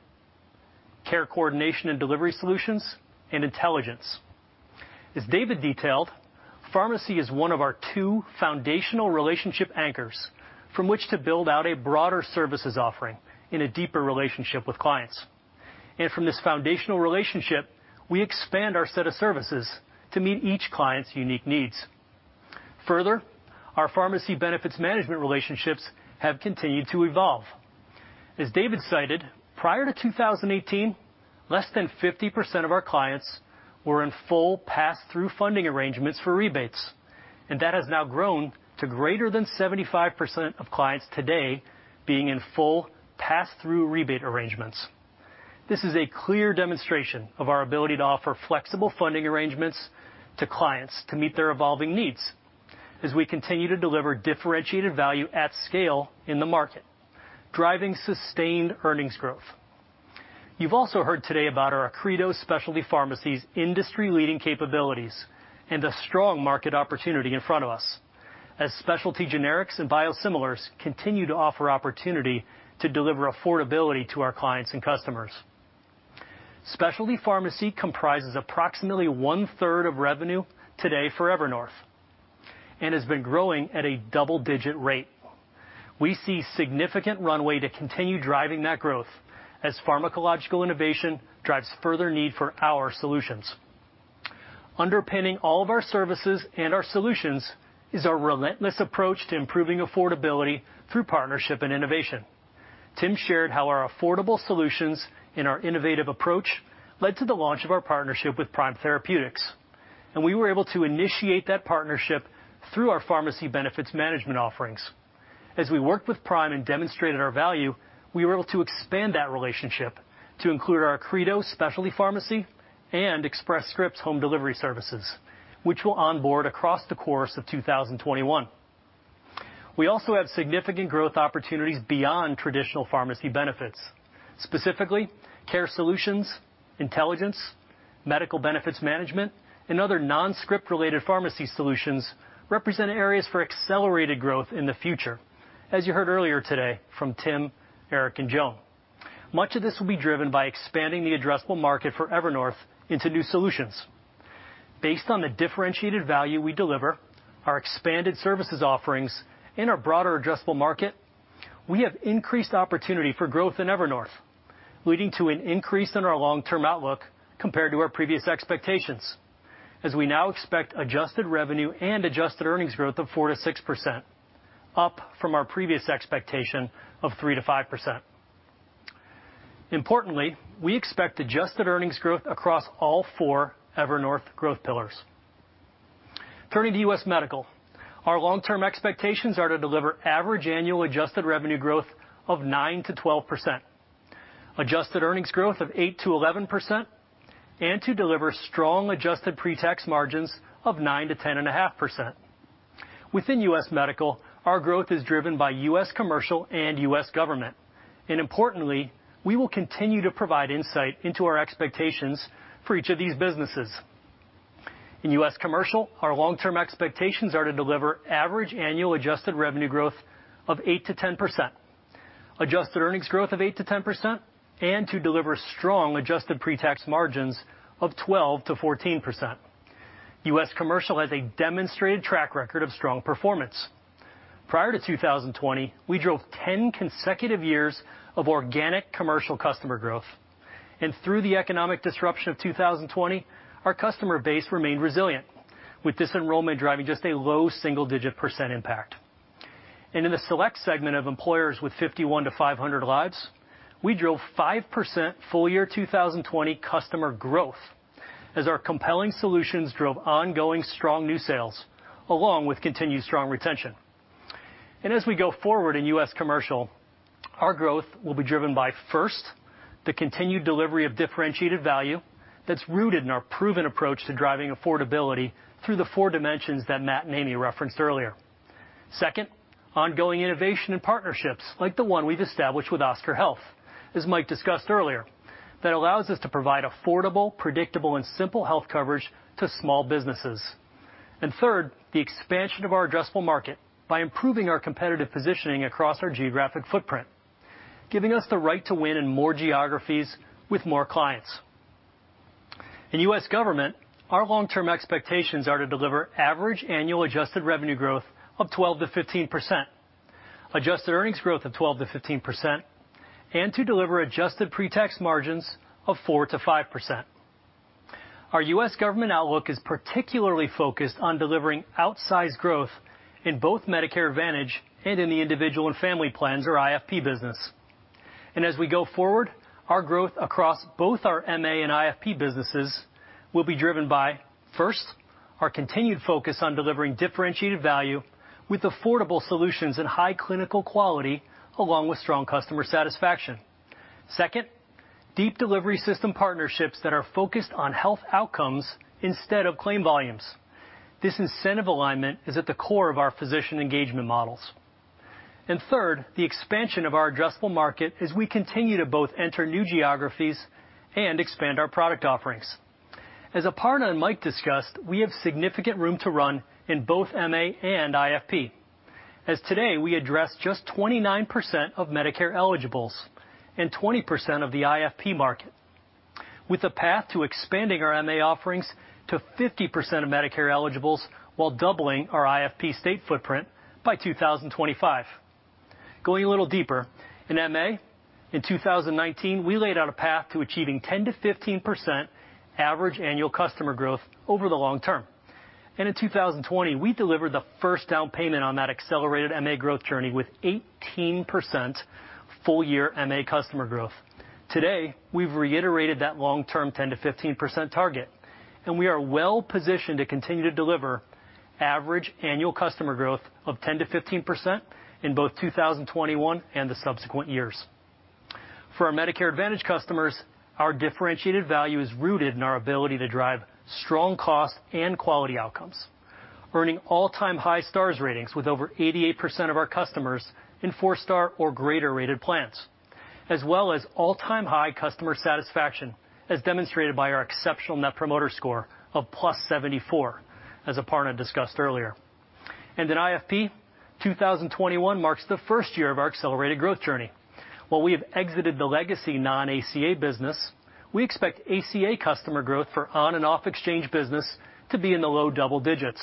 care coordination and delivery solutions, and intelligence. As David detailed, pharmacy is one of our two foundational relationship anchors from which to build out a broader services offering in a deeper relationship with clients, and from this foundational relationship we expand our set of services to meet each client's unique needs. Further, our pharmacy benefit management relationships have continued to evolve. As David cited, prior to 2018, less than 50% of our clients were in full pass-through funding arrangements for rebates, and that has now grown to greater than 75% of clients today being in full pass-through rebate arrangements. This is a clear demonstration of our ability to offer flexible funding arrangements to clients to meet their evolving needs as we continue to deliver differentiated value at scale in the market, driving sustained earnings growth. You've also heard today about our Accredo Specialty Pharmacy's industry-leading capabilities and a strong market opportunity in front of us as specialty generics and biosimilars continue to offer opportunity to deliver affordability to our clients and customers. Specialty Pharmacy comprises approximately one third of revenue today for Evernorth and has been growing at a double-digit rate. We see significant runway to continue driving that growth as pharmacological innovation drives further need for our solutions. Underpinning all of our services and our solutions is our relentless approach to improving affordability through partnership and innovation. Tim shared how our affordable solutions and our innovative approach led to the launch of our partnership with Prime Therapeutics, and we were able to initiate that partnership through our pharmacy benefit management offerings. As we worked with Prime and demonstrated our value, we were able to expand that relationship to include our Accredo Specialty Pharmacy and Express Scripts Home Delivery services, which will onboard across the course of 2021. We also have significant growth opportunities beyond traditional pharmacy benefits. Specifically, Care Solutions, Intelligence, Medical Benefits Management, and other non-script related pharmacy solutions represent areas for accelerated growth in the future. As you heard earlier today from Tim, Eric, and Joan, much of this will be driven by expanding the addressable market for Evernorth into new solutions based on the differentiated value we deliver. With our expanded services offerings and our broader addressable market, we have increased opportunity for growth in Evernorth, leading to an increase in our long-term outlook compared to our previous expectations. As we now expect adjusted revenue and adjusted earnings growth of 4%-6%, up from our previous expectation of 3%-5%. Importantly, we expect adjusted earnings growth across all four Evernorth growth pillars. Turning to U.S. Medical, our long-term expectations are to deliver average annual adjusted revenue growth of 9%-12%, adjusted earnings growth of 8%-11%, and to deliver strong adjusted pre-tax margins of 9%-10.5%. Within U.S. Medical, our growth is driven by U.S. Commercial and U.S. Government, and importantly we will continue to provide insight into our expectations for each of these businesses. In U.S. Commercial, our long-term expectations are to deliver average annual adjusted revenue growth of 8%-10%, adjusted earnings growth of 8%-10%, and to deliver strong adjusted pre-tax margins of 12-14%. U.S. Commercial has a demonstrated track record of strong performance. Prior to 2020, we drove 10 consecutive years of organic commercial customer growth, and through the economic disruption of 2020, our customer base remained resilient, with this enrollment driving just a low single-digit percent impact. In the select segment of employers with 51-500 lives, we drove 5% full-year 2020 customer growth as our compelling solutions drove ongoing strong new sales along with continued strong retention. As we go forward in U.S. Commercial, our growth will be driven by, first, the continued delivery of differentiated value that's rooted in our proven approach to driving affordability through the four dimensions that Matt and Amy referenced earlier. Second, ongoing innovation and partnerships like the one we've established with Oscar Health, as Mike discussed earlier, that allows us to provide affordable, predictable, and simple health coverage to small businesses. Third, the expansion of our addressable market by improving our competitive positioning across our geographic footprint, giving us the right to win in more geographies with more clients. In U.S. Government, our long-term expectations are to deliver average annual adjusted revenue growth of 12%-15%, adjusted earnings growth of 12%-15%, and to deliver adjusted pre-tax margins of 4%-5%. Our U.S. Government outlook is particularly focused on delivering outsized growth in both Medicare Advantage and in the individual and family plans or IFP business. As we go forward, our growth across both our MA and IFP businesses will be driven by, first, our continued focus on delivering differentiated value with affordable solutions and high clinical quality along with strong customer satisfaction. Second, deep delivery system partnerships that are focused on health outcomes instead of claim volumes. This incentive alignment is at the core of our physician engagement models. Third, the expansion of our addressable market as we continue to both enter new geographies and expand our product offerings. As Aparna and Mike discussed, we have significant room to run in both MA and IFP as today we address just 29% of Medicare eligibles and 20% of the IFP market with a path to expanding our MA offerings to 50% of Medicare eligibles while doubling our IFP state footprint by 2025. Going a little deeper in MA, in 2019 we laid out a path to achieving 10%-15% average annual customer growth over the long term and in 2020 we delivered the first down payment on that accelerated MA growth journey with 18% full year MA customer growth. Today we've reiterated that long term 10%-15% target and we are well positioned to continue to deliver average annual customer growth of 10%-15% in both 2021 and the subsequent years for our Medicare Advantage customers. Our differentiated value is rooted in our ability to drive strong cost and quality outcomes, earning all-time high Stars ratings with over 88% of our customers in four star or greater rated plans as well as all-time high customer satisfaction as demonstrated by our exceptional net promoter score of +74. As Aparna discussed earlier, and in IFP, 2021 marks the first year of our accelerated growth journey. While we have exited the legacy non-ACA business, we expect ACA customer growth for on and off exchange business to be in the low double digits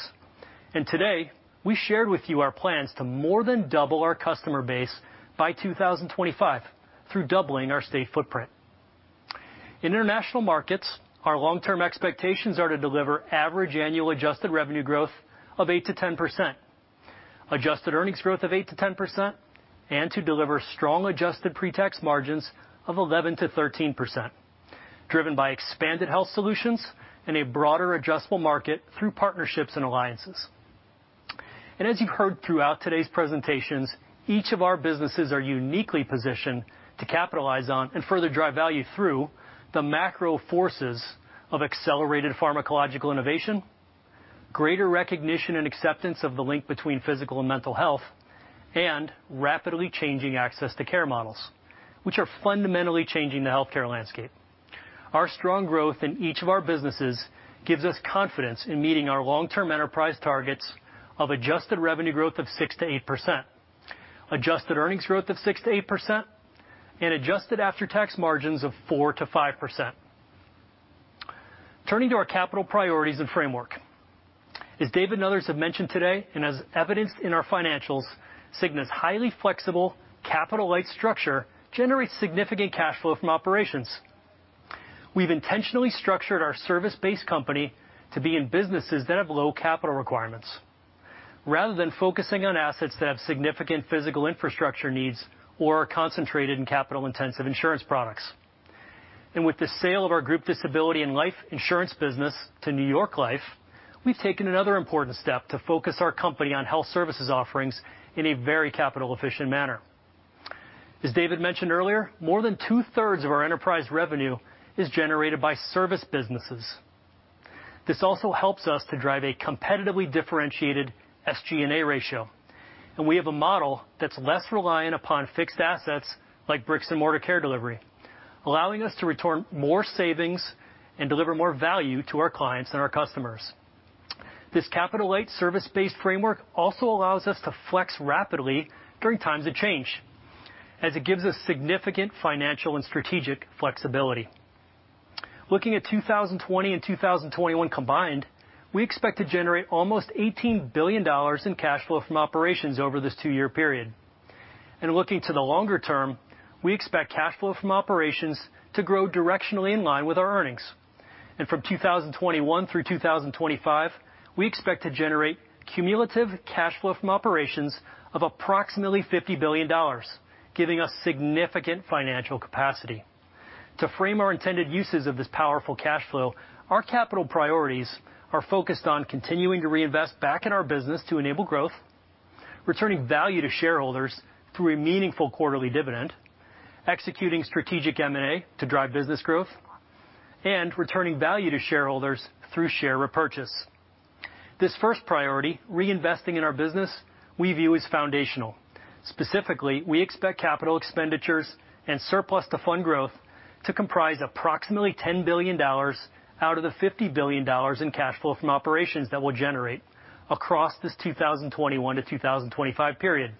and today we shared with you our plans to more than double our customer base by 2025 through doubling our state footprint in international markets. Our long term expectations are to deliver average annual adjusted revenue growth of 8%-10%, adjusted earnings growth of 8%-10% and to deliver strong adjusted pre-tax margins of 11%-13% driven by expanded health solutions and a broader adjustable market. Through partnerships and alliances, and as you've heard throughout today's presentations, each of our businesses are uniquely positioned to capitalize on and further drive value through the macro forces of accelerated pharmacological innovation, greater recognition and acceptance of the link between physical and mental health, and rapidly changing access to care models which are fundamentally changing the healthcare landscape. Our strong growth in each of our businesses gives us confidence in meeting our long term enterprise targets of adjusted revenue growth of 6%-8%, adjusted earnings growth of 6%-8% and adjusted after-tax margins of 4%-5%. Turning to our capital priorities and framework, as David and others have mentioned today and as evidenced in our financials, Cigna's highly flexible capital light structure generates significant cash flow from operations. We've intentionally structured our service based company to be in businesses that have low capital requirements rather than focusing on assets that have significant physical infrastructure needs or are concentrated in capital intensive insurance products. With the sale of our group disability and life insurance business to New York Life, we've taken another important step to focus our company on health services offerings in a very capital efficient manner. As David mentioned earlier, more than two thirds of our enterprise revenue is generated by service businesses. This also helps us to drive a competitively differentiated SGA ratio, and we have a model that's less reliant upon fixed assets like bricks and mortar care delivery, allowing us to return more savings and deliver more value to our clients and our customers. This capital light service based framework also allows us to flex rapidly during times of change as it gives us significant financial and strategic flexibility. Looking at 2020 and 2021 combined, we expect to generate almost $18 billion in cash flow from operations over this two year period. Looking to the longer term, we expect cash flow from operations to grow directionally in line with our earnings. From 2021 through 2025 we expect to generate cumulative cash flow from operations of approximately $50 billion, giving us significant financial capacity to frame our intended uses of this powerful cash flow. Our capital priorities are focused on continuing to reinvest back in our business to enable growth, returning value to shareholders through a meaningful quarterly dividend, executing strategic M&A to drive business growth, and returning value to shareholders through share repurchase. This first priority, reinvesting in our business, we view as foundational. Specifically, we expect capital expenditures and surplus to fund growth to comprise approximately $10 billion out of the $50 billion in cash flow from operations that we'll generate across this 2021-2025 period,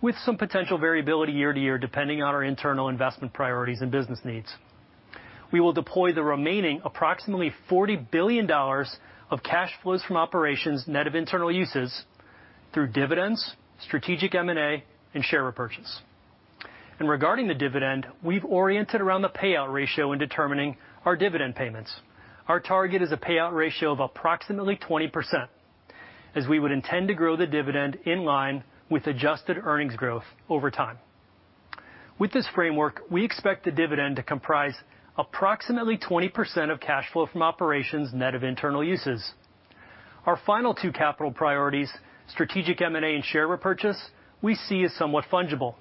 with some potential variability year to year depending on our internal investment priorities and business needs. We will deploy the remaining approximately $40 billion of cash flows from operations net of internal uses through dividends, strategic M&A, and share repurchase. Regarding the dividend, we've oriented around the payout ratio in determining our dividend payments. Our target is a payout ratio of approximately 20%, as we would intend to grow the dividend in line with adjusted earnings growth over time. With this framework, we expect the dividend to comprise approximately 20% of cash flow from operations net of internal uses. Our final two capital priorities, strategic M&A and share repurchase, we see as somewhat fungible.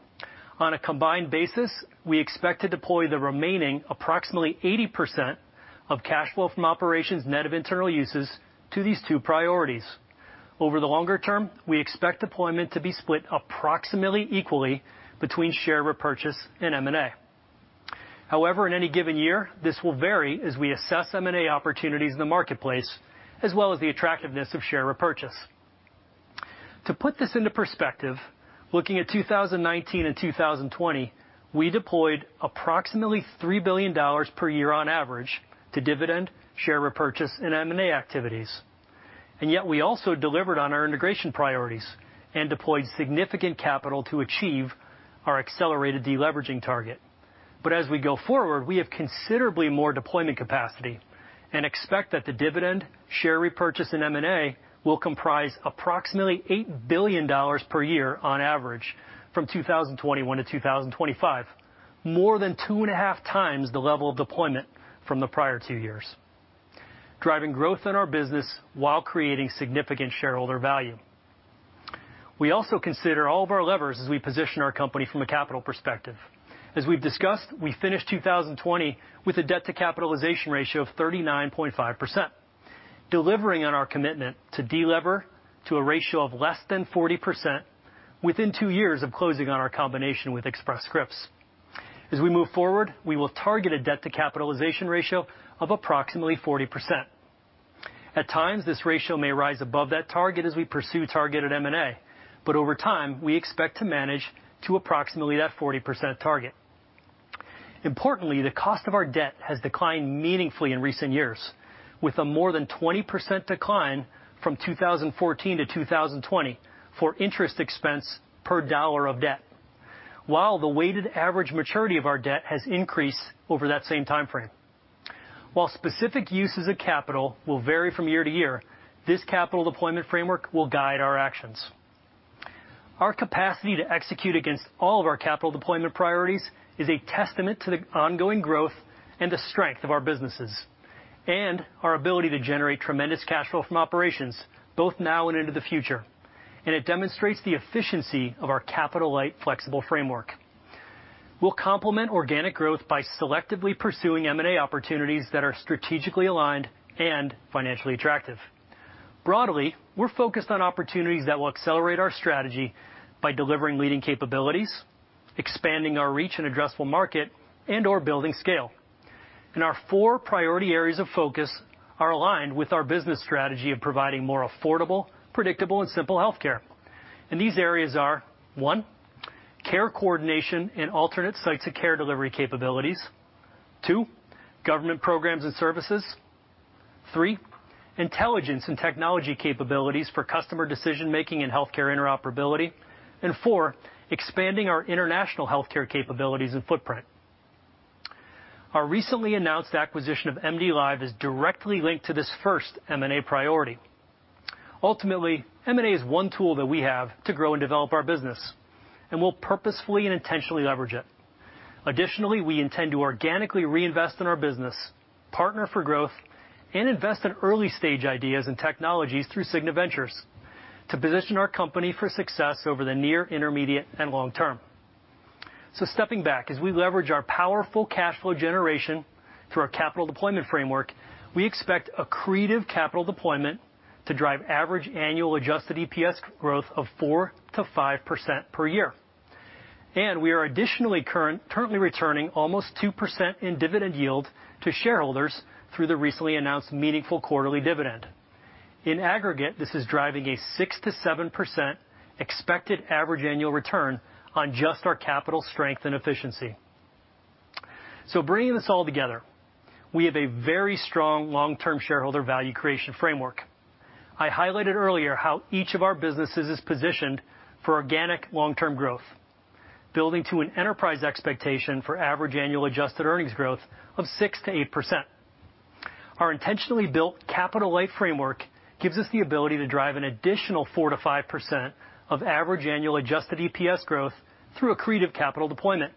On a combined basis, we expect to deploy the remaining approximately 80% of cash flow from operations net of internal uses to these two priorities. Over the longer term, we expect deployment to be split approximately equally between share repurchase and M&A. However, in any given year this will vary as we assess M&A opportunities in the marketplace as well as the attractiveness of share repurchase. To put this into perspective, looking at 2019 and 2020, we deployed approximately $3 billion per year on average to dividend, share repurchase, and M&A activities. Yet we also delivered on our integration priorities and deployed significant capital to achieve our accelerated deleveraging target. As we go forward, we have considerably more deployment capacity and expect that the dividend, share repurchase, and M&A will comprise approximately $8 billion per year on average from 2021 to 2025, more than 2.5x the level of deployment from the prior two years, driving growth in our business while creating significant shareholder value. We also consider all of our levers as we position our company from a capital perspective. As we've discussed, we finished 2020 with a debt to capitalization ratio of 39.5%, delivering on our commitment to delever to a ratio of less than 40% within two years of closing on our combination with Express Scripts. As we move forward, we will target a debt to capitalization ratio of approximately 40%. At times this ratio may rise above that target as we pursue targeted M&A, but over time we expect to manage to approximately that 40% target. Importantly, the cost of our debt has declined meaningfully in recent years with a more than 20% decline from 2014 to 2020 for interest expense per dollar of debt, while the weighted average maturity of our debt has increased over that same time frame. While specific uses of capital will vary from year-to-year, this capital deployment framework will guide our actions. Our capacity to execute against all of our capital deployment priorities is a testament to the ongoing growth and the strength of our businesses and our ability to generate tremendous cash flow from operations both now and into the future, and it demonstrates the efficiency of our capital. Light, flexible framework, we'll complement organic growth by selectively pursuing M&A opportunities that are strategically aligned and financially attractive. Broadly, we're focused on opportunities that will accelerate our strategy by delivering leading capabilities, expanding our reach in addressable market, and/or building scale, and our four priority areas of focus are aligned with our business strategy of providing more affordable, predictable, and simple health care. These areas are: 1. care coordination and alternate sites of care delivery capabilities, 2. government programs and services, 3. intelligence and technology capabilities for customer decision making and healthcare interoperability, and 4. expanding our international healthcare capabilities and footprint. Our recently announced acquisition of MDLIVE is directly linked to this first M&A priority. Ultimately, M&A is one tool that we have to grow and develop our business and we'll purposefully and intentionally leverage it. Additionally, we intend to organically reinvest in our business, partner for growth, and invest in early stage ideas and technologies through Cigna Ventures to position our company for success over the near, intermediate, and long term. As we leverage our powerful cash flow generation through our capital deployment framework, we expect accretive capital deployment to drive average annual adjusted EPS growth of 4%-5% per year and we are additionally currently returning almost 2% in dividend yield to shareholders through the recently announced meaningful quarterly dividend. In aggregate, this is driving a 6%-7% expected average annual return on just our capital strength and efficiency. Bringing this all together, we have a very strong long term shareholder value creation framework. I highlighted earlier how each of our businesses is positioned for organic long term growth, building to an enterprise expectation for average annual adjusted earnings growth of 6%-8%. Our intentionally built capital light framework gives us the ability to drive an additional 4%-5% of average annual adjusted EPS growth through accretive capital deployment,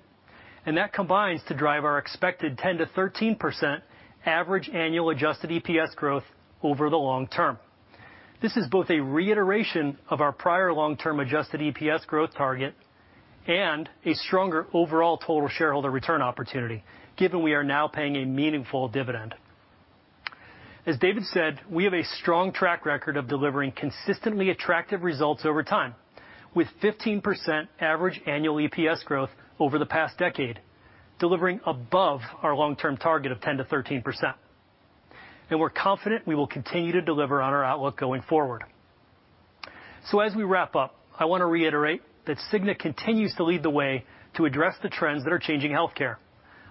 and that combines to drive our expected 10%-13% average annual adjusted EPS growth over the long term. This is both a reiteration of our prior long term adjusted EPS growth target and a stronger overall total shareholder return opportunity given we are now paying a meaningful dividend. As David said, we have a strong track record of delivering consistently attractive results over time with 15% average annual EPS growth over the past decade, delivering above our long term target of 10-13%. We are confident we will continue to deliver on our outlook going forward. As we wrap up, I want to reiterate that The Cigna Group continues to lead the way to address the trends that are changing health care.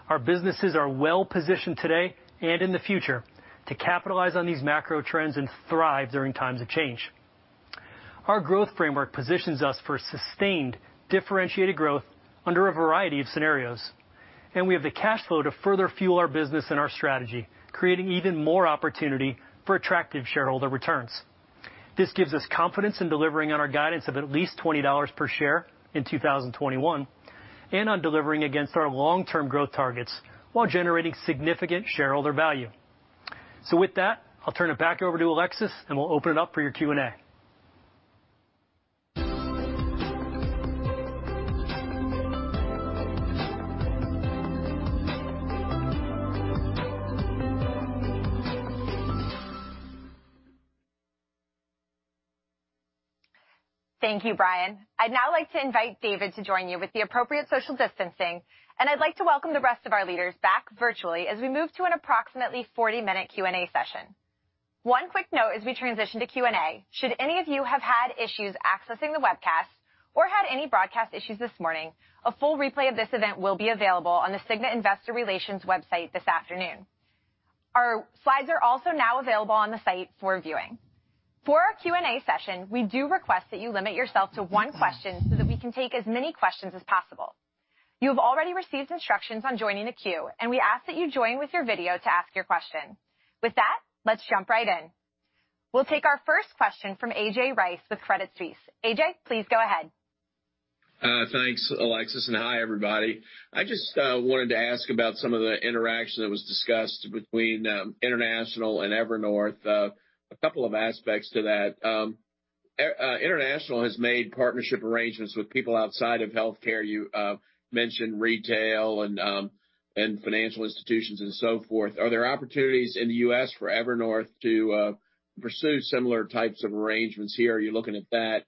Our businesses are well positioned today and in the future to capitalize on these macro trends and thrive during times of change. Our growth framework positions us for sustained differentiated growth under a variety of scenarios, and we have the cash flow to further fuel our business and our strategy, creating even more opportunity for attractive shareholder returns. This gives us confidence in delivering on our guidance of at least $20 per share in 2021 and on delivering against our long term growth targets while generating significant shareholder value. With that, I'll turn it back over to Alexis and we'll open it up for your Q&A. Thank you, Brian. I'd now like to invite David to join you with the appropriate social distancing. I'd like to welcome the rest of our leaders back virtually as we move to an approximately 40 minute Q&A session. One quick note. As we transition to Q&A, should any of you have had issues accessing the webcast or had any broadcast issues this morning, a full replay of this event will be available on The Cigna investor relations website this afternoon. Our slides are also now available on the site for viewing for our Q&A session. We do request that you limit yourself to one question so that we can take as many questions as possible. You have already received instructions on joining a queue and we ask that you join with your video to ask your question. With that, let's jump right in. We'll take our first question from A.J. Rice with UBS. A.J. Please go ahead. Thanks Alexis. Hi everybody. I just wanted to ask about some. Of the interaction that was discussed between International and Evernorth, a couple of aspects to that. International has made partnership arrangements with people outside of healthcare. You mentioned retail and financial institutions and so forth. Are there opportunities in the U.S. for Evernorth to pursue similar types of arrangements here? You're looking at that.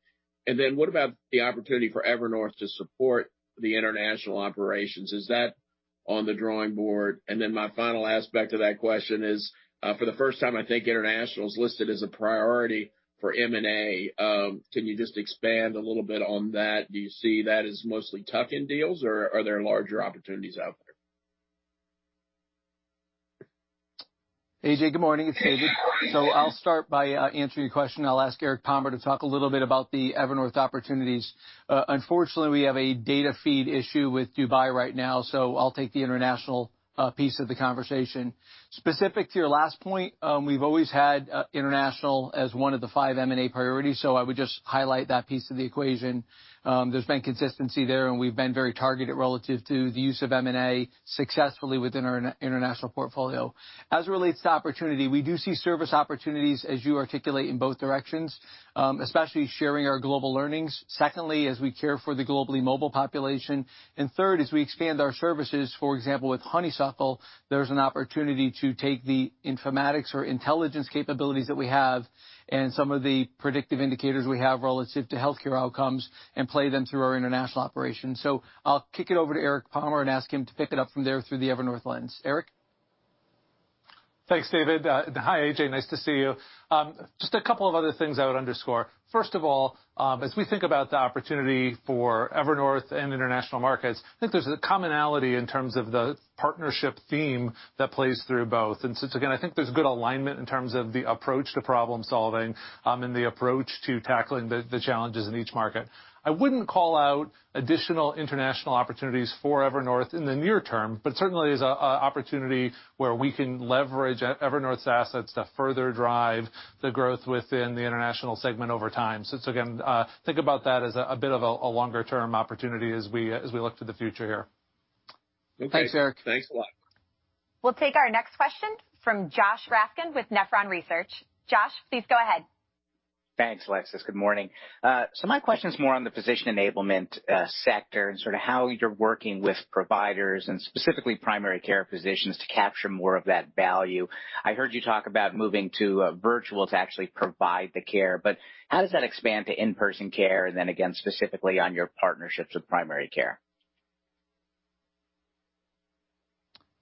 What about the opportunity for Evernorth to support the international operations? Is that on the drawing board? My final aspect of that question is, for the first time, I think International is listed as a priority. For M&A. Can you just expand a little bit on that? Do you see that as mostly tuck-in? In deals or are there larger opportunities out there? A.J., good morning, it's David. I'll start by answering your question. I'll ask Eric Palmer to talk a little bit about the Evernorth opportunities. Unfortunately, we have a data feed issue with Dubai right now, so I'll take the International piece of the conversation specific to your last point. We've always had International as one of the five M&A priorities. I would just highlight that piece of the equation. There's been consistency there, and we've been very targeted relative to the use of M&A successfully within our international portfolio as it relates to opportunity. We do see service opportunities as you articulate in both directions, especially sharing our global learnings. Secondly, as we care for the globally mobile population. Third, as we expand our services. For example, with Honeysuckle, there's an opportunity to take the informatics or intelligence capabilities that we have and some of the predictive indicators we have relative to healthcare outcomes and play them through our international operations. So. I'll kick it over to Eric Palmer and ask him to pick it up from there through the Evernorth lens. Eric? Thanks, David. Hi, A.J., nice to see you. Just a couple of other things I would underscore. First of all, as we think about the opportunity for Evernorth and international markets, I think there's a commonality in terms of the partnership theme that plays through both. I think there's good alignment in terms of the approach to problem solving and the approach to tackling the challenges in each market. I wouldn't call out additional international opportunities for Evernorth in the near term, but it certainly is an opportunity where we can leverage Evernorth's assets to further drive the growth within the international segment over time. Think about that as a bit of a longer term opportunity as we look to the future here. Thanks, Eric. Thanks a lot. We'll take our next question from Josh Raskin with Nephron Research. Josh, please go ahead. Thanks, Alexis. Good morning. My question is more on the Physician enablement sector and sort of how. You're working with providers and specifically primary care physicians to capture more of that value. I heard you talk about moving to virtual to actually provide the care. How does that expand to in-person care, and then again specifically on your partnerships with primary care?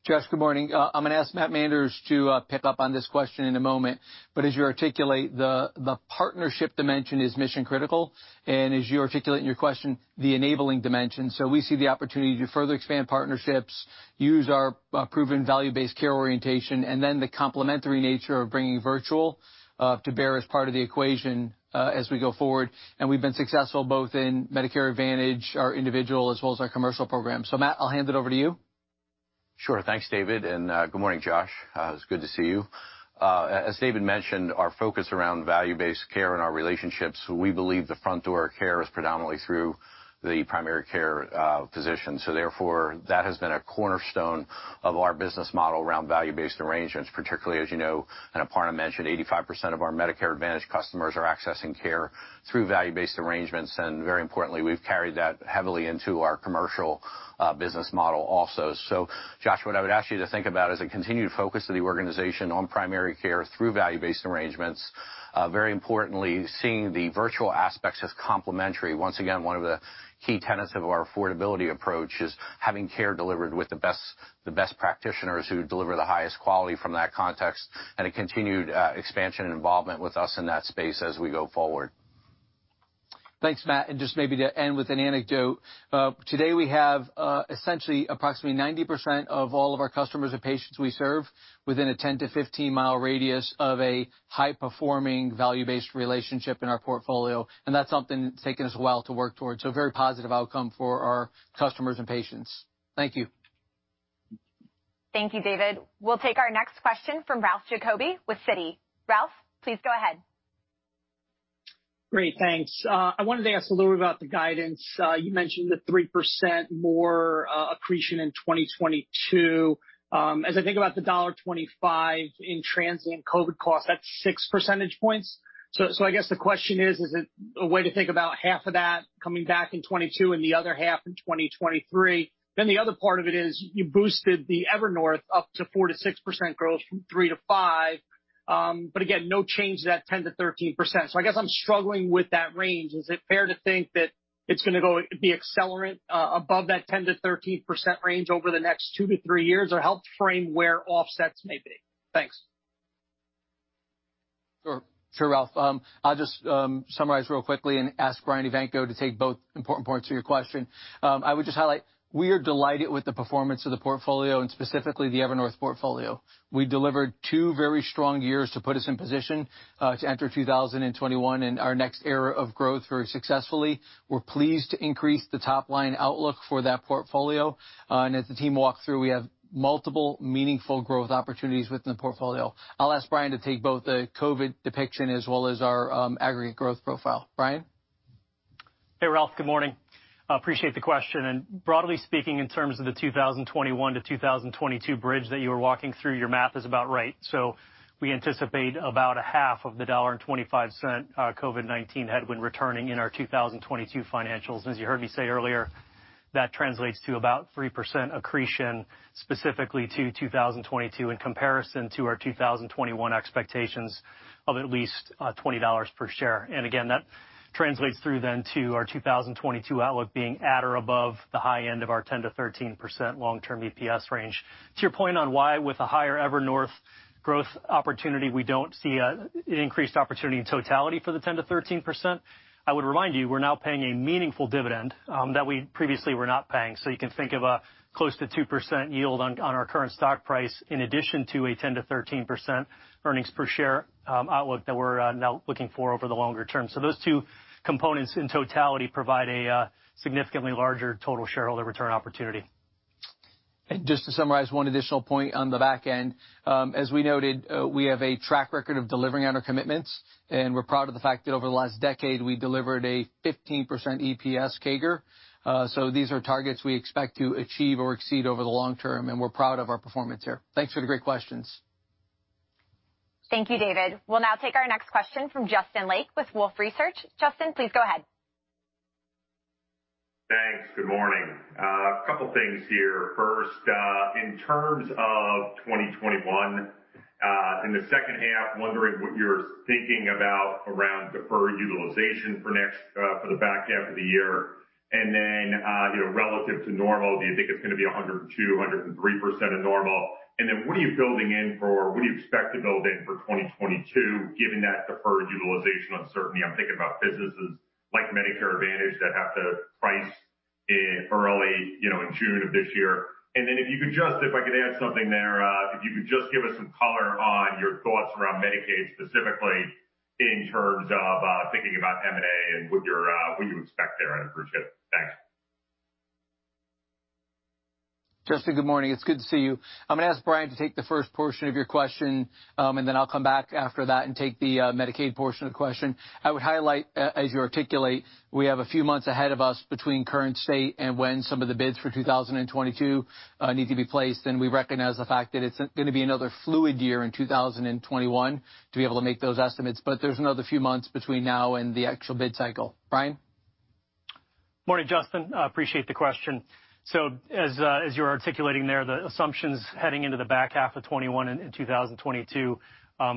Josh, good morning. I'm going to ask Matt Manders to pick up on this question in a moment. As you articulate, the partnership dimension is mission critical and as you articulate in your question, the enabling dimension, we see the opportunity to further expand partnerships, use our proven value-based care orientation, and the complementary nature of bringing virtual to bear as part of the equation as we go forward. We've been successful both in Medicare Advantage, our individual as well as our commercial program. Matt, I'll hand it over to you. Sure. Thanks, David. Good morning, Josh, it's good to see you. As David mentioned, our focus around value-based care and our relationships, we believe the front door of care is predominant through the primary care physician. Therefore, that has been a cornerstone of our business model around value-based arrangements. Particularly, as you know, Aparna mentioned, 85% of our Medicare Advantage customers are accessing care through value-based arrangements. Very importantly, we've carried that heavily into our commercial business model also. Josh, what I would ask you to think about is a continued focus of the organization on primary care through value-based arrangements. Very importantly, seeing the virtual aspects as complementary. Once again, one of the key tenets of our affordability approach is having care delivered with the best practitioners who deliver the highest quality from that context and a continued expansion and involvement with us in that space as we go forward. Thanks, Matt. Maybe to end with an anecdote, today we have essentially approximately 90% of all of our customers and patients we serve within a 10-15 mi radius of a high performing value-based relationship in our portfolio. That's something that has taken us a while to work towards, so a very positive outcome for our customers and patients. Thank you. Thank you, David. We'll take our next question from Ralph Giacobbe with Citi. Ralph, please go ahead. Great, thanks. I wanted to ask a little about. The guidance you mentioned, the 3% more accretion in 2022 as I think about the $1.25 in transient. COVID cost, that's 6%. I guess the question is, is. it a way to think about half of that coming back in 2022 and the other half in 2023? The other part of it is you boosted the Evernorth up to 4%-6% growth from 3%-5%. Again, no change, that 10%-13%. I guess I'm struggling with that range. Is it fair to think that it's going to go be accelerant above that 10% to 13% range over the next Two to three years or health frame where off sets make it. Thank you. Sure, Ralph. I'll just summarize real quickly and ask Brian Evanko to take both important points of your question. I would just highlight we are delighted with the performance of the portfolio and specifically the Evernorth portfolio. We delivered two very strong years to put us in position to enter 2021 and our next era of growth very successfully. We're pleased to increase the top line outlook for that portfolio, and as the team walked through, we have multiple meaningful growth opportunities within the portfolio. I'll ask Brian to take both the COVID depiction as well as our aggregate growth profile. Brian? Hey Ralph, good morning. Appreciate the question. Broadly speaking, in terms of the 2021-2022 bridge that you were walking through, your math is about right. We anticipate about half of the $0.25 COVID-19-related headwind returning in our 2022 financials. As you heard me say earlier, that translates to about 3% accretion specifically to 2022 in comparison to our 2021 expectations of at least $20 per share. That translates through to our 2022 outlook being at or above the high end of our 10%-13% long-term EPS range. To your point on why, with a higher Evernorth growth opportunity, we don't see an increased opportunity in totality for the 10%-13%, I would remind you we're now paying a meaningful dividend that we previously were not paying. You can think of a close to 2% yield on our current stock price in addition to a 10%-13% earnings per share outlook that we're now looking for over the longer term. Those two components in totality provide a significantly larger total shareholder return opportunity. To summarize one additional point on the back end, as we noted, we have a track record of delivering on our commitments, and we're proud of the fact that over the last decade we delivered a 15% EPS CAGR. These are targets we expect to achieve or exceed over the long term, and we're proud of our performance here. Thanks for the great questions. Thank you, David. We'll now take our next question from Justin Lake with Wolfe Research. Justin, please go ahead. Thanks. Good morning. A couple of things here. First, in terms of 2021. Second half, wondering what you're thinking about. Around deferred utilization for next. Back half of the year and then, you know, relative to normal, do you. Think it's going to be 100%, 203% of normal? What are you building in for? What do you expect to build in for 2022 given that deferred utilization uncertainty? I'm thinking about businesses like Medicare Advantage. They have to price early, you know. In June of this year. If you could just, if. I could add something there if you. Could you just give us some color on your thoughts around Medicaid, specifically in terms? Of thinking about M&A and with what you expect there, I'd appreciate it. Thanks. Good morning. It's good to see you. I'm going to ask Brian to take the first portion of your question, and then I'll come back after that and take the Medicaid portion of the question. I would highlight, as you articulate, we have a few months ahead of us between current state and when some of the bids for 2022 need to be placed. We recognize the fact that it's going to be another fluid year in 2021 to be able to make those estimates. There's another few months between now and the actual bid cycle. Brian. Morning, Justin. Appreciate the question. As you're articulating there, the assumptions heading into the back half of 2021 and 2022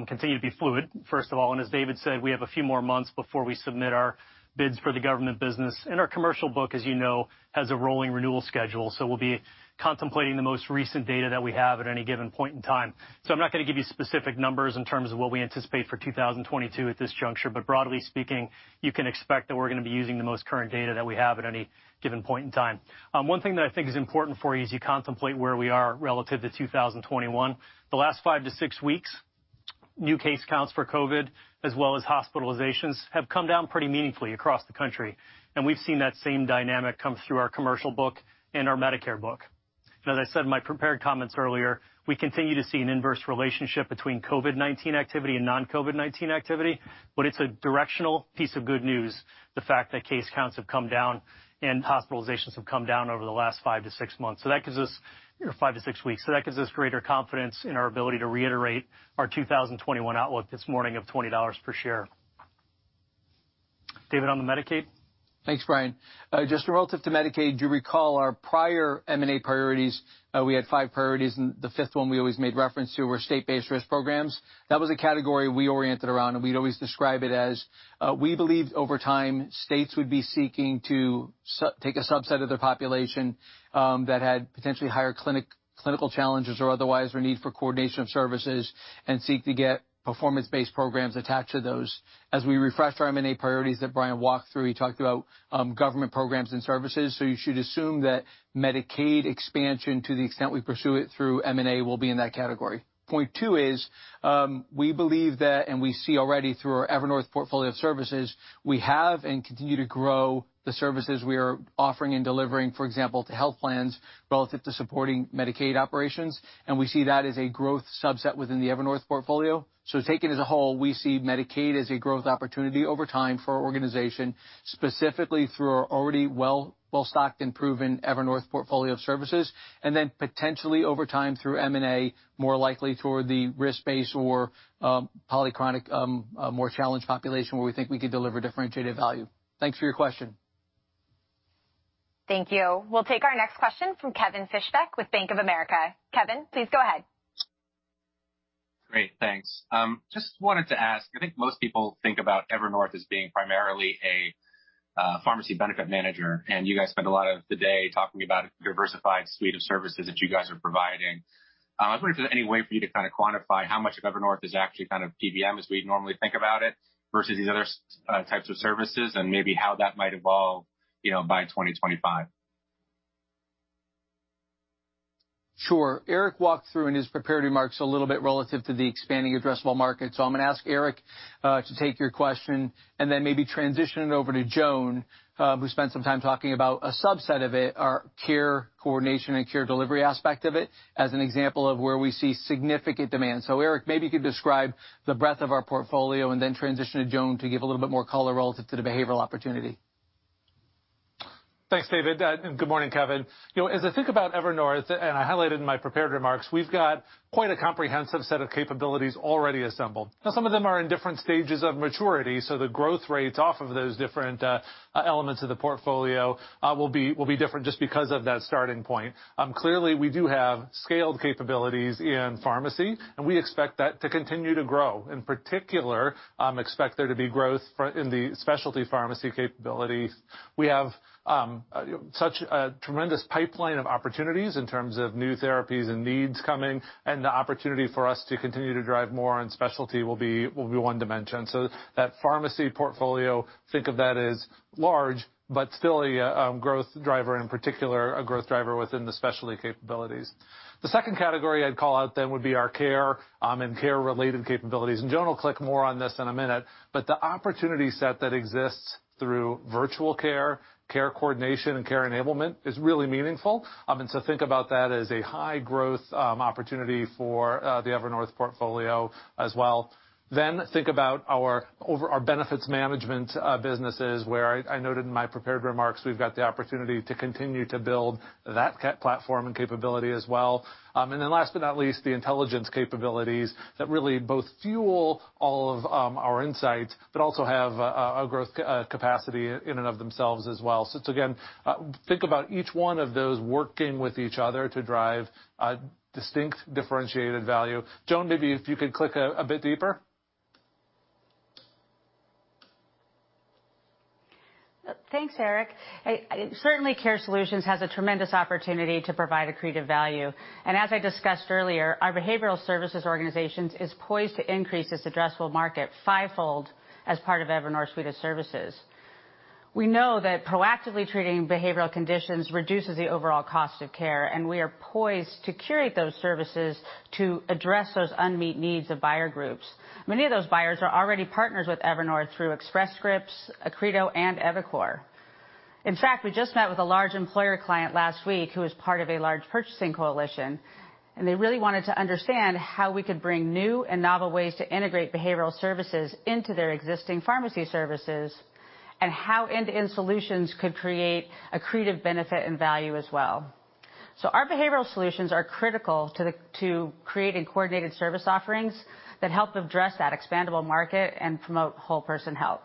continue to be fluid. First of all, and as David said, we have a few more months before we submit our bids for the government business. Our commercial book, as you know, has a rolling renewal schedule. We'll be contemplating the most recent data that we have at any given point in time. I'm not going to give you specific numbers in terms of what we anticipate for 2022 at this juncture, but broadly speaking, you can expect that we're going to be using the most current data that we have at any given point in time. One thing that I think is important for you as you contemplate where we are relative to 2021, the last five to six weeks, new case counts for COVID-19 as well as hospitalizations have come down pretty meaningfully across the country. We've seen that same dynamic come through our commercial book and our Medicare book. As I said in my prepared comments earlier, we continue to see an inverse relationship between COVID-19 activity and non-COVID-19 activity. It's a directional piece of good news. The fact that case counts have come down and hospitalizations have come down over the last five to six weeks gives us greater confidence in our ability to reiterate our 2021 outlook this morning of $20 per share. David on the Medicaid. Thanks, Brian. Just relative to Medicaid, do you recall our prior M&A priorities? We had five priorities, and the fifth one we always made reference to were state-based risk programs. That was a category we oriented around, and we'd always describe it as we believed over time states would be seeking to take a subset of their population that had potentially higher clinical challenges or otherwise were in need for coordination of services and seek to get performance-based programs attached to those. As we refresh our M&A priorities that Brian walked through, he talked about government programs and services. You should assume that Medicaid expansion, to the extent we pursue it through M&A, will be in that category. Point two is we believe that, and we see already through our Evernorth portfolio of services, we have and continue to grow the services we are offering and delivering, for example, to health plans relative to supporting Medicaid operations. We see that as a growth subset within the Evernorth portfolio. Taken as a whole, we see Medicaid as a growth opportunity over time for our organization, specifically through our already well-stocked and proven Evernorth portfolio of services, and then potentially over time through M&A, more likely toward the risk-based or polychronic, more challenged population where we think we could deliver differentiated value. Thanks for your question. Thank you. We'll take our next question from Kevin Fischbeck with Bank of America. Kevin, please go ahead. Great, thanks. Just wanted to ask, I think most people think about Evernorth as being primarily. A pharmacy benefit manager, and you guys spend a lot of the day talking about a diversified suite of services that you guys are providing. I was wondering if there's any way for you to kind of quantify how much of Evernorth is actually kind of PBM as we normally think about it versus these other types of services, and maybe how that might evolve by 2025. Sure. Eric walked through in his prepared remarks a little bit relative to the expanding addressable market. I'm going to ask Eric to take your question and then maybe transition it over to Joan, who spent some time talking about a subset of it, our care coordination and care delivery aspect of it as an example of where we see significant demand. Eric, maybe you could describe the breadth of our portfolio and then transition to Joan to give a little bit more color relative to the behavioral opportunities. Thanks, David, and good morning, Kevin. As I think about Evernorth, and I highlighted in my prepared remarks, we've got quite a comprehensive set of capabilities already assembled. Now some of them are in different stages of maturity, so the growth rates off of those different elements of the portfolio will be different just because of that starting point. Clearly, we do have scaled capabilities in pharmacy, and we expect that to continue to grow. In particular, expect there to be growth in the specialty pharmacy capabilities. We have such a tremendous pipeline of opportunities in terms of new therapies and needs coming, and the opportunity for us to continue to drive more on specialty will be one dimension. That pharmacy portfolio, think of that as large but still a growth driver, in particular a growth driver within the specialty capabilities. The second category I'd call out then would be our care and care-related capabilities. Joan will click more on this in a minute. The opportunity set that exists through virtual care, care coordination, and care enablement is really meaningful, and think about that as a high growth opportunity for the Evernorth portfolio as well. Think about our benefits management businesses where I noted in my prepared remarks, we've got the opportunity to continue to build that platform and capability as well. Last but not least, the intelligence capability that really both fuel all of our insights, but also have a growth capacity in and of themselves as well. Again, think about each one of those working with each other to drive distinct differentiated value. Joan, maybe if you could click a bit deeper. Thanks Eric. Certainly Care Solutions has a tremendous opportunity to provide accretive value. As I discussed earlier, our behavioral services organization is poised to increase this addressable market fivefold. As part of Evernorth suite of services, we know that proactively treating behavioral conditions reduces the overall cost of care, and we are poised to curate those services to address those unmet needs of buyer groups. Many of those buyers are already partners with Evernorth through Express Scripts, Accredo, and EviCore. In fact, we just met with a large employer client last week who is part of a large purchasing coalition, and they really wanted to understand how we could bring new and novel ways to integrate behavioral services into their existing pharmacy services and how end-to-end solutions could create accretive benefit and value as well. Our behavioral solutions are critical to create and coordinated service offerings that help address that expandable market and promote whole person health.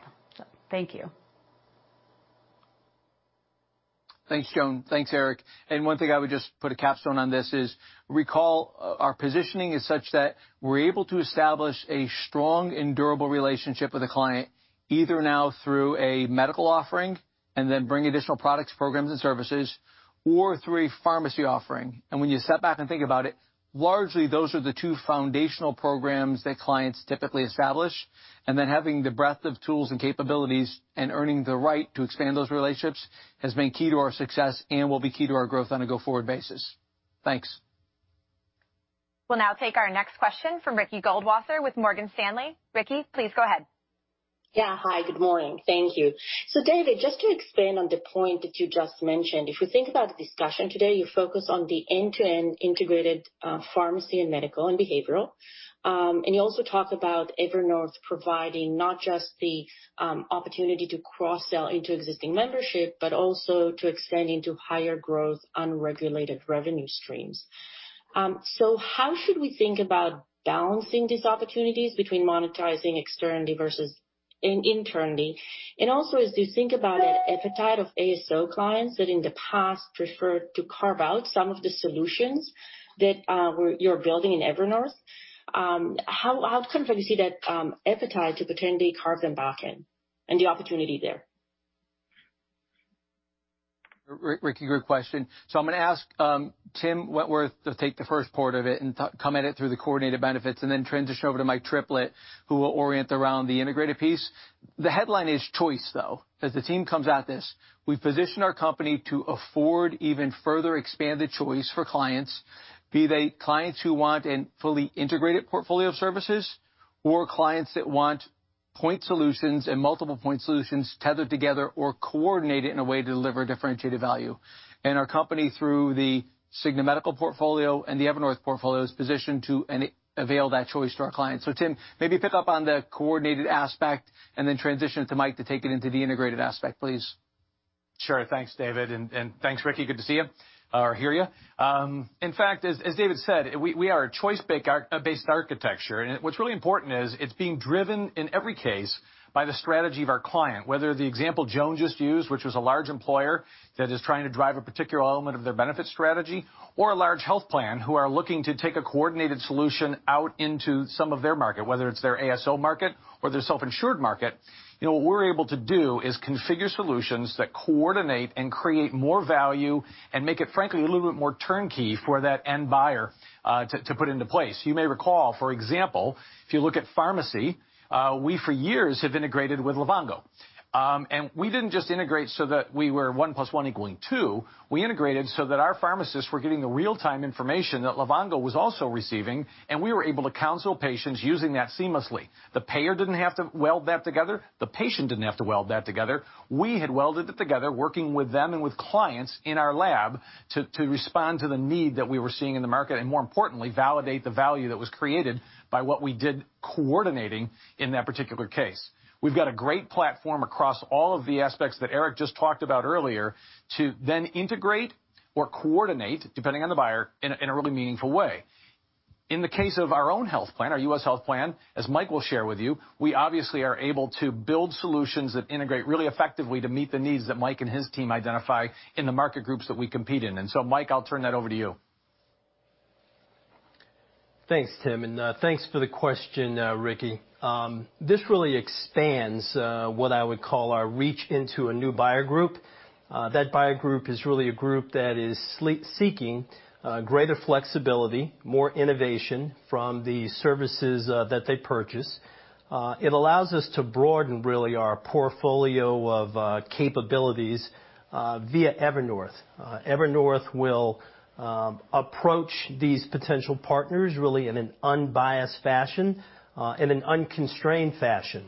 Thank you. Thanks, Joan. Thanks, Eric. One thing I would just put a capstone on is recall. Our positioning is such that we're able to establish a strong and durable relationship with a client, either now through a medical offering and then bring additional products, programs, and services, or through a pharmacy offering. When you step back and think about it, largely those are the two foundational programs that clients typically establish. Having the breadth of tools and capabilities and earning the right to expand those relationships has been key to our success and will be key to our growth on a go forward basis. Thanks. We'll now take our next question from Ricky Goldwasser with Morgan Stanley. Ricky, please go ahead. Yeah. Hi, good morning. Thank you. David, just to expand on the. Point that you just mentioned, if you think about discussion today, you focus on. The end-to-end integrated pharmacy and medical and behavioral. You also talk about Evernorth providing not just the opportunity to cross-sell into existing membership, but also to. Expand into higher growth, unregulated revenue streams. How should we think about balancing these opportunities between monetizing externally versus internally? As you think about that appetite of ASO clients that in the past preferred to carve out some of the solutions that you're building in Evernorth. How sometimes you see that appetite to potentially carve them back and the opportunity there? Ricky, good question. I'm going to ask Tim Wentworth to take the first part of it and come at it through the coordinated benefits and then transition over to Mike Triplett who will orient around the integrated piece. The headline is choice though. As the team comes at this, we've positioned our company to afford even further expanded choice for clients, be they clients who want a fully integrated portfolio of services, or clients that want point solutions and multiple point solutions tethered together or coordinated in a way to deliver differentiated value. Our company, through the Cigna Medical portfolio and the Evernorth portfolio, is positioned to avail that choice to our clients. Tim, maybe pick up on the coordinated aspect and then transition to Mike to take it into the integrated aspect, please. Sure. Thanks, David. Thanks, Ricky. Good to see you or hear you. In fact, as David said, we are a choice-based architecture, and what's really important is it's being driven in every case by the strategy of our client, whether the example Joan just used, which was a large employer that is trying to drive a particular element of their benefit strategy or a large health plan who are looking to take a coordinated solution out into some of their market, whether it's their ASO market or their self-insured market. What we're able to do is configure solutions that coordinate and create more value and make it, frankly, a little bit more turnkey for that end buyer to put into place. You may recall, for example, if you look at pharmacies, we for years have integrated with Livongo. We didn't just integrate so that we were one plus one equaling two. We integrated so that our pharmacists were getting the real-time information that Livongo was also receiving, and we were able to counsel patients using that seamlessly. The payer didn't have to weld that together, the patient didn't have to weld that together. We had welded it together, working with them and with clients in our lab to respond to the need that we were seeing in the market and, more importantly, validate the value that was created by what we did coordinating in that particular case. We've got a great platform across all of the aspects that Eric just talked about earlier to then integrate or coordinate, depending on the buyer, in a really meaningful way. In the case of our own health plan, our U.S. health plan, as Mike will share with you, we obviously are able to build solutions that integrate really effectively to meet the needs that Mike and his team identify in the market groups that we compete in. Mike, I'll turn that over to you. Thanks, Tim, and thanks for the question, Ricky. This really expands what I would call our reach into a new buyer group. That buyer group is really a group that is seeking greater flexibility, more innovation from the services that they purchase. It allows us to broaden really our portfolio of capabilities via Evernorth. Evernorth will approach these potential partners really in an unbiased fashion, in an unconstrained fashion.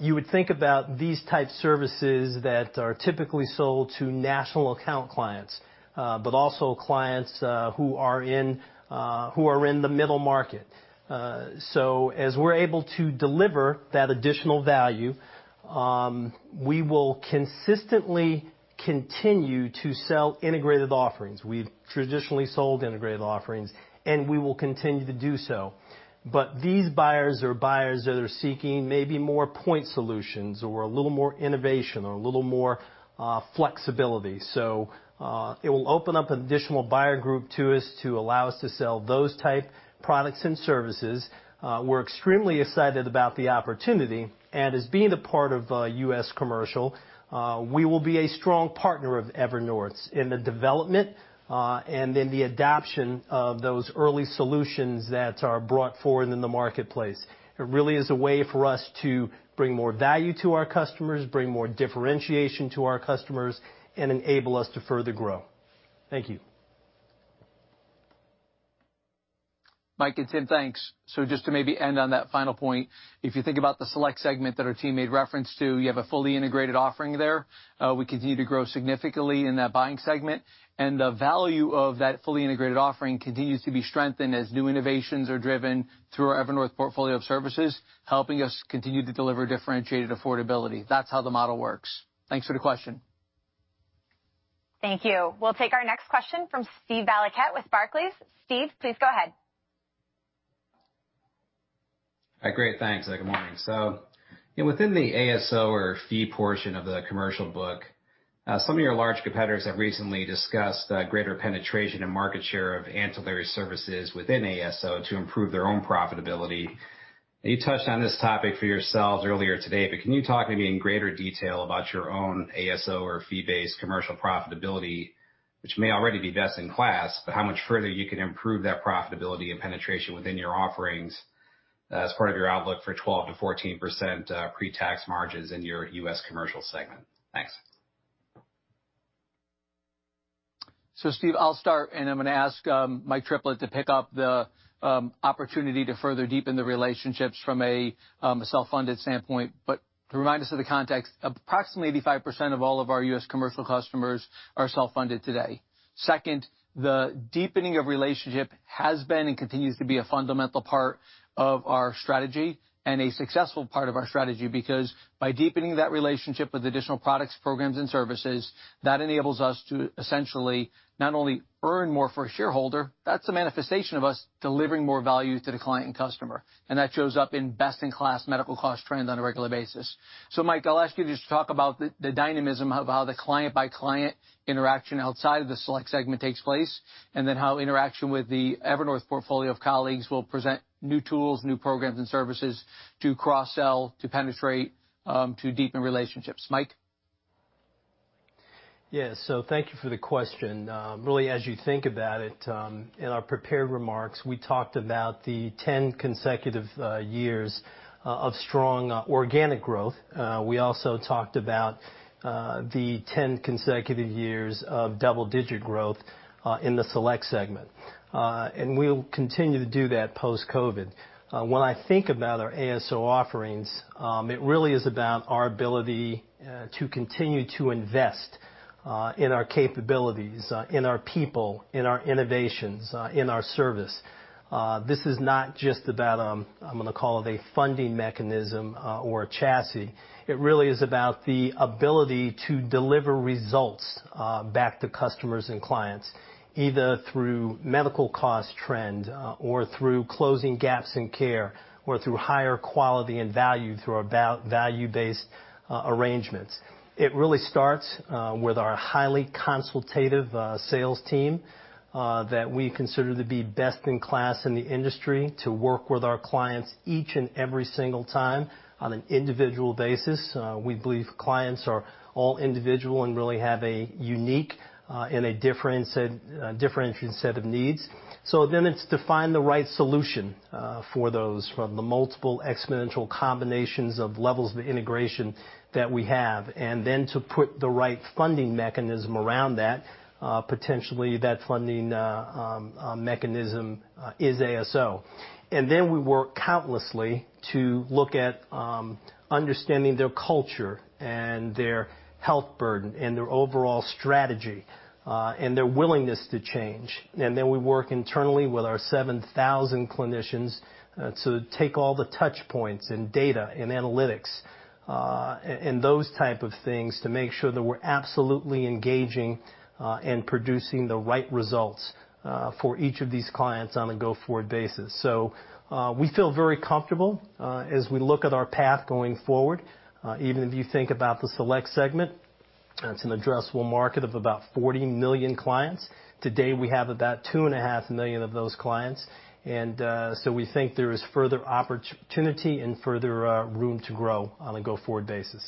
You would think about these type services that are typically sold to national account clients, also clients who are in the middle market. As we're able to deliver that additional value, we will consistently continue to sell integrated offerings. We've traditionally sold integrated offerings and we will continue to do so. These buyers are buyers that are seeking maybe more point solutions or a little more innovation or a little more flexibility. It will open up an additional buyer group to us to allow us to sell those type products and services. We're extremely excited about the opportunity and as being a part of U.S. Commercial, we will be a strong partner of Evernorth's in the development and then the adoption of those early solutions that are brought forward in the marketplace. It really is a way for us to bring more value to our customers, bring more differentiation to our customers and enable us to further grow. Thank you. Mike and Tim, thanks. Just to maybe end on that final point, if you think about the select segment that our team made reference to, you have a fully integrated offering there. We continue to grow significantly in that buying segment, and the value of that fully integrated offering continues to be strengthened as new innovations are driven through our Evernorth portfolio of services, helping us continue to deliver differentiated affordability. That's how the model works. Thanks for the question. Thank you. We'll take our next question from Steve Valiquette with Barclays. Steve, please go ahead. Great, thanks. Good morning. Within the ASO or fee portion. Of the commercial book, some of your. Large competitors have recently discussed greater penetration and market share of ancillary services within ASO to improve their own profitability. You touched on this topic for yourselves earlier today, but can you talk maybe. In greater detail about your own ASO. Or fee-based commercial profitability, which may already be best in class, but how much further you can improve that profitability and penetration within your offerings as part of your outlook for 12%-14% pre-tax margins in your U.S. commercial segment? Thanks. Steve, I'll start and I'm going to ask Mike Triplett to pick up the opportunity to further deepen the relationships from a self-funded standpoint. To remind us of the context, approximately 85% of all of our U.S. commercial customers are self-funded today. The deepening of relationship has been and continues to be a fundamental part of our strategy and a successful part of our strategy because by deepening that relationship with additional products, programs, and services, that enables us to essentially not only earn more for a shareholder. That's a manifestation of us delivering more value to the client and customer, and that shows up in best-in-class medical cost trend on a regular basis. Mike, I'll ask you to talk about the dynamism of how the client-by-client interaction outside of the select segment takes place and then how interaction with the Evernorth portfolio of colleagues will present new tools, new programs, and services to cross-sell, to penetrate, to deepen relationships. Mike. Thank you for the question. Really, as you think about it, in our prepared remarks we talked about the 10 consecutive years of strong organic growth. We also talked about the 10 consecutive years of double-digit growth in the select segment, and we'll continue to do that post-COVID. When I think about our ASO offerings, it really is about our ability to continue to invest in our capabilities, in our people, in our innovations, in our service. This is not just about, I'm going to call it, a funding mechanism or a chassis. It really is about the ability to deliver results back to customers and clients either through medical cost trend or through closing gaps in care, or through higher quality and value through our value-based arrangements. It really starts with our highly consultative sales team that we consider to be best in class in the industry to work with our clients each and every single time on an individual basis. We believe clients are all individual and really have a unique and a differentiated set of needs. Then it's define the right solution for those from the multiple exponential combinations of levels of integration that we have, and then to put the right funding mechanism around that. Potentially, that funding mechanism is ASO. We work countlessly to look at understanding their culture and their health burden and their overall strategy and their willingness to change. We work internally with our 7,000 clinicians to take all the touch points and data and analytics and those types of things to make sure that we're absolutely engaging and producing the right results, results for each of these clients on a go-forward basis. We feel very comfortable as we look at our path going forward. Even if you think about the select segment, that's an addressable market of about 40 million clients. Today, we have about 2.5 million of those clients, and we think there is further opportunity and further room to grow on a go-forward basis.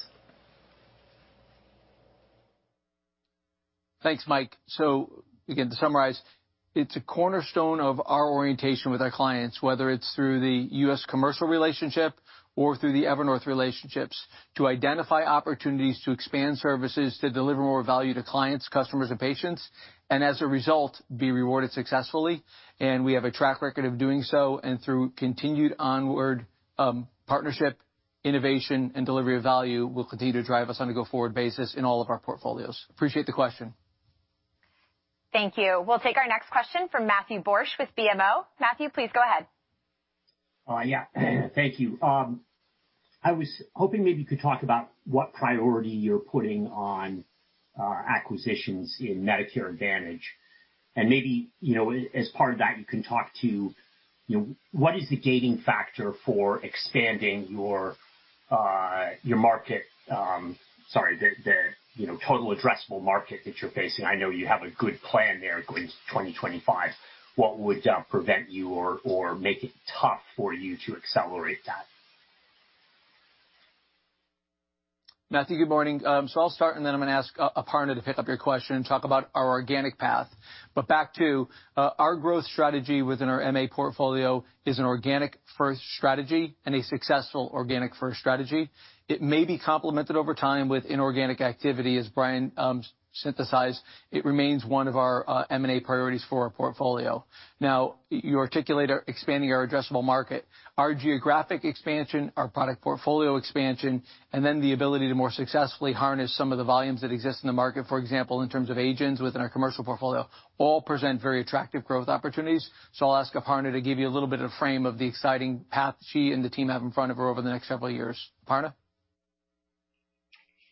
Thanks, Mike. To summarize, it's a cornerstone of our orientation with our clients, whether it's through the U.S. commercial relationship or through the Evernorth relationships, to identify opportunities to expand services, to deliver more value to clients, customers, and patients, and as a result be rewarded successfully. We have a track record of doing so, and through continued onward partnership, innovation, and delivery of value, will continue to drive us on a go forward basis in all of our portfolios. Appreciate the question. Thank you. We'll take our next question from Matthew Borch with BMO. Matthew, please go ahead. Thank you. I was hoping maybe you could talk about what priority you're putting on acquisitions in Medicare Advantage. Maybe, as part of that, you can talk to what is the gating factor for expanding your market, the total addressable market that you're facing. I know you have a good plan there, going to 2025. What would prevent you or make. It's tough for you to accelerate that. Matthew, good morning. I'll start and then I'm going to ask Aparna to pick up your question and talk about our organic PAT path. Back to our growth strategy, within our MA portfolio is an organic first strategy and a successful organic first strategy. It may be complemented over time with inorganic activity. As Brian synthesized, it remains one of our M&A priorities for our portfolio. You articulate expanding our addressable market, our geographic expansion, our product portfolio expansion, and then the ability to more successfully harness some of the volumes that exist in the market. For example, in terms of agents within our commercial portfolio, all present very attractive growth opportunities. I'll ask Aparna to give you a little bit of frame of the exciting path she and the team have in front of her over the next several years. Aparna?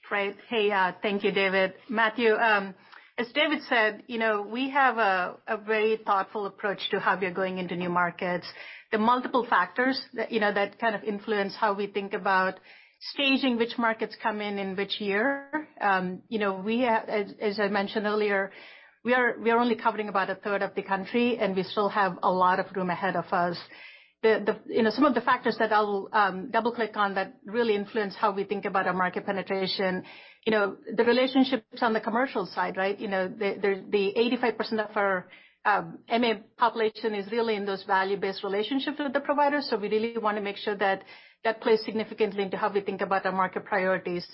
Great. Hey, thank you, David. Matthew, as David said, we have a very thoughtful approach to how we are going into new markets. The multiple factors that kind of influence how we think about staging, which markets come in in which year. As I mentioned earlier, we are only covering about a third of the country, and we still have a lot of room ahead of us. Some of the factors that I'll double click on that really influence how we think about our market penetration are the relationships on the commercial side. The 85% of our MA population is really in those value-based relationships with the providers. We really want to make sure that that plays significantly into how we think about our market priorities.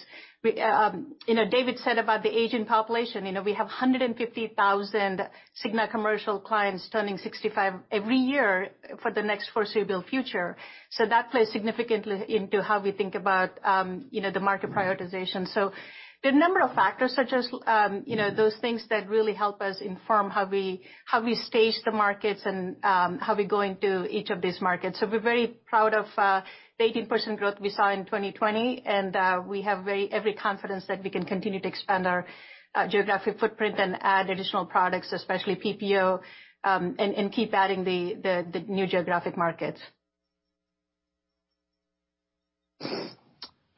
David said about the aging population, we have 150,000 Cigna commercial clients turning 65 every year for the next foreseeable future. That plays significantly into how we think about the market prioritization. There are a number of factors such as those things that really help us inform how we stage the markets and how we are going to each of these markets. We are very proud of the 18% growth we saw in 2020, and we have every confidence that we can continue to expand our geographic footprint and add additional products, especially PPO, and keep adding the new geographic market.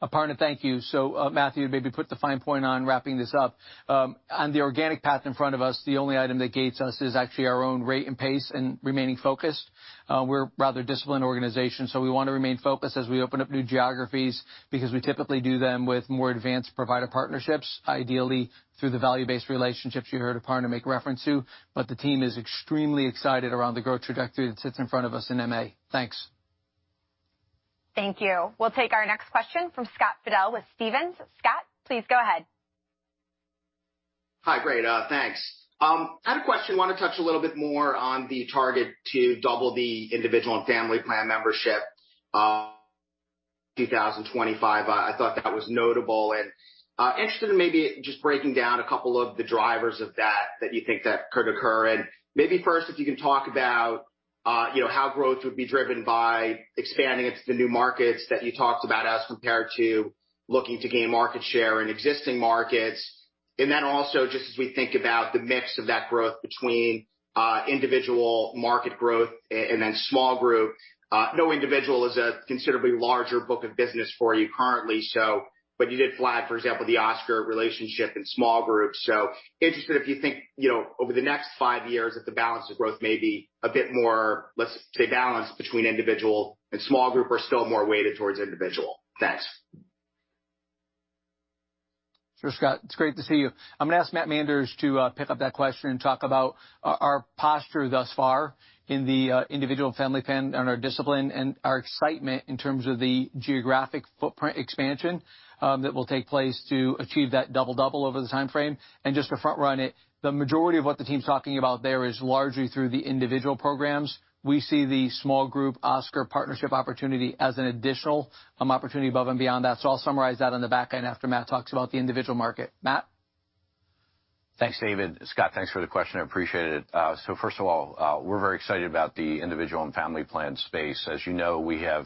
Aparna, thank you. Matthew, maybe put the fine point on wrapping this up on the organic path in front of us. The only item that gates us is actually our own rate and pace and remaining focused. We're a rather disciplined organization, so we want to remain focused as we open new geographies because we typically do them with more advanced provider partnerships, ideally through the value-based relationships you heard a partner make reference to. The team is extremely excited around the growth trajectory that sits in front of us in MA. Thanks. Thank you. We'll take our next question from Scott Fidel with Stephens. Scott, please go ahead. Hi. Great. Thanks. I had a question. Want to touch a little bit more on the target to double the individual and family plan membership by 2025. I thought that was notable and interested in maybe just breaking down a couple of the drivers of that that you think could occur. Maybe first if you can talk about how growth would be driven by expanding into the new markets. That you talked about as compared to looking to gain market share in existing markets. Also, just as we think about the mix of that growth between individual market growth and then small group, individual is a considerably larger book of business for you currently. You did flag, for example, the Oscar relationship in small groups. I'm interested if you think, you know, over the next five years that the balance of growth may be a bit. More, let's say, balance between individual and small group, or still more weighted towards individual. Thanks. Sure Scott, it's great to see you. I'm going to ask Matt Manders to pick up that question and talk about our posture thus far in the individual and family plan on our discipline and our excitement in terms of the geographic footprint expansion that will take place to achieve that double double over the time frame. Just to front run it, the majority of what the team's talking about there is largely through the individual programs. We see the small group Oscar Health partnership opportunity as an additional opportunity above and beyond that. I'll summarize that on the back end after Matt talks about the individual market. Matt? Thanks, David. Scott, thanks for the question. I appreciate it. First of all, we're very excited about the individual and family plan space. As you know, we have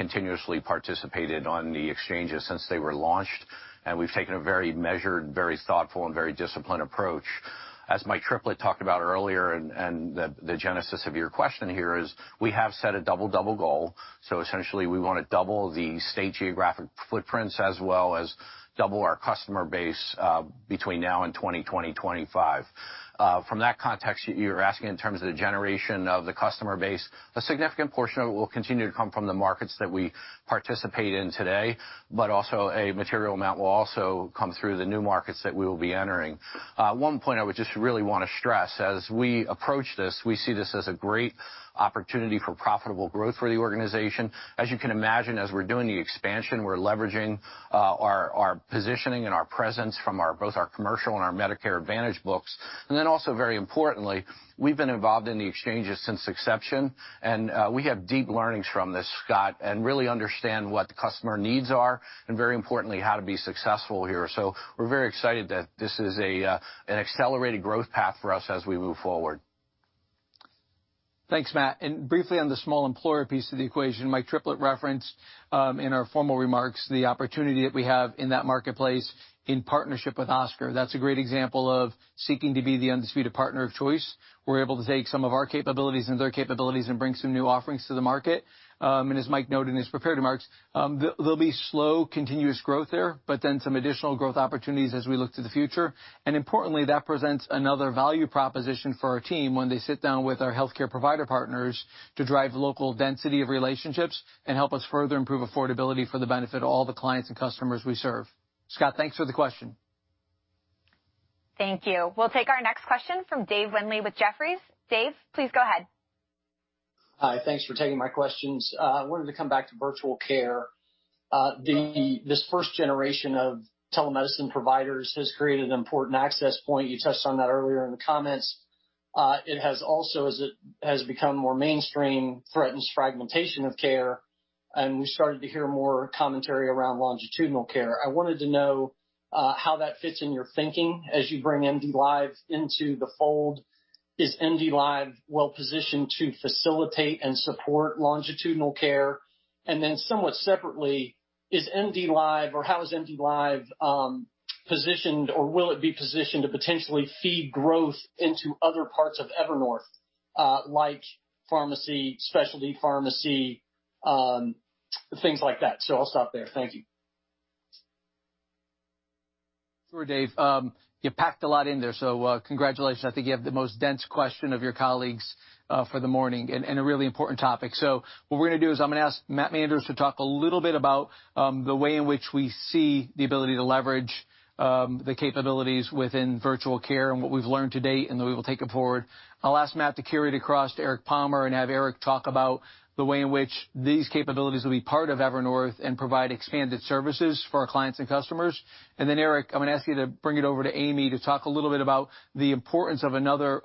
continuously participated on the exchanges since they were launched, and we've taken a very measured, very thoughtful, and very disciplined approach, as Mike Triplett talked about earlier. The genesis of your question here is we have set a double double goal. Essentially, we want to double the state geographic footprints as well as double our customer base between now and 2025. From that context, you're asking in terms of the generation of the customer base, a significant portion of it will continue to come from the markets that we participate in today, but also a material amount will also come through the new markets that we will be entering. One point I would just really want to stress as we approach this is we see this as a great opportunity for profitable growth for the organization. As you can imagine, as we're doing the expansion, we're leveraging our positioning and our presence from both our commercial and our Medicare Advantage books. Also, very importantly, we've been involved in the exchanges since inception, and we have deep learnings from this, Scott, and really understand what the customer needs are and, very importantly, how to be successful here. We're very excited that this is an accelerated growth path for us as we move forward. Thanks, Matt. Briefly on the small employer piece of the equation, Mike Triplett referenced in our formal remarks the opportunity that we have in that marketplace in partnership with Oscar. That's a great example of seeking to be the undisputed partner of choice. We're able to take some of our capabilities and their capabilities and bring some new offerings to the market. As Mike noted in his prepared remarks, there'll be slow, continuous growth there, but then some additional growth opportunities as we look to the future. Importantly, that presents another value proposition for our team when they sit down with our healthcare provider partners to drive local density of relationships and help us further improve affordability for the benefit of all the clients and customers we serve. Scott, thanks for the question. Thank you. We'll take our next question from Dave Windley with Jefferies. Dave, please go ahead. Hi. Thanks for taking my questions. I wanted to come back to virtual care. This first generation of telemedicine providers. Has created an important access point. You touched on that earlier in the comments, as it has become. More mainstream threatens fragmentation of care. We started to hear more commentary around longitudinal care. I wanted to know how that fits. In your thinking as you bring MDLIVE into the fold. Is MDLIVE well positioned to facilitate and support longitudinal care? Somewhat separately, is MDLIVE or how is MDLIVE positioned, or will it be positioned to potentially feed growth. Into other parts of Evernorth like pharmacy, Specialty Pharmacy, things like that. I'll stop there. Thank you. Sure. Dave, you packed a lot in there. Congratulations. I think you have the most dense question of your colleagues for the morning and a really important topic. What we're going to do is I'm going to ask Matt Manders to talk a little bit about the way in which we see the ability to leverage the capabilities within virtual care and what we've learned to date and that we will take it forward. I'll ask Matt to carry it across to Eric Palmer and have Eric talk about the way in which these capabilities will be part of Evernorth and provide expanded services for our clients and customers. Eric, I'm going to ask you to bring it over to Amy to talk a little bit about the importance of another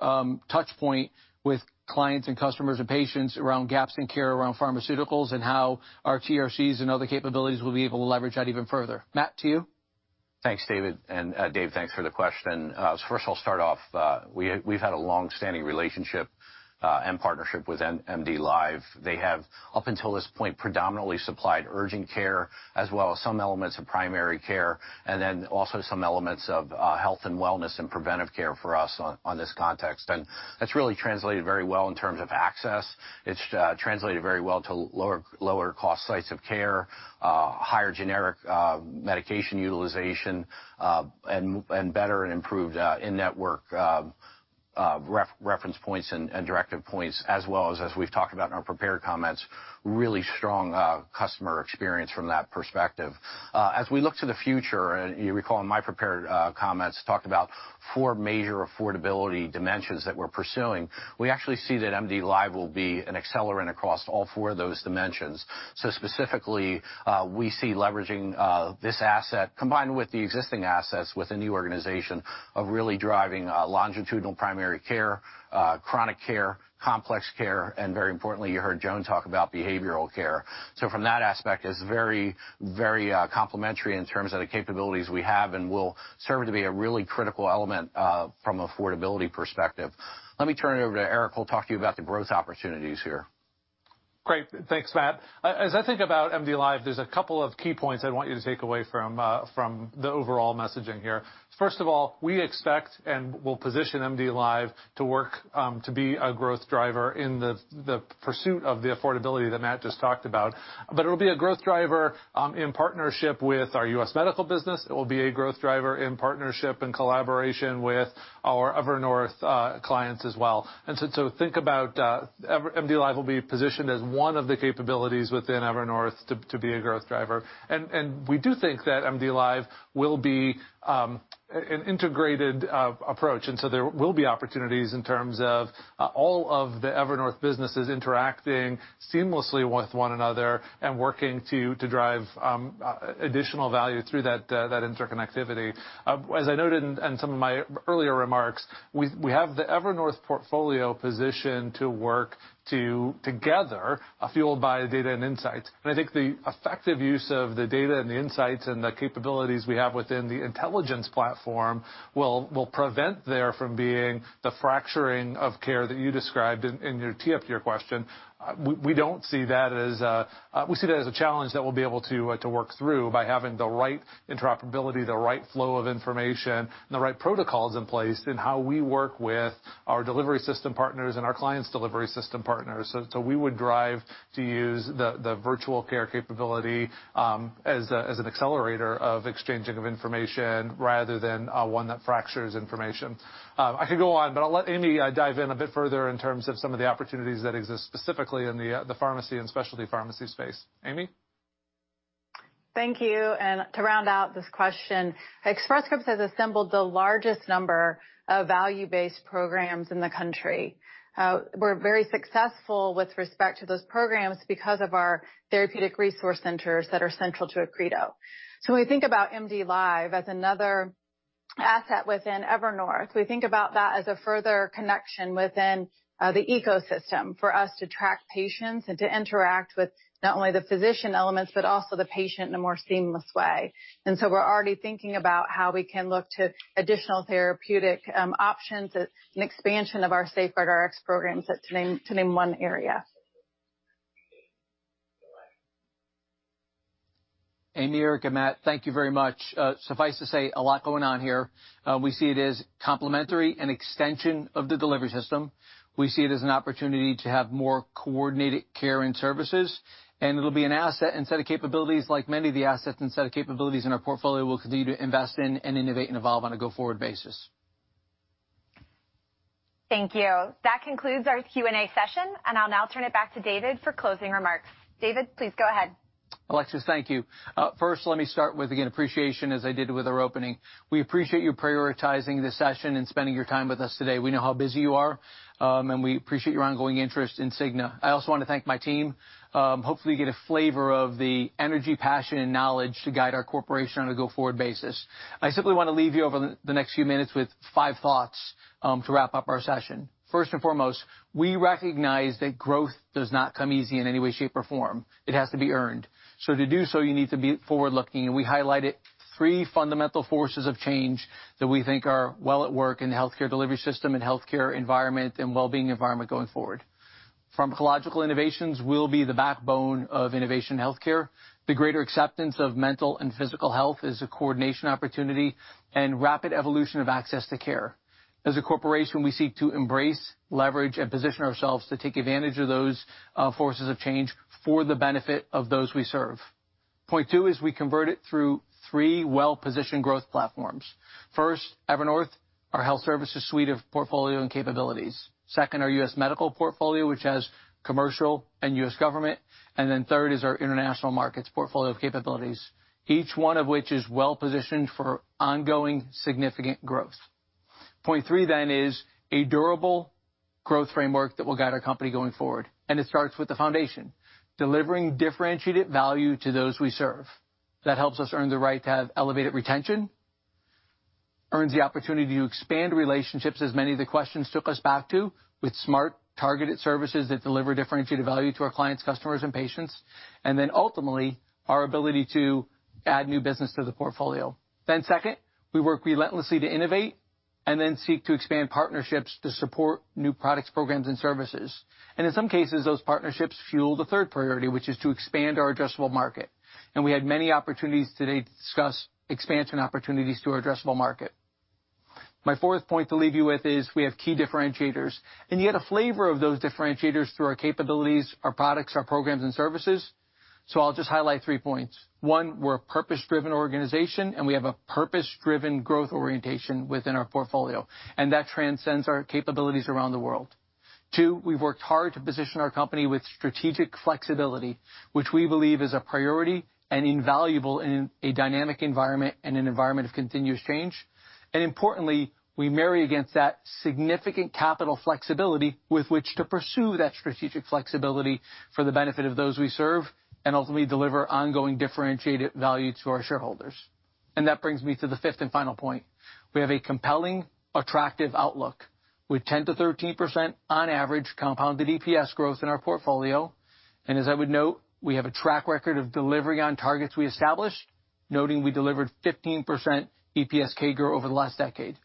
touch point with clients and customers and patients around gaps in care around pharmaceuticals and how our TRCs and other capabilities will be able to leverage that even further. Matt, to you. Thanks, David, and Dave, thanks for the question. First, I'll start off, we've had a long-standing relationship and partnership with MDLIVE. They have up until this point predominantly supplied urgent care as well as some elements of primary care and then also some elements of health and wellness and preventive care for us in this context. That's really translated very well in terms of access. It's translated very well to lower cost sites of care, higher generic medication utilization, and better and improved in-network reference points and directive points, as we've talked about in our prepared comments. Really strong customer experience from that perspective as we look to the future. You recall in my prepared comments, talked about four major affordability dimensions that we're pursuing. We actually see that MDLIVE will be an accelerant across all four of those dimensions. Specifically, we see leveraging this asset combined with the existing assets within the organization of really driving longitudinal primary care, chronic care, complex care, and very importantly, you heard Joan talk about behavioral care. From that aspect, it's very, very complementary in terms of the capabilities we have and will serve to be a really critical element from an affordability perspective. Let me turn it over to Eric, who'll talk to you about the growth opportunities here. Great. Thanks Matt. As I think about MDLIVE, there's a couple of key points I'd want you to take away from the overall messaging here. First of all, we expect and will position MDLIVE to work to be a growth driver in the pursuit of the affordability that Matt just talked about. It will be a growth driver in partnership with our U.S. Medical business. It will be a growth driver in partnership and collaboration with our Evernorth clients as well. Think about MDLIVE being positioned as one of the capabilities within Evernorth to be a growth driver. We do think that MDLIVE will be an integrated approach and there will be opportunities in terms of all of the Evernorth businesses interacting seamlessly with one another and working to drive additional value through that interconnectivity. As I noted in some of my earlier remarks, we have the Evernorth portfolio positioned together fueled by data and insights, and I think the effective use of the data and the insights and the capabilities we have within the intelligence platform will prevent there from being the fracturing of care that you described in your tee up, your question. We don't see that as we see that as a challenge that we'll be able to work through by having the right interoperability, the right flow of information, and the right protocols in place in how we work with our delivery system partners and our clients' delivery system partners. We would use the virtual care capability as an accelerator of exchanging of information rather than one that fractures information. I could go on, but I'll let Amy dive in a bit further in terms of some of the opportunities that exist specifically in the pharmacy and specialty pharmacy space. Amy? Thank you. To round out this question, Express Scripts has assembled the largest number of value-based programs in the country. We're very successful with respect to those programs because of our Therapeutic Resource Centers that are central to Accredo. When we think about MDLIVE as another asset within Evernorth, we think about that as a further connection within the ecosystem for us to track patients and to interact with not only the physician elements, but also the patient in a more seamless way. We're already thinking about how we can look to additional therapeutic options, an expansion of our SafeguardRx programs to name one area. Amy, Eric and Matt, thank you very much. Suffice to say, a lot going on here. We see it as complementary and an extension of the delivery system. We see it as an opportunity to have more coordinated care and services, and it'll be an asset and set of capabilities like many of the assets and set of capabilities in our portfolio. We'll continue to invest in and innovate and evolve on a go forward basis. Thank you. That concludes our Q&A session, and I'll now turn it back to David for closing remarks. David, please go ahead. Alexis, thank you. First, let me start with appreciation as I did with our opening. We appreciate you prioritizing this session and spending your time with us today. We know how busy you are and we appreciate your ongoing interest in Cigna. I also want to thank my team. Hopefully you get a flavor of the energy, passion, and knowledge to guide our corporation on a go forward basis. I simply want to leave you over the next few minutes with five thoughts to wrap up our session. First and foremost, we recognize that growth does not come easy in any way, shape, or form. It has to be earned. To do so you need to be forward looking. We highlighted three fundamental forces of change that we think are well at work in the healthcare delivery system, healthcare environment, and wellbeing environment. Going forward, pharmacological innovations will be the backbone of innovation in healthcare. The greater acceptance of mental and physical health is a coordination opportunity and rapid evolution of access to care. As a corporation, we seek to embrace, leverage, and position ourselves to take advantage of those forces of change for the benefit of those we serve. Point two is we convert it through three well positioned growth platforms. First, Evernorth, our health services suite of portfolio and capabilities. Second, our U.S. Medical portfolio, which has commercial and U.S. government. Third is our international markets portfolio capabilities, each one of which is well positioned for ongoing significant growth. Point three then is a durable growth framework that will guide our company going forward. It starts with the foundation delivering differentiated value to those we serve that helps us earn the right to have elevated retention, earns the opportunity to expand relationships as many of the questions took us back to with smart targeted services that deliver differentiated value to our clients, customers, and patients, and ultimately our ability to add new business to the portfolio. Second, we work relentlessly to innovate and seek to expand partnerships to support new products, programs, and services. In some cases, those partnerships fuel the third priority, which is to expand our addressable market. We had many opportunities today to discuss expansion opportunities to our addressable market. My fourth point to leave you with is we have key differentiators and yet a flavor of those differentiators through our capabilities, our products, our programs, and services. I'll just highlight three points. One, we're a purpose-driven organization and we have a purpose-driven growth orientation within our portfolio and that transcends our capabilities around the world. Two, we've worked hard to position our company with strategic flexibility, which we believe is a priority and invaluable in a dynamic environment and an environment of continuous change. Importantly, we marry against that significant capital flexibility with which to pursue that strategic flexibility for the benefit of those we serve and ultimately deliver ongoing differentiated value to our shareholders. That brings me to the fifth and final point. We have a compelling, attractive outlook with 10%-13% on average compounded EPS growth in our portfolio. As I would note, we have a track record of delivery on targets we establish, noting we delivered 15% EPS CAGR over the last decade.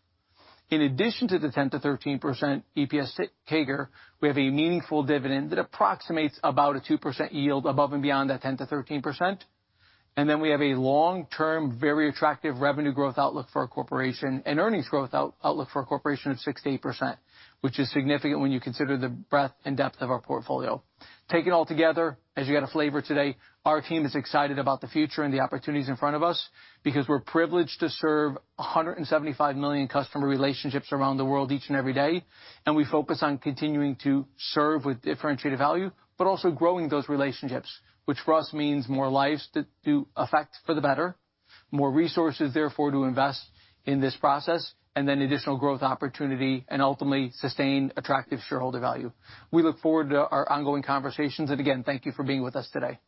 In addition to the 10%-13% EPS CAGR, we have a meaningful dividend that approximates about a 2% yield above and beyond that 10%-13%. We have a long-term, very attractive revenue growth outlook for a corporation and earnings growth outlook for a corporation of 6%-8%, which is significant when you consider the breadth and depth of our portfolio. Take it all together as you got a flavor today. Our team is excited about the future and the opportunities in front of us because we're privileged to serve 175 million customer relationships around the world each and every day. We focus on continuing to serve with differentiated value, but also growing those relationships, which for us means more lives to affect for the better, more resources, therefore, to invest in this process, and then additional growth opportunity and ultimately sustained attractive shareholder value. We look forward to our ongoing conversations and again, thank you for being with us today.